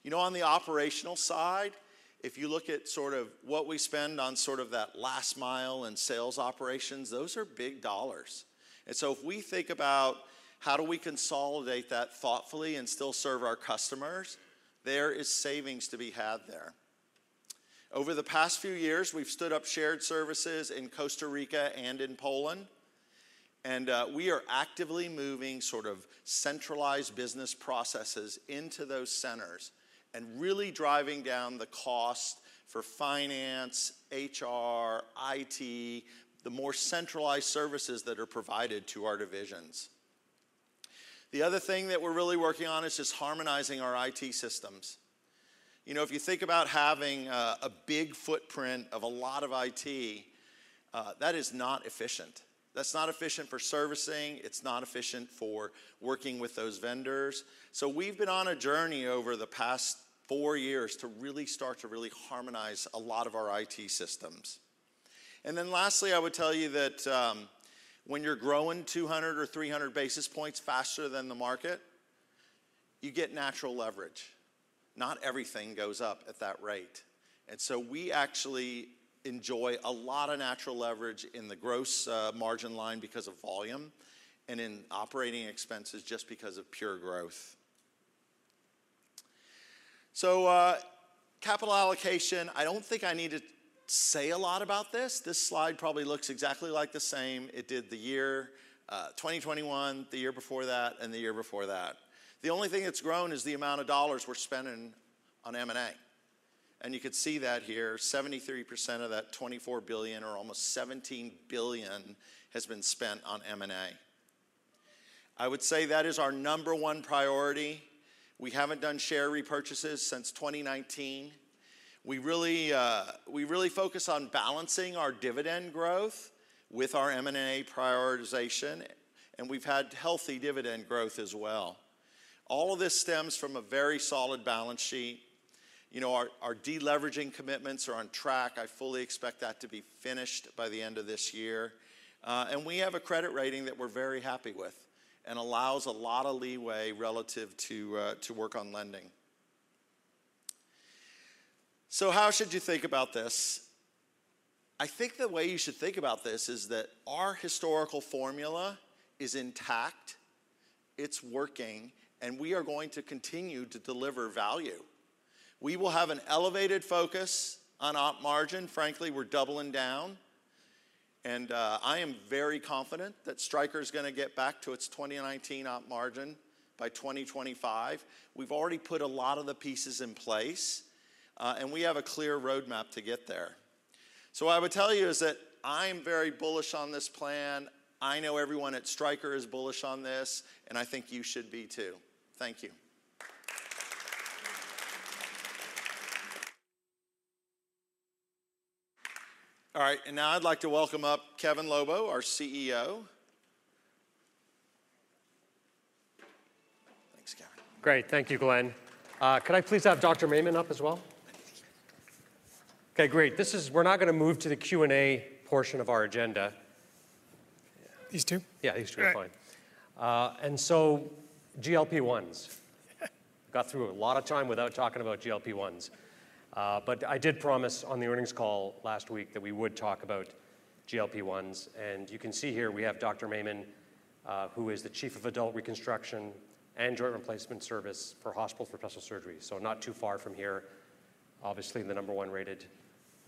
You know, on the operational side, if you look at sort of what we spend on sort of that last mile in sales operations, those are big dollars. And so if we think about how do we consolidate that thoughtfully and still serve our customers, there is savings to be had there. Over the past few years, we've stood up shared services in Costa Rica and in Poland, and we are actively moving sort of centralized business processes into those centers and really driving down the cost for finance, HR, IT, the more centralized services that are provided to our divisions. The other thing that we're really working on is just harmonizing our IT systems. You know, if you think about having a big footprint of a lot of IT, that is not efficient. That's not efficient for servicing. It's not efficient for working with those vendors. So we've been on a journey over the past four years to really start to really harmonize a lot of our IT systems. And then lastly, I would tell you that when you're growing 200 or 300 basis points faster than the market, you get natural leverage. Not everything goes up at that rate, and so we actually enjoy a lot of natural leverage in the gross margin line because of volume and in operating expenses just because of pure growth. So capital allocation, I don't think I need to say a lot about this. This slide probably looks exactly like the same it did the year 2021, the year before that, and the year before that. The only thing that's grown is the amount of dollars we're spending on M&A, and you can see that here, 73% of that $24 billion, or almost $17 billion, has been spent on M&A. I would say that is our number one priority. We haven't done share repurchases since 2019. We really, we really focus on balancing our dividend growth with our M&A prioritization, and we've had healthy dividend growth as well. All of this stems from a very solid balance sheet. You know, our, our de-leveraging commitments are on track. I fully expect that to be finished by the end of this year. We have a credit rating that we're very happy with and allows a lot of leeway relative to to work on lending. So how should you think about this? I think the way you should think about this is that our historical formula is intact, it's working, and we are going to continue to deliver value. We will have an elevated focus on op margin. Frankly, we're doubling down, and I am very confident that Stryker is gonna get back to its 2019 op margin by 2025. We've already put a lot of the pieces in place, and we have a clear roadmap to get there. So what I would tell you is that I'm very bullish on this plan. I know everyone at Stryker is bullish on this, and I think you should be, too. Thank you. All right, and now I'd like to welcome up Kevin Lobo, our CEO. Thanks, Kevin. Great. Thank you, Glenn. Could I please have Dr. Mayman up as well? Okay, great. We're now gonna move to the Q&A portion of our agenda. These two? Yeah, these two are fine. All right. GLP-1s. Got through a lot of time without talking about GLP-1s. But I did promise on the earnings call last week that we would talk about GLP-1s, and you can see here we have Dr. Mayman, who is the Chief of Adult Reconstruction and Joint Replacement Service for Hospital for Special Surgery. So not too far from here. Obviously, the number one-rated,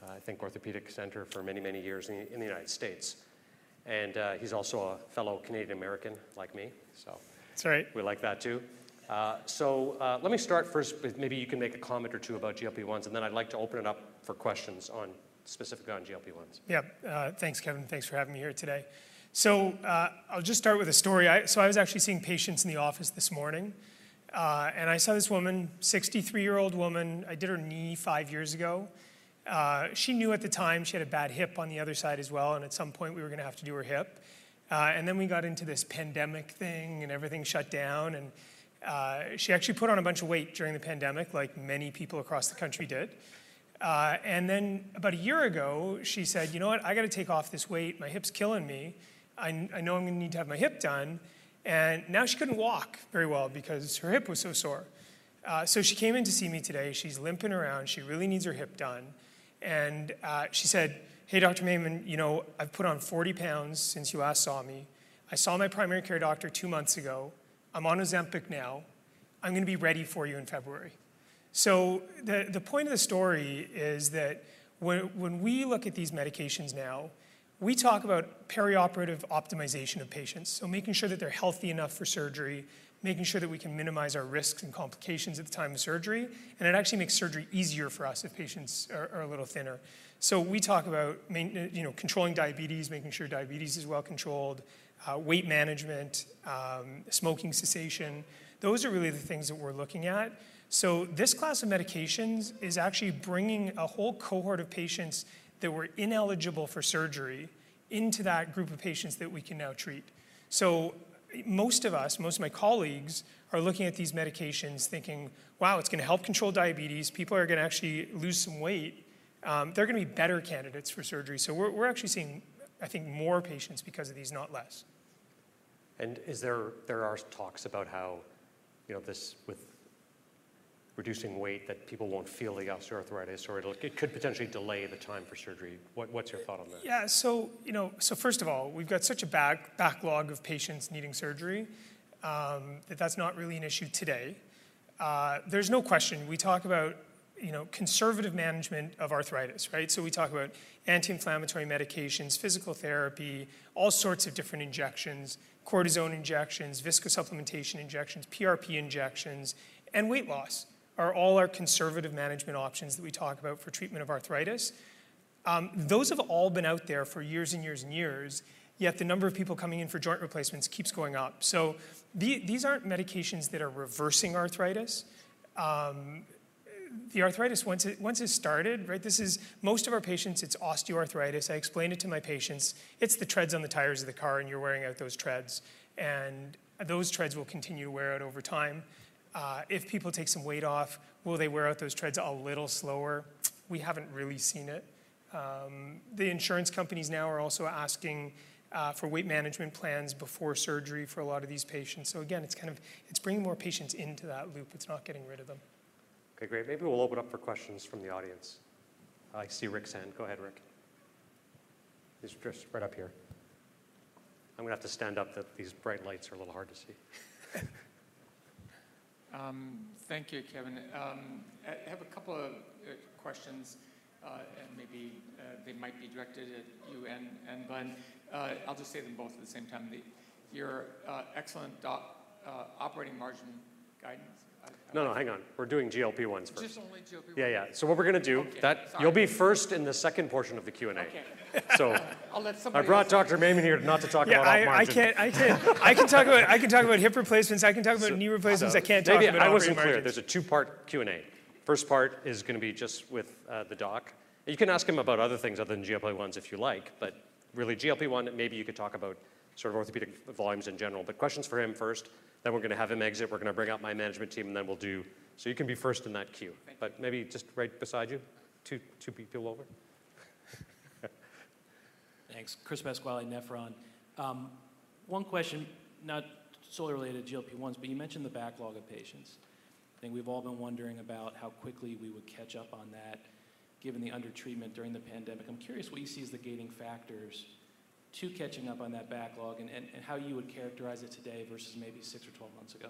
I think, orthopedic center for many, many years in the United States. He's also a fellow Canadian American, like me, so, That's right. We like that, too. So, let me start first with maybe you can make a comment or two about GLP-1s, and then I'd like to open it up for questions on, specific on GLP-1s. Yeah. Thanks, Kevin. Thanks for having me here today. So, I'll just start with a story. So I was actually seeing patients in the office this morning, and I saw this woman, 63-year-old woman. I did her knee five years ago. She knew at the time she had a bad hip on the other side as well, and at some point, we were gonna have to do her hip. And then we got into this pandemic thing, and everything shut down, and she actually put on a bunch of weight during the pandemic, like many people across the country did. And then about a year ago, she said, you know what? I've got to take off this weight. My hip's killing me. I know I'm gonna need to have my hip done. And now she couldn't walk very well because her hip was so sore. So she came in to see me today. She's limping around. She really needs her hip done, and she said, hey, Dr. Mayman, you know, I've put on 40 pounds since you last saw me. I saw my primary care doctor two months ago. I'm on Ozempic now. I'm gonna be ready for you in February. So the point of the story is that when we look at these medications now, we talk about perioperative optimization of patients, so making sure that they're healthy enough for surgery, making sure that we can minimize our risks and complications at the time of surgery, and it actually makes surgery easier for us if patients are a little thinner. So we talk about mainly, you know, controlling diabetes, making sure diabetes is well controlled, weight management, smoking cessation. Those are really the things that we're looking at. So this class of medications is actually bringing a whole cohort of patients that were ineligible for surgery into that group of patients that we can now treat. So most of us, most of my colleagues, are looking at these medications thinking, wow, it's gonna help control diabetes. People are gonna actually lose some weight. They're gonna be better candidates for surgery. So we're actually seeing, I think, more patients because of these, not less. There are talks about how, you know, this with reducing weight, that people won't feel the osteoarthritis, or it could potentially delay the time for surgery. What's your thought on that? Yeah, so, you know, so first of all, we've got such a backlog of patients needing surgery, that that's not really an issue today. There's no question. We talk about, you know, conservative management of arthritis, right? So we talk about anti-inflammatory medications, physical therapy, all sorts of different injections, cortisone injections, viscosupplementation injections, PRP injections, and weight loss, are all our conservative management options that we talk about for treatment of arthritis. Those have all been out there for years and years and years, yet the number of people coming in for joint replacements keeps going up. So these aren't medications that are reversing arthritis. The arthritis, once it's started, right, this is, most of our patients, it's osteoarthritis. I explain it to my patients, it's the treads on the tires of the car, and you're wearing out those treads, and those treads will continue to wear out over time. If people take some weight off, will they wear out those treads a little slower? We haven't really seen it. The insurance companies now are also asking for weight management plans before surgery for a lot of these patients. So again, it's kind of, it's bringing more patients into that loop. It's not getting rid of them. Okay, great. Maybe we'll open up for questions from the audience. I see Rick's hand. Go ahead, Rick. He's just right up here. I'm gonna have to stand up that these bright lights are a little hard to see. Thank you, Kevin. I have a couple of questions, and maybe they might be directed at you and Glenn. I'll just say them both at the same time. Your excellent doc-, operating margin guidance, No, no, hang on. We're doing GLP-1s first. Just only GLP-1? Yeah, yeah. So what we're gonna do- Okay. Sorry. You'll be first in the second portion of the Q&A. Okay. I'll let somebody else- I brought Dr. Mayman here not to talk about op margin. Yeah, I can talk about hip replacements. I can talk about knee replacements. So- I can't talk about operating margin. Maybe I wasn't clear. There's a two-part Q&A. First part is gonna be just with the doc, and you can ask him about other things other than GLP-1s if you like, but really, GLP-1, maybe you could talk about sort of orthopedic volumes in general. But questions for him first, then we're gonna have him exit. We're gonna bring out my management team, and then we'll do, so you can be first in that queue. Thank you. Maybe just right beside you, two, two people over. Thanks. Chris Pasquale, Nephron. One question, not solely related to GLP-1s, but you mentioned the backlog of patients. I think we've all been wondering about how quickly we would catch up on that, given the under-treatment during the pandemic. I'm curious what you see as the gating factors to catching up on that backlog and how you would characterize it today versus maybe six or 12 months ago?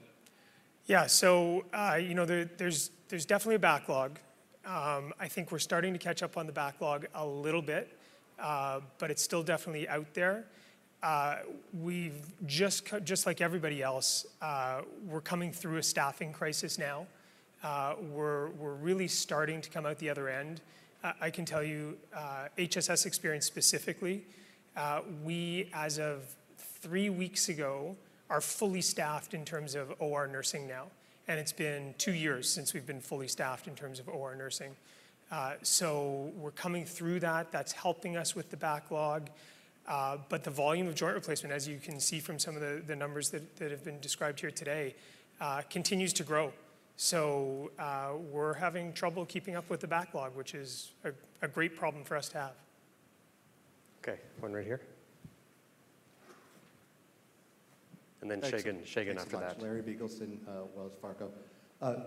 Yeah. So, you know, there's definitely a backlog. I think we're starting to catch up on the backlog a little bit, but it's still definitely out there. We've just like everybody else, we're coming through a staffing crisis now. We're really starting to come out the other end. I can tell you, HSS experience specifically, we, as of three weeks ago, are fully staffed in terms of OR nursing now, and it's been two years since we've been fully staffed in terms of OR nursing. So we're coming through that. That's helping us with the backlog, but the volume of joint replacement, as you can see from some of the numbers that have been described here today, continues to grow. So, we're having trouble keeping up with the backlog, which is a great problem for us to have. Okay, one right here. And then Shagun, Shagun after that. Thanks so much. Larry Biegelsen, Wells Fargo.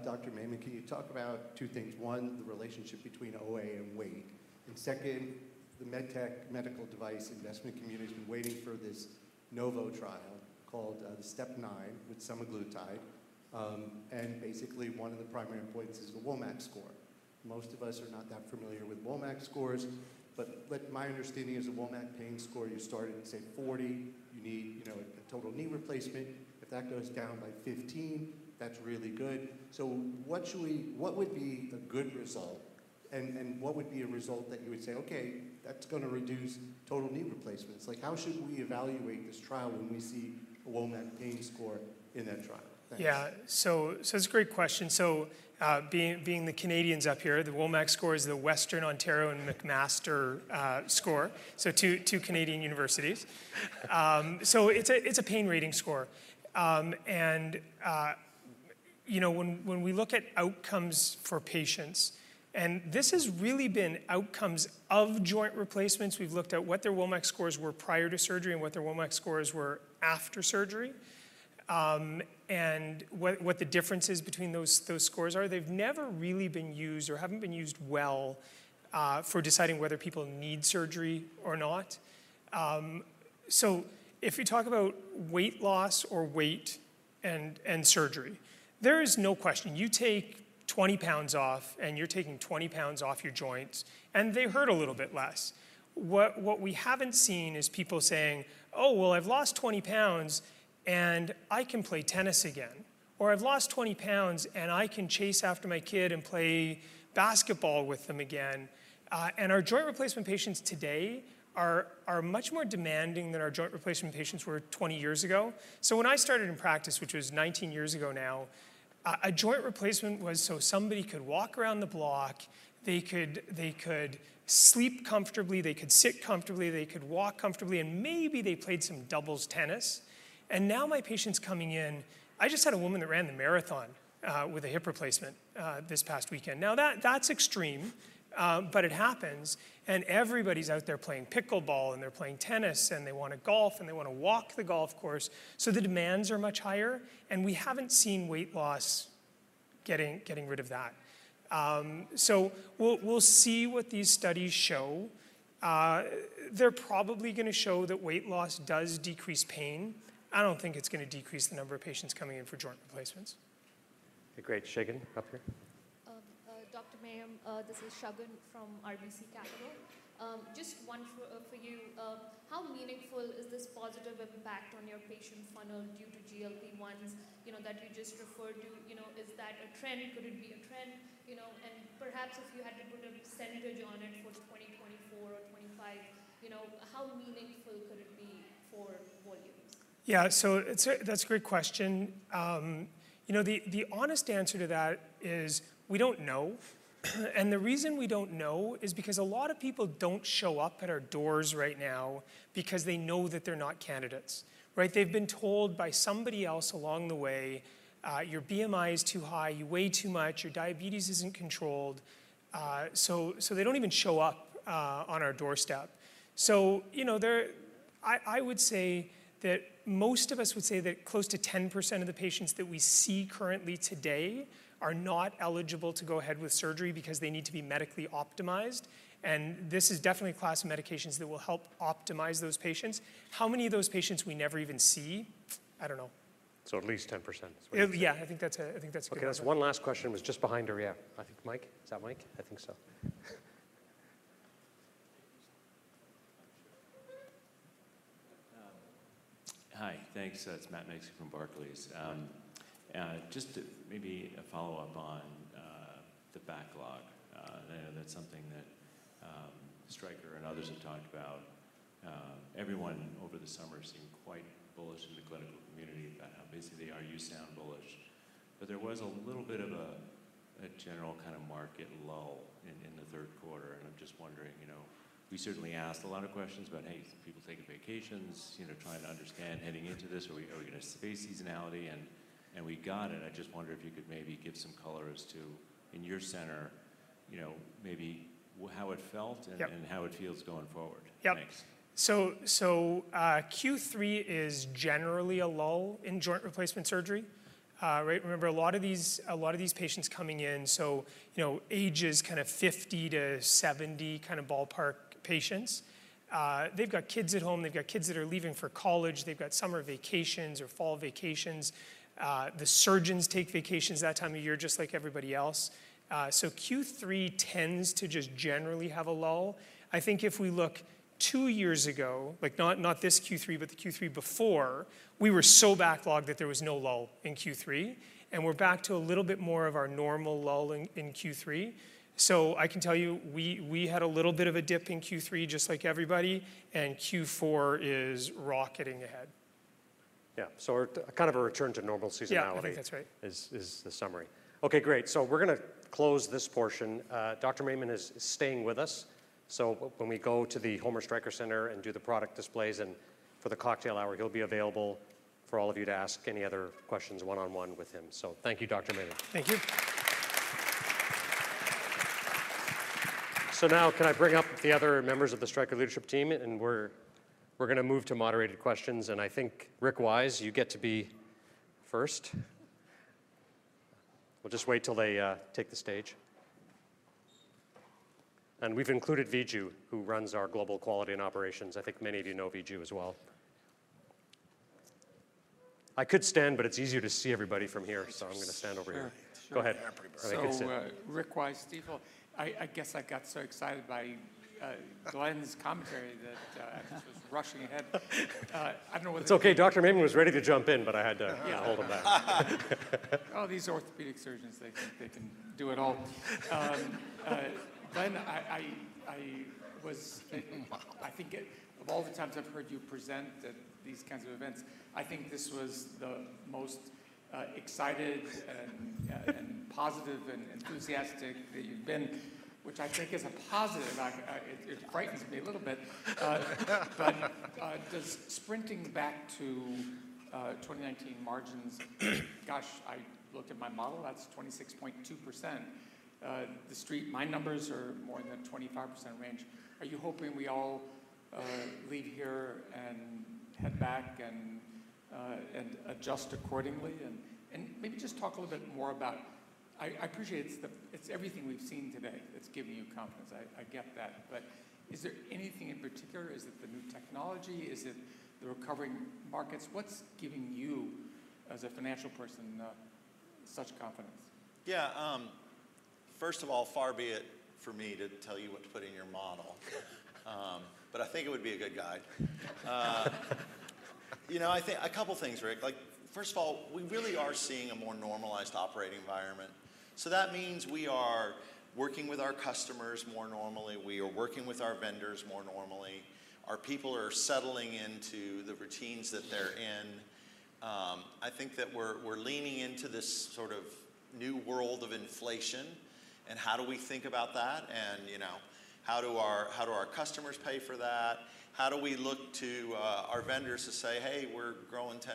Dr. Mayman, can you talk about two things? One, the relationship between OA and weight, and second, the med tech medical device investment community's been waiting for this Novo trial called, the STEP 9, with semaglutide. And basically, one of the primary endpoints is the WOMAC score. Most of us are not that familiar with WOMAC scores, but, but my understanding is a WOMAC pain score, you start at the same 40, you need, you know, a total knee replacement. If that goes down by 15, that's really good. So what should we, what would be a good result, and, and what would be a result that you would say, okay, that's gonna reduce total knee replacements?" Like, how should we evaluate this trial when we see a WOMAC pain score in that trial? Thanks. Yeah, it's a great question. So, being the Canadians up here, the WOMAC score is the Western Ontario and McMaster score, so two Canadian universities. So it's a pain rating score. And, you know, when we look at outcomes for patients, and this has really been outcomes of joint replacements. We've looked at what their WOMAC scores were prior to surgery and what their WOMAC scores were after surgery, and what the differences between those scores are. They've never really been used or haven't been used well for deciding whether people need surgery or not. So if you talk about weight loss or weight and surgery, there is no question. You take 20 pounds off, and you're taking 20 pounds off your joints, and they hurt a little bit less. What we haven't seen is people saying, oh, well, I've lost 20 pounds, and I can play tennis again, or, "I've lost 20 pounds, and I can chase after my kid and play basketball with them again. And our joint replacement patients today are much more demanding than our joint replacement patients were 20 years ago. So when I started in practice, which was 19 years ago now, a joint replacement was so somebody could walk around the block, they could sleep comfortably, they could sit comfortably, they could walk comfortably, and maybe they played some doubles tennis. And now, my patients coming in, I just had a woman that ran the marathon with a hip replacement this past weekend. Now, that's extreme, but it happens, and everybody's out there playing pickleball, and they're playing tennis, and they want to golf, and they want to walk the golf course. So the demands are much higher, and we haven't seen weight loss getting rid of that. So we'll see what these studies show. They're probably going to show that weight loss does decrease pain. I don't think it's going to decrease the number of patients coming in for joint replacements. Great. Shagun, up here. Dr. Mayman, this is Shagun from RBC Capital. Just one for, for you. How meaningful is this positive impact on your patient funnel due to GLP-1s, you know, that you just referred to? You know, is that a trend? Could it be a trend? You know, and perhaps if you had to put a percentage on it for 2024 or 2025, you know, how meaningful could it be for volumes? Yeah, so that's a great question. You know, the honest answer to that is we don't know. And the reason we don't know is because a lot of people don't show up at our doors right now because they know that they're not candidates, right? They've been told by somebody else along the way, your BMI is too high. You weigh too much. Your diabetes isn't controlled. So they don't even show up on our doorstep. So, you know, I would say that most of us would say that close to 10% of the patients that we see currently today are not eligible to go ahead with surgery because they need to be medically optimized, and this is definitely a class of medications that will help optimize those patients. How many of those patients we never even see? I don't know. At least 10% is what you're saying. Yeah, I think that's a- Okay, there's one last question. It was just behind Ariad. I think Matt. Is that Matt? I think so. Hi. Thanks. It's Matt Miksic from Barclays. Just to maybe a follow-up on the backlog. I know that's something that Stryker and others have talked about. Everyone over the summer seemed quite bullish in the clinical community about how busy they are. You sound bullish. But there was a little bit of a general kind of market lull in the third quarter, and I'm just wondering, you know, we certainly asked a lot of questions about, hey, is people taking vacations? You know, trying to understand, heading into this, are we going to space seasonality, and we got it. I just wonder if you could maybe give some color as to, in your center, you know, maybe how it felt- Yep And how it feels going forward? Yep. Thanks. Q3 is generally a lull in joint replacement surgery. Right, remember, a lot of these patients coming in, so you know, ages kind of 50-70, kind of ballpark patients. They've got kids at home. They've got kids that are leaving for college. They've got summer vacations or fall vacations. The surgeons take vacations that time of year, just like everybody else. So Q3 tends to just generally have a lull. I think if we look two years ago, like not this Q3, but the Q3 before, we were so backlogged that there was no lull in Q3, and we're back to a little bit more of our normal lull in Q3. So I can tell you, we had a little bit of a dip in Q3, just like everybody, and Q4 is rocketing ahead. Yeah, so kind of a return to normal seasonality. Yeah, I think that's right. Is the summary. Okay, great. So we're going to close this portion. Dr. Mayman is staying with us, so when we go to the Homer Stryker Center and do the product displays and for the cocktail hour, he'll be available for all of you to ask any other questions one-on-one with him. So thank you, Dr. Mayman. Thank you. So now, can I bring up the other members of the Stryker leadership team? And we're going to move to moderated questions, and I think, Rick Wise, you get to be first. We'll just wait till they take the stage. And we've included Viju, who runs our Global Quality and Operations. I think many of you know Viju as well. I could stand, but it's easier to see everybody from here- Sure, sure So I'm going to stand over here. Go ahead. Or I could sit. So, Rick Wise, Stifel. I guess I got so excited by Glenn's commentary that I was rushing ahead. I don't know whether- It's okay. Dr. Mayman was ready to jump in, but I had to- Yeah... hold him back. Oh, these orthopedic surgeons, they think they can do it all. Glenn, I was- Wow! I think it, of all the times I've heard you present at these kinds of events, I think this was the most excited and positive and enthusiastic that you've been, which I think is a positive. It frightens me a little bit. But does sprinting back to 2019 margins, gosh, I looked at my model, that's 26.2%. The street, my numbers are more in the 25% range. Are you hoping we all leave here and head back and adjust accordingly? And maybe just talk a little bit more about. I appreciate it's everything we've seen today that's giving you confidence. I get that. But is there anything in particular? Is it the new technology? Is it the recovering markets? What's giving you, as a financial person, such confidence? Yeah, first of all, far be it for me to tell you what to put in your model. But I think it would be a good guide. You know, I think a couple things, Rick. Like, first of all, we really are seeing a more normalized operating environment. So that means we are working with our customers more normally. We are working with our vendors more normally. Our people are settling into the routines that they're in. I think that we're leaning into this sort of new world of inflation, and how do we think about that? And, you know, how do our customers pay for that? How do we look to our vendors to say, hey, we're growing 10%,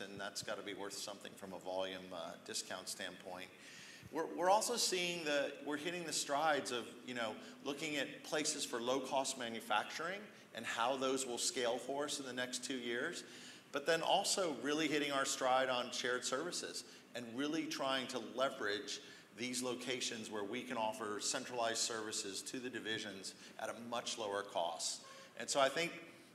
and that's got to be worth something from a volume discount standpoint. We're hitting the strides of, you know, looking at places for low-cost manufacturing and how those will scale for us in the next two years. But then also really hitting our stride on shared services, and really trying to leverage these locations where we can offer centralized services to the divisions at a much lower cost. And so I think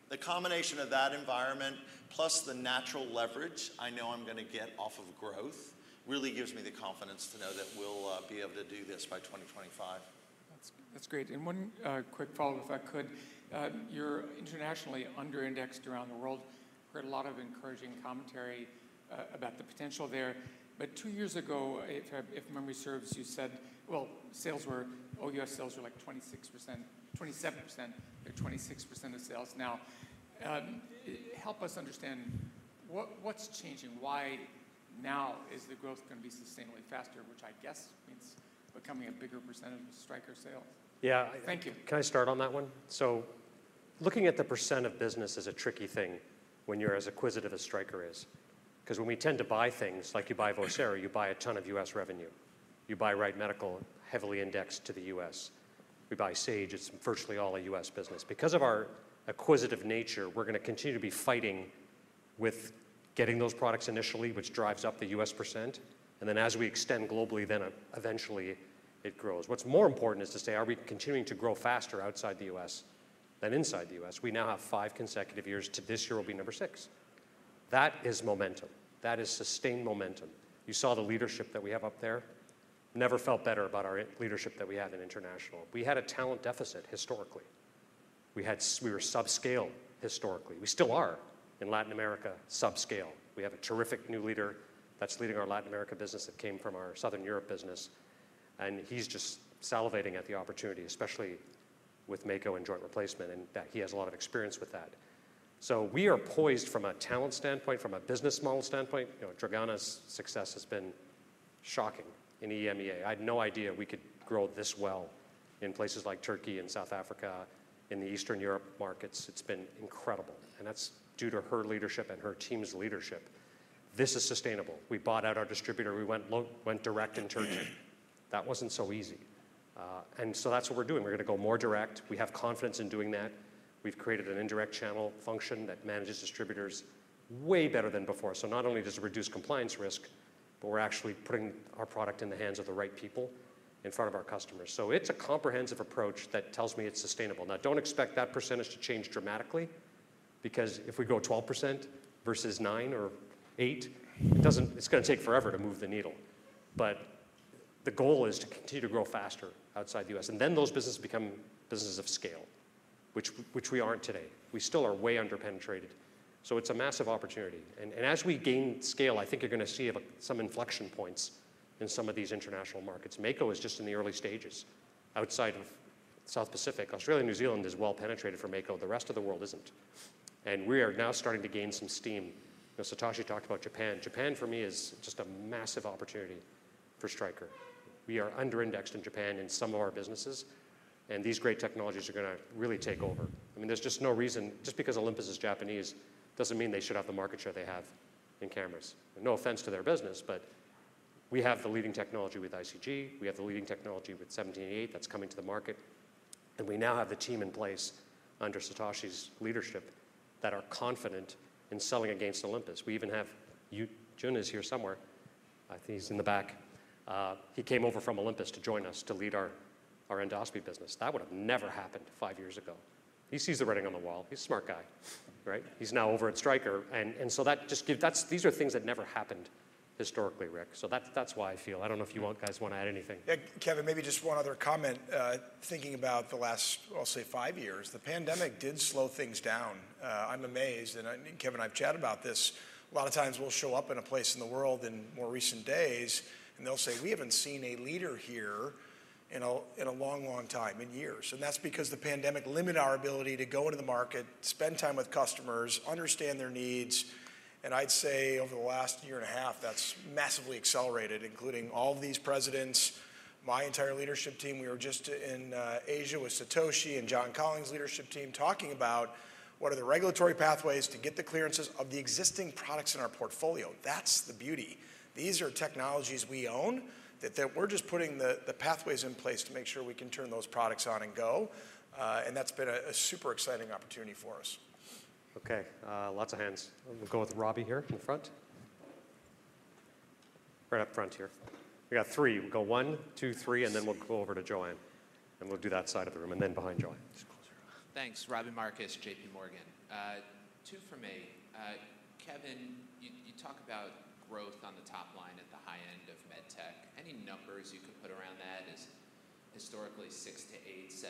the combination of that environment, plus the natural leverage I know I'm going to get off of growth, really gives me the confidence to know that we'll be able to do this by 2025. That's, that's great. And one quick follow-up, if I could. You're internationally under-indexed around the world. Heard a lot of encouraging commentary about the potential there. But two years ago, if, if memory serves, you said, well, sales were all U.S. sales were like 26%, 27% or 26% of sales. Now, help us understand, what, what's changing? Why now is the growth going to be sustainably faster, which I guess means becoming a bigger percentage of Stryker sales? Yeah. Thank you. Can I start on that one? So looking at the percent of business is a tricky thing when you're as acquisitive as Stryker is. Because when we tend to buy things, like you buy Vocera, you buy a ton of U.S. revenue. You buy Wright Medical, heavily indexed to the U.S. We buy Sage, it's virtually all a U.S. business. Because of our acquisitive nature, we're going to continue to be fighting with getting those products initially, which drives up the U.S. percent, and then as we extend globally, then, eventually it grows. What's more important is to say, are we continuing to grow faster outside the U.S. than inside the U.S.? We now have five consecutive years, to this year will be number six. That is momentum. That is sustained momentum. You saw the leadership that we have up there. Never felt better about our leadership that we have in international. We had a talent deficit historically. We were subscale historically. We still are, in Latin America, subscale. We have a terrific new leader that's leading our Latin America business, that came from our Southern Europe business, and he's just salivating at the opportunity, especially with Mako and joint replacement, and that he has a lot of experience with that. So we are poised from a talent standpoint, from a business model standpoint. You know, Dragana's success has been shocking in EMEA. I had no idea we could grow this well in places like Turkey and South Africa, in the Eastern Europe markets. It's been incredible, and that's due to her leadership and her team's leadership. This is sustainable. We bought out our distributor. We went direct in Turkey. That wasn't so easy. And so that's what we're doing. We're going to go more direct. We have confidence in doing that. We've created an indirect channel function that manages distributors way better than before. So not only does it reduce compliance risk, but we're actually putting our product in the hands of the right people in front of our customers. So it's a comprehensive approach that tells me it's sustainable. Now, don't expect that percentage to change dramatically, because if we go 12% versus 9% or 8%, it doesn't. It's going to take forever to move the needle. But the goal is to continue to grow faster outside the U.S., and then those businesses become businesses of scale, which we aren't today. We still are way under-penetrated. So it's a massive opportunity. As we gain scale, I think you're going to see some inflection points in some of these international markets. Mako is just in the early stages. Outside of South Pacific, Australia and New Zealand is well-penetrated for Mako. The rest of the world isn't, and we are now starting to gain some steam. You know, Satoshi talked about Japan. Japan, for me, is just a massive opportunity for Stryker. We are under-indexed in Japan in some of our businesses, and these great technologies are gonna really take over. I mean, there's just no reason. Just because Olympus is Japanese, doesn't mean they should have the market share they have in cameras. No offense to their business, but we have the leading technology with ICG, we have the leading technology with 1788 that's coming to the market, and we now have the team in place, under Satoshi's leadership, that are confident in selling against Olympus. We even have Yujun here somewhere. I think he's in the back. He came over from Olympus to join us to lead our endoscopy business. That would have never happened five years ago. He sees the writing on the wall. He's a smart guy, right? He's now over at Stryker, and so that's these are things that never happened historically, Rick. So that's why I feel. I don't know if you guys want to add anything. Yeah, Kevin, maybe just one other comment. Thinking about the last, well, say, five years, the pandemic did slow things down. I'm amazed, and I, Kevin and I have chatted about this. A lot of times, we'll show up in a place in the world in more recent days, and they'll say, we haven't seen a leader here in a long, long time, in years. And that's because the pandemic limited our ability to go into the market, spend time with customers, understand their needs, and I'd say over the last year and a half, that's massively accelerated, including all of these presidents, my entire leadership team. We were just in Asia with Satoshi and John Collings' leadership team, talking about what are the regulatory pathways to get the clearances of the existing products in our portfolio? That's the beauty. These are technologies we own, that we're just putting the pathways in place to make sure we can turn those products on and go. And that's been a super exciting opportunity for us. Okay, lots of hands. We'll go with Robbie here in the front. Right up front here. We got three. We'll go one, two, three, and then we'll go over to Joanne, and we'll do that side of the room, and then behind Joanne. Just closer. Thanks. Robbie Marcus, JPMorgan. Two from me. Kevin, you talk about growth on the top line at the high end of med tech. Any numbers you can put around that? Is historically 6%-8%, 7%-9%,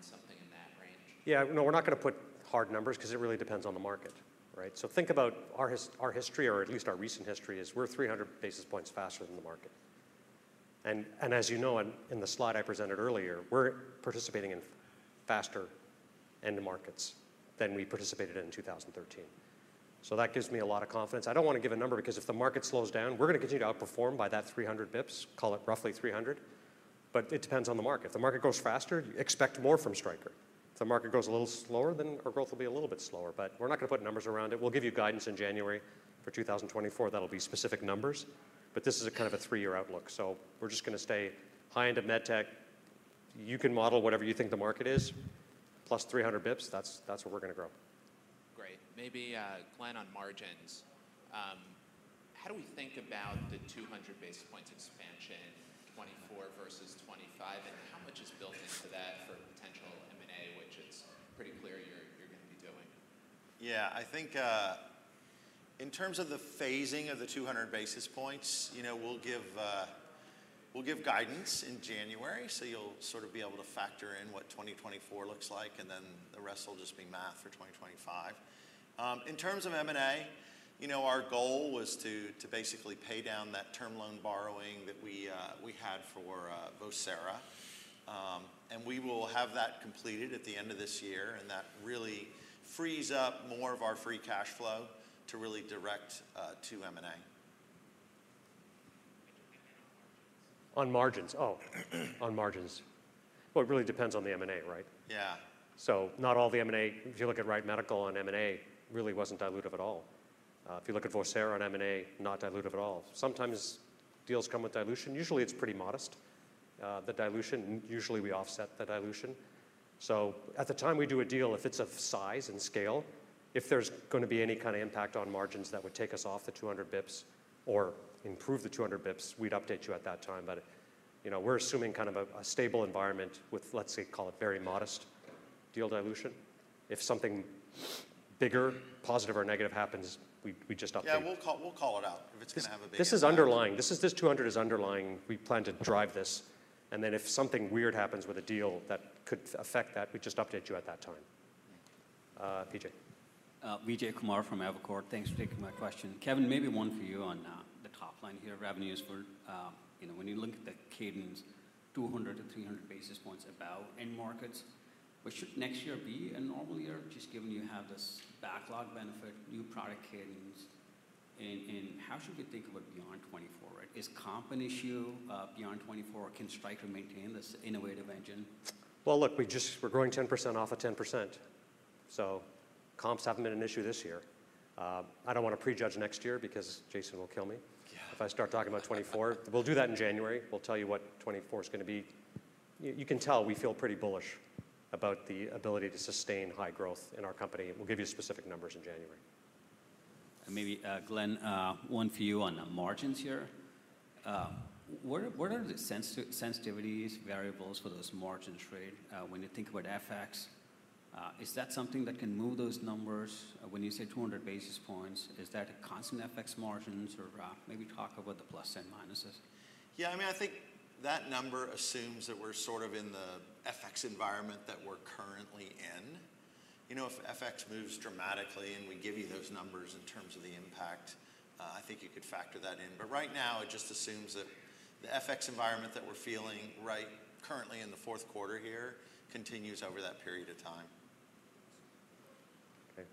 something in that range? Yeah, no, we're not going to put hard numbers because it really depends on the market, right? So think about our history, or at least our recent history, is we're 300 basis points faster than the market. And as you know, in the slide I presented earlier, we're participating in faster end markets than we participated in 2013. So that gives me a lot of confidence. I don't want to give a number because if the market slows down, we're going to continue to outperform by that 300 basis points, call it roughly 300, but it depends on the market. If the market goes faster, expect more from Stryker. If the market goes a little slower, then our growth will be a little bit slower. But we're not going to put numbers around it. We'll give you guidance in January for 2024, that'll be specific numbers, but this is a kind of a three-year outlook. We're just going to stay high end of med tech. You can model whatever you think the market is, +300 basis points, that's, that's where we're going to grow. Great. Maybe, Glenn, on margins, how do we think about the 200 basis points expansion, 2024 versus 2025? And how much is built into that for potential M&A, which it's pretty clear you're going to be doing? Yeah, I think, in terms of the phasing of the 200 basis points, you know, we'll give, we'll give guidance in January, so you'll sort of be able to factor in what 2024 looks like, and then the rest will just be math for 2025. In terms of M&A, you know, our goal was to, to basically pay down that term loan borrowing that we, we had for, Vocera. And we will have that completed at the end of this year, and that really frees up more of our free cash flow to really direct, to M&A. On margins. Oh, on margins. Well, it really depends on the M&A, right? Yeah. So not all the M&A. If you look at Wright Medical on M&A, really wasn't dilutive at all. If you look at Vocera on M&A, not dilutive at all. Sometimes deals come with dilution. Usually, it's pretty modest, the dilution, and usually, we offset the dilution. So at the time we do a deal, if it's of size and scale, if there's going to be any kind of impact on margins, that would take us off the 200 basis points or improve the 200 basis points, we'd update you at that time. But, you know, we're assuming kind of a stable environment with, let's say, call it very modest deal dilution. If something bigger, positive or negative happens, we just update- Yeah, we'll call it out if it's going to have a big impact. This is underlying. This 200 is underlying. We plan to drive this. Then, if something weird happens with a deal that could affect that, we just update you at that time. Thank you. Uh, Vijay? Vijay Kumar from Evercore, thanks for taking my question. Kevin, maybe one for you on the top line here, revenues. Where you know, when you look at the cadence, 200-300 basis points about end markets, but should next year be a normal year, just given you have this backlog benefit, new product cadence? And how should we think about beyond 2024, right? Is comp an issue beyond 2024? Can Stryker maintain this innovative engine? Well, look, we're growing 10% off of 10%, so comps haven't been an issue this year. I don't want to prejudge next year because Jason will kill me- Yeah If I start talking about 2024. We'll do that in January. We'll tell you what 2024 is going to be. You, you can tell we feel pretty bullish about the ability to sustain high growth in our company. We'll give you specific numbers in January. And maybe, Glenn, one for you on the margins here. What are the sensitivities, variables for those margin trade when you think about FX? Is that something that can move those numbers? When you say 200 basis points, is that a constant FX margins? Or maybe talk about the plus and minuses. Yeah, I mean, I think that number assumes that we're sort of in the FX environment that we're currently in. You know, if FX moves dramatically and we give you those numbers in terms of the impact, I think you could factor that in. But right now, it just assumes that the FX environment that we're feeling right currently in the fourth quarter here, continues over that period of time. Okay,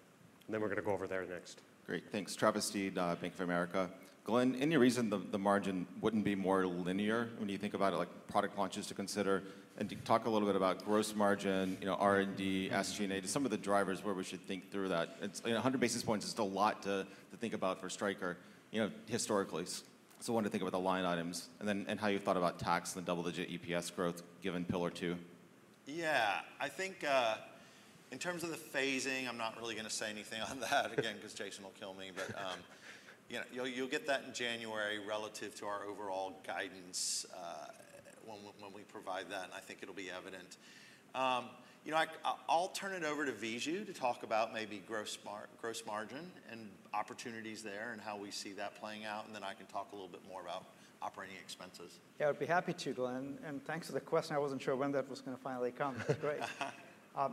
and then we're going to go over there next. Great, thanks. Travis Steed, Bank of America. Glenn, any reason the margin wouldn't be more linear when you think about, like, product launches to consider? And talk a little bit about gross margin, you know, R&D, SG&A, some of the drivers where we should think through that. It's, You know, 100 basis points is still a lot to think about for Stryker, you know, historically. So I wanted to think about the line items, and then, and how you thought about tax and the double-digit EPS growth, given Pillar Two. Yeah. I think, in terms of the phasing, I'm not really going to say anything on that again, because Jason will kill me. But, you know, you'll get that in January relative to our overall guidance, when we provide that, and I think it'll be evident. You know, I'll turn it over to Viju to talk about maybe gross margin and opportunities there and how we see that playing out, and then I can talk a little bit more about operating expenses. Yeah, I'd be happy to, Glenn, and thanks for the question. I wasn't sure when that was going to finally come. That's great.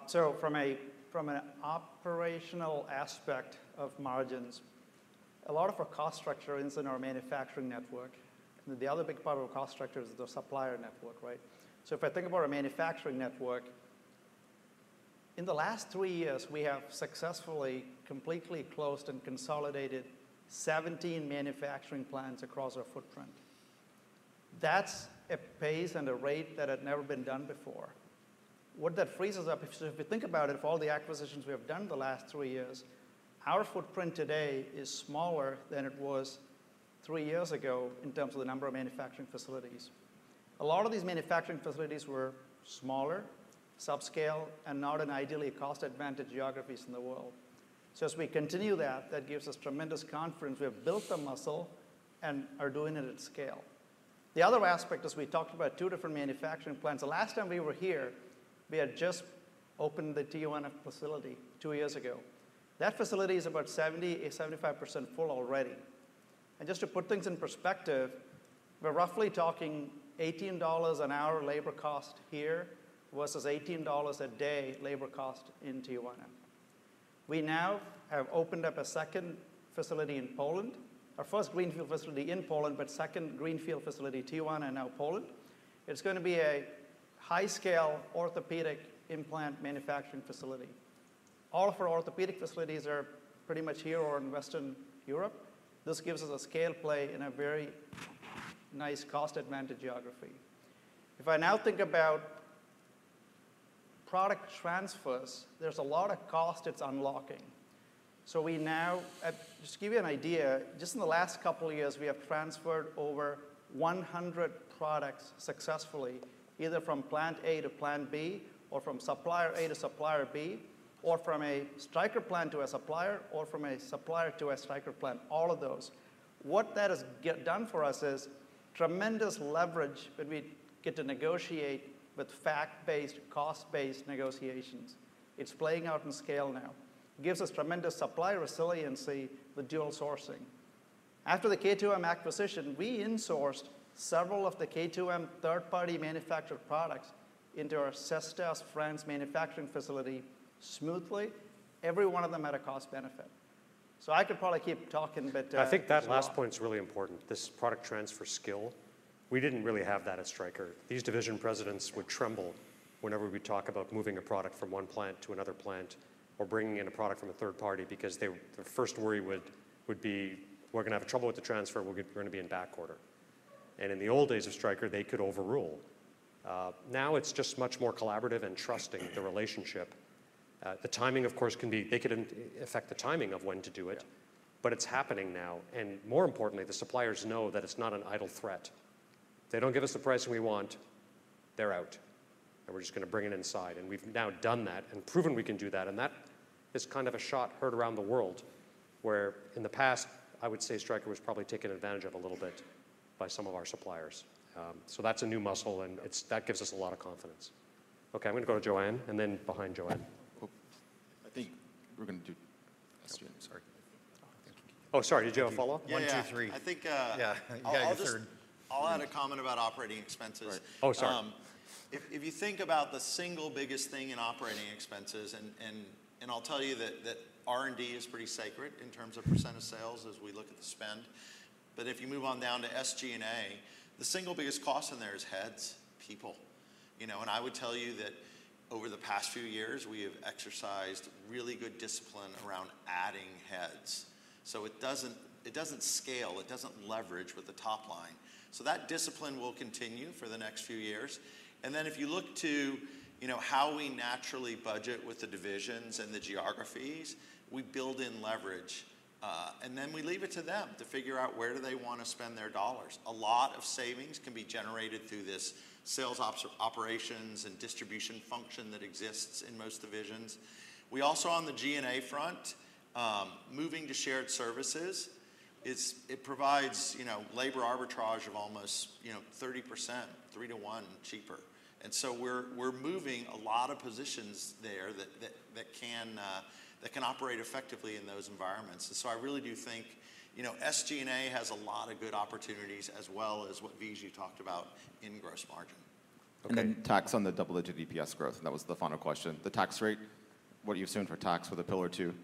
So from an operational aspect of margins. A lot of our cost structure is in our manufacturing network, and the other big part of our cost structure is the supplier network, right? So if I think about our manufacturing network, in the last three years, we have successfully, completely closed and consolidated 17 manufacturing plants across our footprint. That's a pace and a rate that had never been done before. What that freezes up, if you, if you think about it, of all the acquisitions we have done in the last three years, our footprint today is smaller than it was three years ago in terms of the number of manufacturing facilities. A lot of these manufacturing facilities were smaller, subscale, and not in ideally cost-advantaged geographies in the world. So as we continue that, that gives us tremendous confidence. We have built the muscle and are doing it at scale. The other aspect, as we talked about two different manufacturing plants, the last time we were here, we had just opened the Tijuana facility two years ago. That facility is about 70%-75% full already. Just to put things in perspective, we're roughly talking $18 an hour labor cost here versus $18 a day labor cost in Tijuana. We now have opened up a second facility in Poland. Our first greenfield facility in Poland, but second greenfield facility, Tijuana and now Poland. It's going to be a high-scale orthopedic implant manufacturing facility. All of our orthopedic facilities are pretty much here or in Western Europe. This gives us a scale play in a very nice cost-advantaged geography. If I now think about product transfers, there's a lot of cost it's unlocking. So we now, just to give you an idea, just in the last couple of years, we have transferred over 100 products successfully, either from plant A to plant B, or from supplier A to supplier B, or from a Stryker plant to a supplier, or from a supplier to a Stryker plant, all of those. What that has gotten done for us is tremendous leverage when we get to negotiate with fact-based, cost-based negotiations. It's playing out in scale now. It gives us tremendous supply resiliency with dual sourcing. After the K2M acquisition, we insourced several of the K2M third-party manufactured products into our Cestas, France, manufacturing facility smoothly, every one of them at a cost benefit. So I could probably keep talking, but, I think that last point is really important, this product transfer skill. We didn't really have that at Stryker. These division presidents would tremble whenever we'd talk about moving a product from one plant to another plant or bringing in a product from a third party because their first worry would be, we're gonna have trouble with the transfer. We're gonna be in back order. And in the old days of Stryker, they could overrule. Now it's just much more collaborative and trusting, the relationship. The timing, of course, can be. They can affect the timing of when to do it. Yeah. but it's happening now. And more importantly, the suppliers know that it's not an idle threat. They don't give us the price we want, they're out, and we're just gonna bring it inside. And we've now done that and proven we can do that, and that is kind of a shot heard around the world, where in the past, I would say Stryker was probably taken advantage of a little bit by some of our suppliers. So that's a new muscle, and it's that gives us a lot of confidence. Okay, I'm going to go to Joanne, and then behind Joanne. I think we're going to do... Sorry. Oh, sorry. Did you have a follow-up? Yeah, yeah. One, two, three. I think, Yeah. I'll just- You heard- I'll add a comment about operating expenses. Right. Oh, sorry. If you think about the single biggest thing in operating expenses, and I'll tell you that R&D is pretty sacred in terms of percent of sales as we look at the spend. But if you move on down to SG&A, the single biggest cost in there is heads, people. You know, and I would tell you that over the past few years, we have exercised really good discipline around adding heads. So it doesn't scale, it doesn't leverage with the top line. So that discipline will continue for the next few years. And then, if you look to, you know, how we naturally budget with the divisions and the geographies, we build in leverage, and then we leave it to them to figure out where do they want to spend their dollars. A lot of savings can be generated through this sales operations and distribution function that exists in most divisions. We also, on the G&A front, moving to shared services, it provides, you know, labor arbitrage of almost, you know, 30%, 3-to-1 cheaper. And so we're moving a lot of positions there that can operate effectively in those environments. And so I really do think, you know, SG&A has a lot of good opportunities, as well as what Viju talked about in gross margin. Okay. Tax on the double-digit EPS growth, that was the final question. The tax rate, what do you assume for tax with the Pillar Two?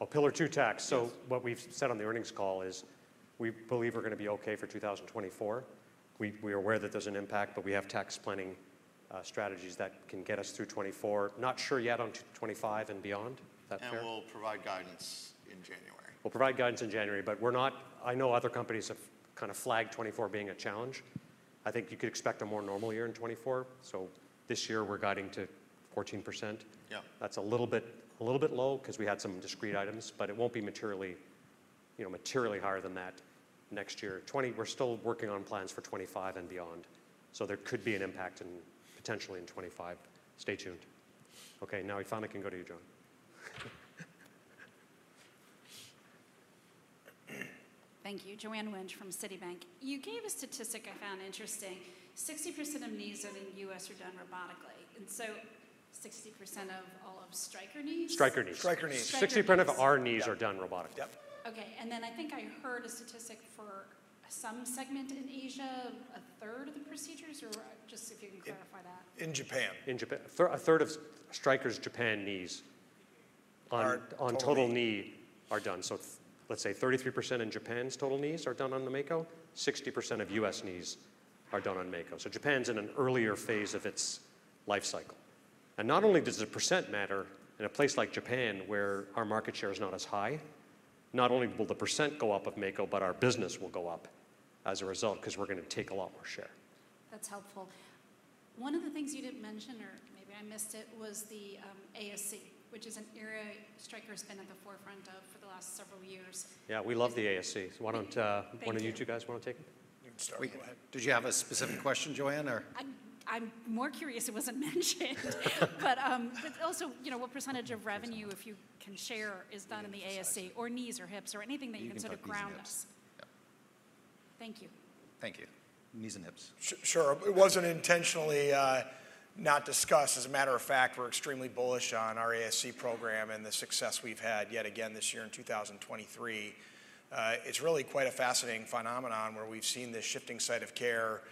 Oh, Pillar Two tax. Yes. So what we've said on the earnings call is, we believe we're gonna be okay for 2024. We are aware that there's an impact, but we have tax planning strategies that can get us through 2024. Not sure yet on 2025 and beyond. That fair? We'll provide guidance in January. We'll provide guidance in January, but we're not, I know other companies have kind of flagged 2024 being a challenge. I think you could expect a more normal year in 2024. So this year, we're guiding to 14%. Yeah. That's a little bit, a little bit low because we had some discrete items, but it won't be materially, you know, materially higher than that next year. 2020, we're still working on plans for 2025 and beyond, so there could be an impact in, potentially in 2025. Stay tuned. Okay, now we finally can go to you, Joanne. Thank you. Joanne Wuensch from Citibank. You gave a statistic I found interesting: 60% of knees done in the U.S. are done robotically. And so 60% of all of Stryker knees? Stryker knees. Stryker knees. 60% of our knees are done robotically. Yep. Okay, and then I think I heard a statistic for, some segment in Asia, a third of the procedures? Or just if you can clarify that. In Japan. In Japan. A third of Stryker's Japan knees- Are totally- On total knee are done. So let's say 33% in Japan's total knees are done on the Mako. 60% of U.S. knees are done on Mako. So Japan's in an earlier phase of its life cycle. And not only does the percent matter in a place like Japan, where our market share is not as high, not only will the percent go up of Mako, but our business will go up as a result, 'cause we're gonna take a lot more share. That's helpful. One of the things you didn't mention, or maybe I missed it, was the ASC, which is an area Stryker's been at the forefront of for the last several years. Yeah, we love the ASC. Thank you. Why don't one of you two guys wanna take it? You can start, go ahead. Did you have a specific question, Joanne, or? I'm more curious it wasn't mentioned. But also, you know, what percentage of revenue, if you can share, is done in the ASC or knees or hips or anything that you can sort of ground us? You can talk knees and hips. Yeah. Thank you. Thank you. Knees and hips. Sure. It wasn't intentionally not discussed. As a matter of fact, we're extremely bullish on our ASC program and the success we've had yet again this year in 2023. It's really quite a fascinating phenomenon, where we've seen this shifting site of care,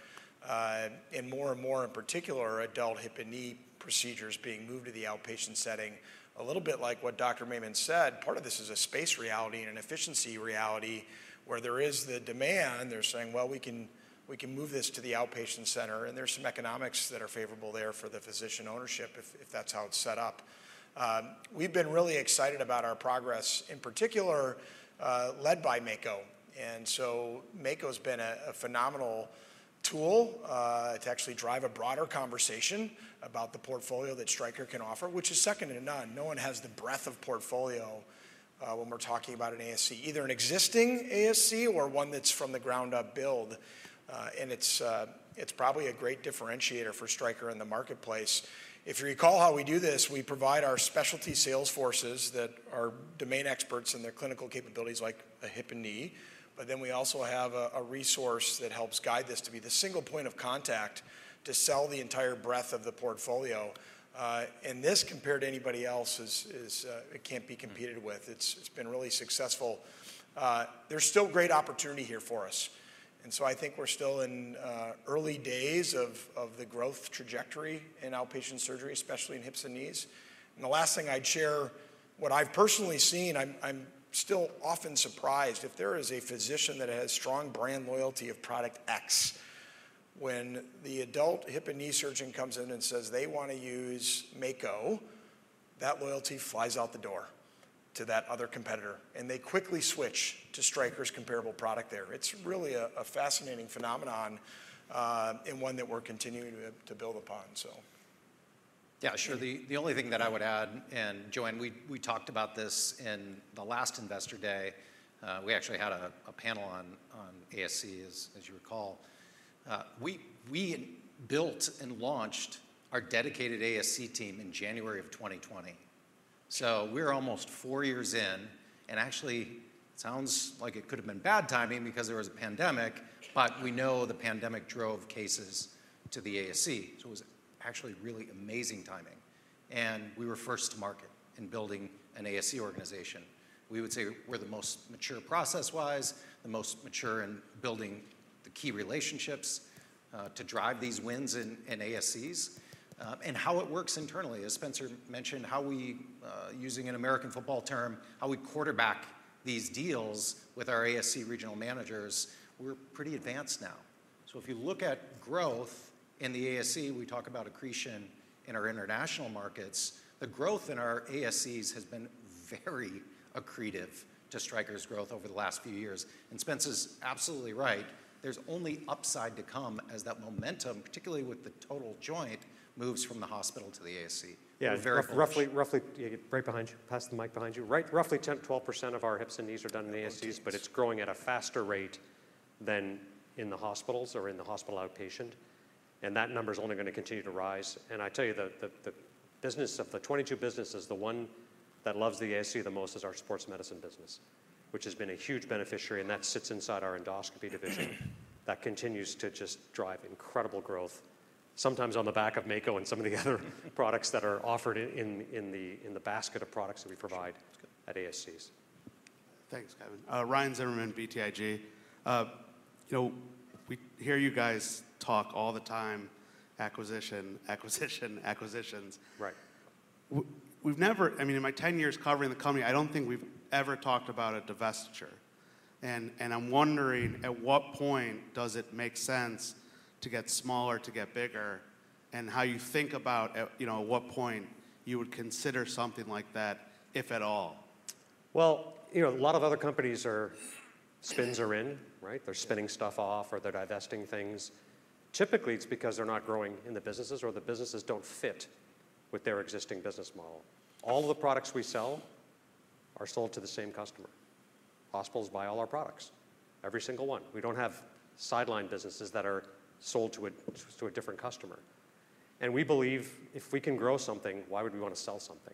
and more and more, in particular, adult hip and knee procedures being moved to the outpatient setting. A little bit like what Dr. Mayman said, part of this is a space reality and an efficiency reality, where there is the demand. They're saying: Well, we can, we can move this to the outpatient center, and there's some economics that are favorable there for the physician ownership if that's how it's set up. We've been really excited about our progress, in particular, led by Mako. Mako's been a phenomenal tool to actually drive a broader conversation about the portfolio that Stryker can offer, which is second to none. No one has the breadth of portfolio when we're talking about an ASC, either an existing ASC or one that's from the ground-up build. It's probably a great differentiator for Stryker in the marketplace. If you recall how we do this, we provide our specialty sales forces that are domain experts in their clinical capabilities, like a hip and knee, but then we also have a resource that helps guide this to be the single point of contact to sell the entire breadth of the portfolio. This, compared to anybody else, is it can't be competed with. It's been really successful. There's still great opportunity here for us, and so I think we're still in early days of the growth trajectory in outpatient surgery, especially in hips and knees. The last thing I'd share, what I've personally seen, I'm still often surprised if there is a physician that has strong brand loyalty of product X, when the adult hip and knee surgeon comes in and says they want to use Mako, that loyalty flies out the door to that other competitor, and they quickly switch to Stryker's comparable product there. It's really a fascinating phenomenon, and one that we're continuing to build upon, so. Yeah, sure. The only thing that I would add, and Joanne, we talked about this in the last Investor Day. We actually had a panel on ASCs, as you recall. We built and launched our dedicated ASC team in January of 2020. So we're almost four years in, and actually, it sounds like it could have been bad timing because there was a pandemic, but we know the pandemic drove cases to the ASC, so it was actually really amazing timing. And we were first to market in building an ASC organization. We would say we're the most mature process-wise, the most mature in building the key relationships to drive these wins in ASCs. And how it works internally, as Spencer mentioned, how we, using an American football term, how we quarterback these deals with our ASC regional managers, we're pretty advanced now. So if you look at growth in the ASC, we talk about accretion in our international markets, the growth in our ASCs has been very accretive to Stryker's growth over the last few years. And Spencer's absolutely right, there's only upside to come as that momentum, particularly with the total joint, moves from the hospital to the ASC. Yeah- Very bullish. Roughly. Yeah, right behind you. Pass the mic behind you. Right, roughly 10%-12% of our hips and knees are done in the ASCs- One, two But it's growing at a faster rate than in the hospitals or in the hospital outpatient, and that number is only going to continue to rise. And I tell you, the business, of the 22 businesses, the one that loves the ASC the most is our Sports Medicine business, which has been a huge beneficiary, and that sits inside our Endoscopy Division. That continues to just drive incredible growth, sometimes on the back of Mako and some of the other products that are offered in the basket of products that we provide at ASCs. Thanks, Kevin. Ryan Zimmerman, BTIG. You know, we hear you guys talk all the time, acquisition, acquisition, acquisitions. Right. We've never, I mean, in my 10 years covering the company, I don't think we've ever talked about a divestiture. And I'm wondering, at what point does it make sense to get smaller, to get bigger, and how you think about at, you know, what point you would consider something like that, if at all? Well, you know, a lot of other companies are, spinoffs are in, right? They're spinning stuff off or they're divesting things. Typically, it's because they're not growing in the businesses or the businesses don't fit with their existing business model. All the products we sell are sold to the same customer. Hospitals buy all our products, every single one. We don't have sideline businesses that are sold to a, to a different customer. And we believe, if we can grow something, why would we want to sell something?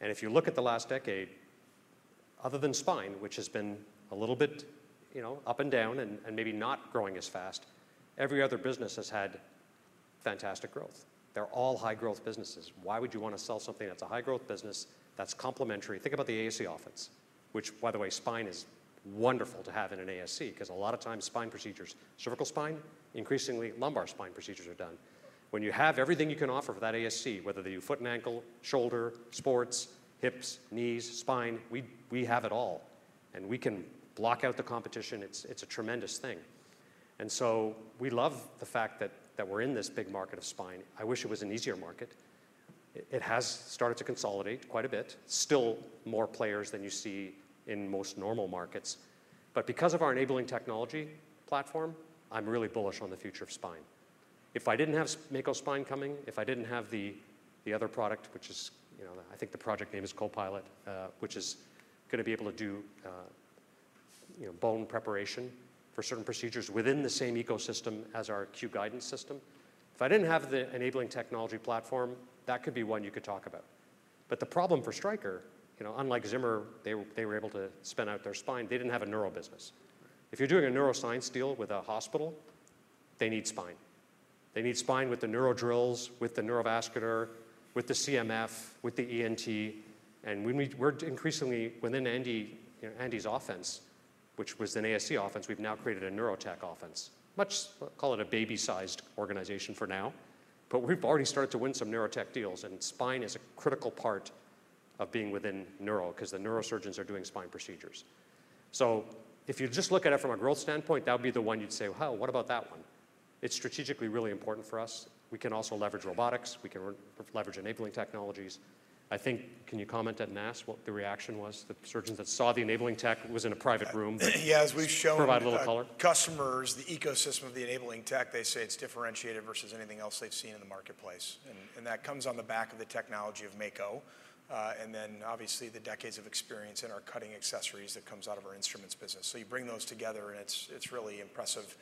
And if you look at the last decade, other than spine, which has been a little bit, you know, up and down and, and maybe not growing as fast, every other business has had fantastic growth. They're all high-growth businesses. Why would you want to sell something that's a high-growth business, that's complementary? Think about the ASC offense, which, by the way, spine is wonderful to have in an ASC, 'cause a lot of times spine procedures, cervical spine, increasingly lumbar spine procedures are done. When you have everything you can offer for that ASC, whether the foot and ankle, shoulder, sports, hips, knees, spine, we, we have it all, and we can block out the competition. It's, it's a tremendous thing. And so we love the fact that, that we're in this big market of spine. I wish it was an easier market. It, it has started to consolidate quite a bit. Still more players than you see in most normal markets. But because of our enabling technology platform, I'm really bullish on the future of spine. If I didn't have Mako Spine coming, if I didn't have the other product, which is, you know, I think the project name is Copilot, which is gonna be able to do, you know, bone preparation for certain procedures within the same ecosystem as our Q Guidance system. If I didn't have the enabling technology platform, that could be one you could talk about. But the problem for Stryker, you know, unlike Zimmer, they were, they were able to spin out their spine, they didn't have a neural business. If you're doing a neuroscience deal with a hospital, they need spine. They need spine with the neurodrills, with the neurovascular, with the CMF, with the ENT, and when we're increasingly within Andy, you know, Andy's offense, which was an ASC offense, we've now created a neurotech offense. Let's call it a baby-sized organization for now, but we've already started to win some neurotech deals, and spine is a critical part of being within neural, 'cause the neurosurgeons are doing spine procedures. So if you just look at it from a growth standpoint, that would be the one you'd say, well, what about that one?" It's strategically really important for us. We can also leverage robotics. We can leverage enabling technologies. I think, can you comment at NASS what the reaction was? The surgeons that saw the enabling tech was in a private room. Yeah, as we've shown- Provide a little color. Customers, the ecosystem of the enabling tech, they say it's differentiated versus anything else they've seen in the marketplace. Mm. And that comes on the back of the technology of Mako, and then obviously, the decades of experience in our cutting accessories that comes out of our instruments business. So you bring those together, and it's really impressive.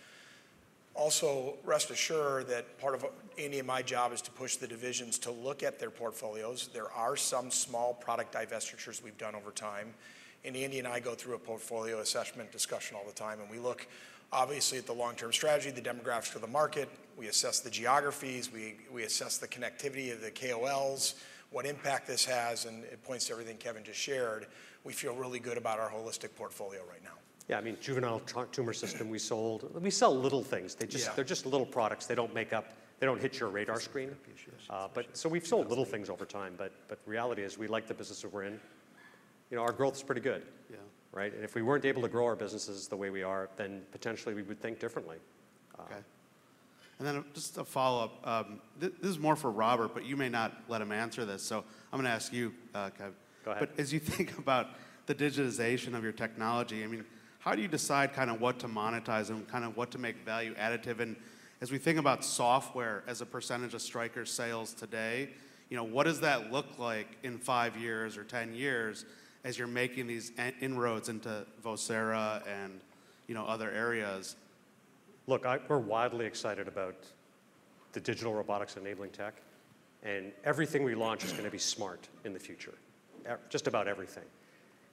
Also, rest assured that part of Andy and my job is to push the divisions to look at their portfolios. There are some small product divestitures we've done over time, and Andy and I go through a portfolio assessment discussion all the time, and we look obviously at the long-term strategy, the demographics for the market. We assess the geographies, we assess the connectivity of the KOLs, what impact this has, and it points to everything Kevin just shared. We feel really good about our holistic portfolio right now. Yeah, I mean, juvenile tumor system we sold. We sell little things. Yeah. They're just little products. They don't hit your radar screen. But so we've sold little things over time, but the reality is, we like the business that we're in. You know, our growth is pretty good. Yeah. Right? And if we weren't able to grow our businesses the way we are, then potentially we would think differently. Okay. And then just a follow-up. This is more for Robert, but you may not let him answer this, so I'm gonna ask you, Kev- Go ahead. As you think about the digitization of your technology, I mean, how do you decide kind of what to monetize and kind of what to make value additive? As we think about software as a percentage of Stryker sales today, you know, what does that look like in five years or 10 years as you're making these inroads into Vocera and, you know, other areas? Look, we're wildly excited about the digital robotics enabling tech, and everything we launch is gonna be smart in the future. Just about everything.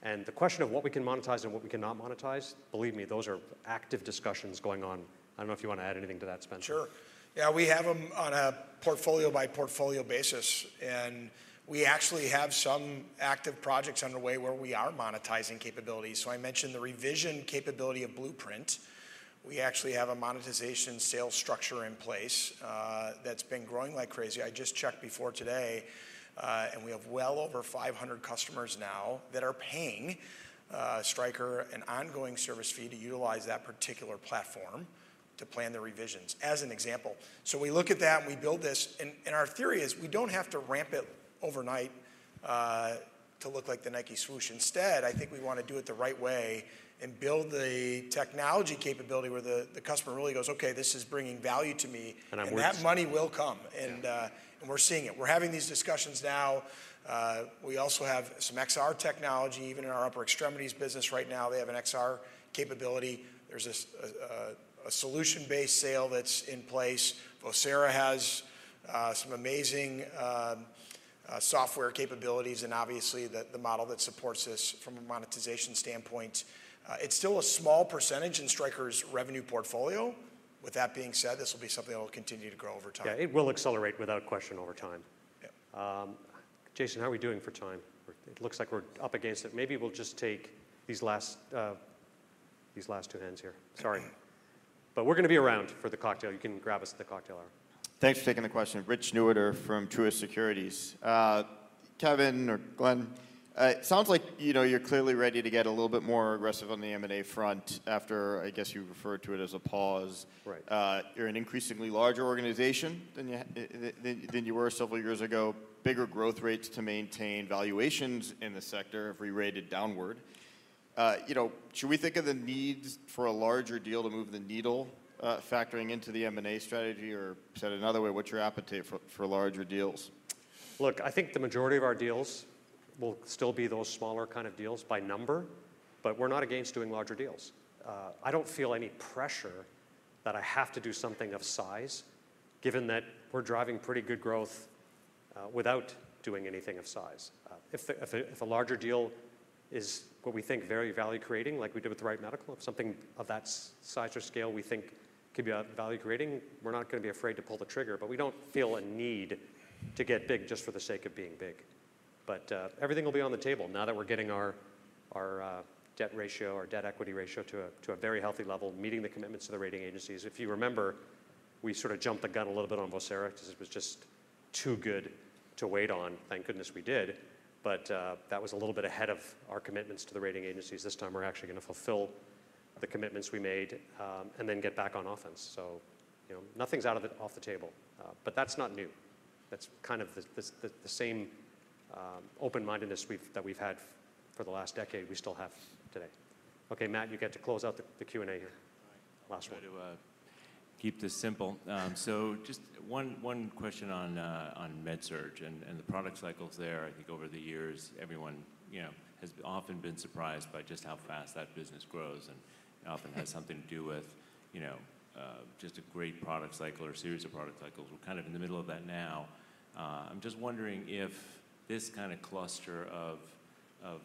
And the question of what we can monetize and what we cannot monetize, believe me, those are active discussions going on. I don't know if you want to add anything to that, Spencer. Sure. Yeah, we have them on a portfolio-by-portfolio basis, and we actually have some active projects underway where we are monetizing capabilities. So I mentioned the revision capability of Blueprint. We actually have a monetization sales structure in place, that's been growing like crazy. I just checked before today, and we have well over 500 customers now that are paying, Stryker an ongoing service fee to utilize that particular platform to plan their revisions, as an example. So we look at that, and we build this. And our theory is, we don't have to ramp it overnight, to look like the Nike Swoosh. Instead, I think we want to do it the right way and build the technology capability where the customer really goes, okay, this is bringing value to me- I'm worth- And that money will come. Yeah. We're seeing it. We're having these discussions now. We also have some XR technology, even in our upper extremities business right now, they have an XR capability. There's a solution-based sale that's in place. Vocera has some amazing software capabilities and obviously the model that supports this from a monetization standpoint. It's still a small percentage in Stryker's revenue portfolio. With that being said, this will be something that will continue to grow over time. Yeah, it will accelerate without question over time. Yeah. Jason, how are we doing for time? It looks like we're up against it. Maybe we'll just take these last two hands here. Sorry. But we're gonna be around for the cocktail. You can grab us at the cocktail hour. Thanks for taking the question. Rich Newitter from Truist Securities. Kevin or Glenn, it sounds like, you know, you're clearly ready to get a little bit more aggressive on the M&A front after, I guess, you referred to it as a pause. Right. You're an increasingly larger organization than you were several years ago, bigger growth rates to maintain valuations in the sector if re-rated downward. You know, should we think of the needs for a larger deal to move the needle, factoring into the M&A strategy? Or said another way, what's your appetite for larger deals? Look, I think the majority of our deals will still be those smaller kind of deals by number, but we're not against doing larger deals. I don't feel any pressure that I have to do something of size, given that we're driving pretty good growth without doing anything of size. If a larger deal is what we think very value creating, like we did with the Wright Medical, if something of that size or scale we think could be value creating, we're not going to be afraid to pull the trigger, but we don't feel a need to get big just for the sake of being big. But everything will be on the table now that we're getting our debt ratio, our debt equity ratio, to a very healthy level, meeting the commitments to the rating agencies. If you remember, we sort of jumped the gun a little bit on Vocera because it was just too good to wait on. Thank goodness we did. But that was a little bit ahead of our commitments to the rating agencies. This time we're actually going to fulfill the commitments we made, and then get back on offense. So, you know, nothing's off the table, but that's not new. That's kind of the same open-mindedness that we've had for the last decade. We still have today. Okay, Matt, you get to close out the Q&A here. Last one. I'll try to keep this simple. So just one, one question on on MedSurg and the product cycles there. I think over the years, everyone, you know, has often been surprised by just how fast that business grows, and often has something to do with, you know, just a great product cycle or series of product cycles. We're kind of in the middle of that now. I'm just wondering if this kind of cluster of of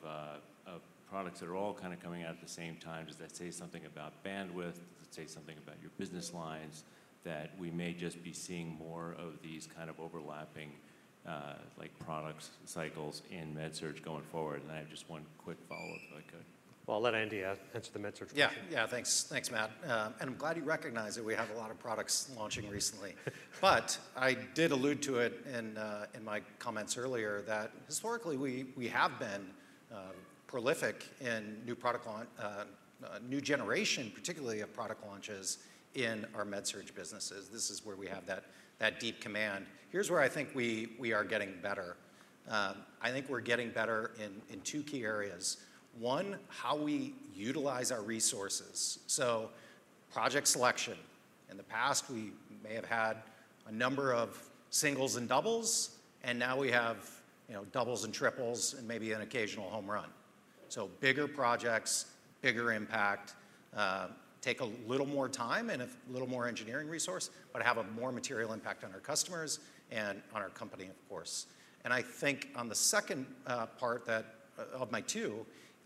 products that are all kind of coming out at the same time, does that say something about bandwidth? Does it say something about your business lines, that we may just be seeing more of these kind of overlapping, like, products cycles in MedSurg going forward? And I have just one quick follow-up if I could. Well, I'll let Andy answer the MedSurg question. Yeah. Yeah, thanks. Thanks, Matt. And I'm glad you recognize that we have a lot of products launching recently. But I did allude to it in my comments earlier, that historically, we have been prolific in new product launch, new generation, particularly of product launches in our MedSurg business. This is where we have that deep command. Here's where I think we are getting better. I think we're getting better in two key areas. One, how we utilize our resources. So project selection. In the past, we may have had a number of singles and doubles, and now we have, you know, doubles and triples and maybe an occasional home run. So bigger projects, bigger impact take a little more time and a little more engineering resource, but have a more material impact on our customers and on our company, of course. And I think on the second part of my two,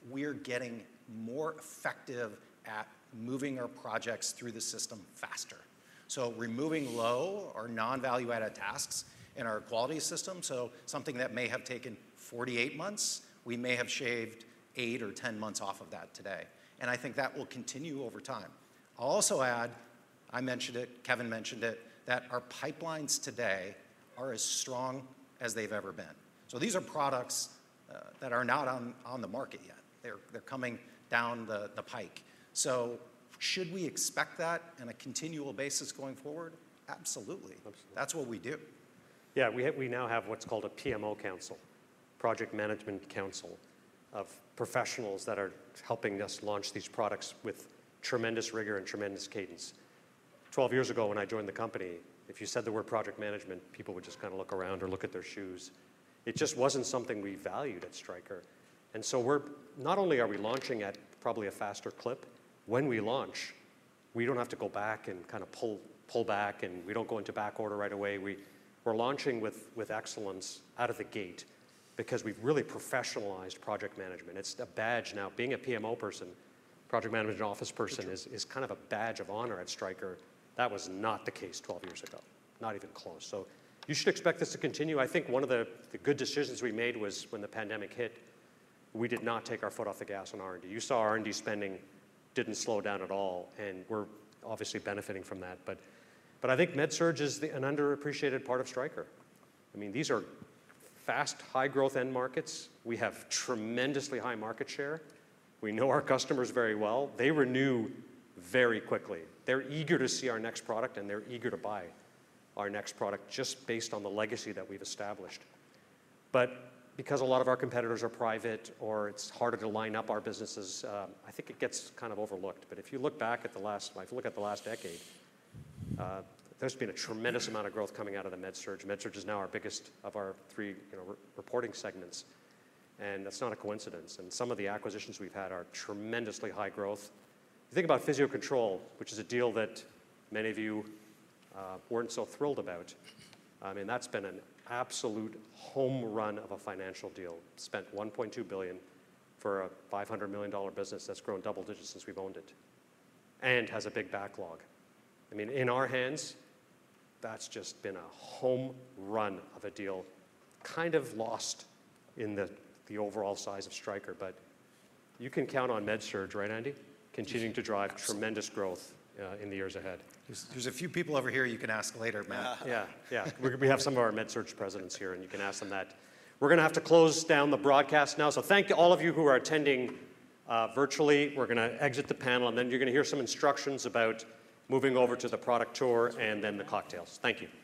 we're getting more effective at moving our projects through the system faster. So removing low or non-value-added tasks in our quality system, so something that may have taken 48 months, we may have shaved eight or 10 months off of that today, and I think that will continue over time. I'll also add, I mentioned it, Kevin mentioned it, that our pipelines today are as strong as they've ever been. So these are products that are not on the market yet. They're coming down the pike. So should we expect that on a continual basis going forward? Absolutely. Absolutely. That's what we do. Yeah, we have, we now have what's called a PMO Council, Project Management Council, of professionals that are helping us launch these products with tremendous rigor and tremendous cadence. 12 years ago, when I joined the company, if you said the word project management, people would just kind of look around or look at their shoes. It just wasn't something we valued at Stryker. And so we're, not only are we launching at probably a faster clip, when we launch, we don't have to go back and kind of pull back, and we don't go into backorder right away. We're launching with excellence out of the gate because we've really professionalized project management. It's a badge now. Being a PMO person, project management office person- True Is kind of a badge of honor at Stryker. That was not the case 12 years ago, not even close. So you should expect this to continue. I think one of the good decisions we made was when the pandemic hit, we did not take our foot off the gas on R&D. You saw our R&D spending didn't slow down at all, and we're obviously benefiting from that. But I think MedSurg is an underappreciated part of Stryker. I mean, these are fast, high growth end markets. We have tremendously high market share. We know our customers very well. They renew very quickly. They're eager to see our next product, and they're eager to buy our next product, just based on the legacy that we've established. But because a lot of our competitors are private or it's harder to line up our businesses, I think it gets kind of overlooked. But if you look at the last decade, there's been a tremendous amount of growth coming out of the MedSurg. MedSurg is now our biggest of our three, you know, reporting segments, and that's not a coincidence. And some of the acquisitions we've had are tremendously high growth. If you think about Physio-Control, which is a deal that many of you weren't so thrilled about, I mean, that's been an absolute home run of a financial deal. Spent $1.2 billion for a $500 million business that's grown double digits since we've owned it, and has a big backlog. I mean, in our hands, that's just been a home run of a deal, kind of lost in the overall size of Stryker. But you can count on MedSurg, right, Andy? Yes. Continuing to drive tremendous growth in the years ahead. There's a few people over here you can ask later, Matt. Yeah. Yeah, yeah. We're gonna have some of our MedSurg presidents here, and you can ask them that. We're gonna have to close down the broadcast now. So thank you all of you who are attending virtually. We're gonna exit the panel, and then you're gonna hear some instructions about moving over to the product tour and then the cocktails. Thank you.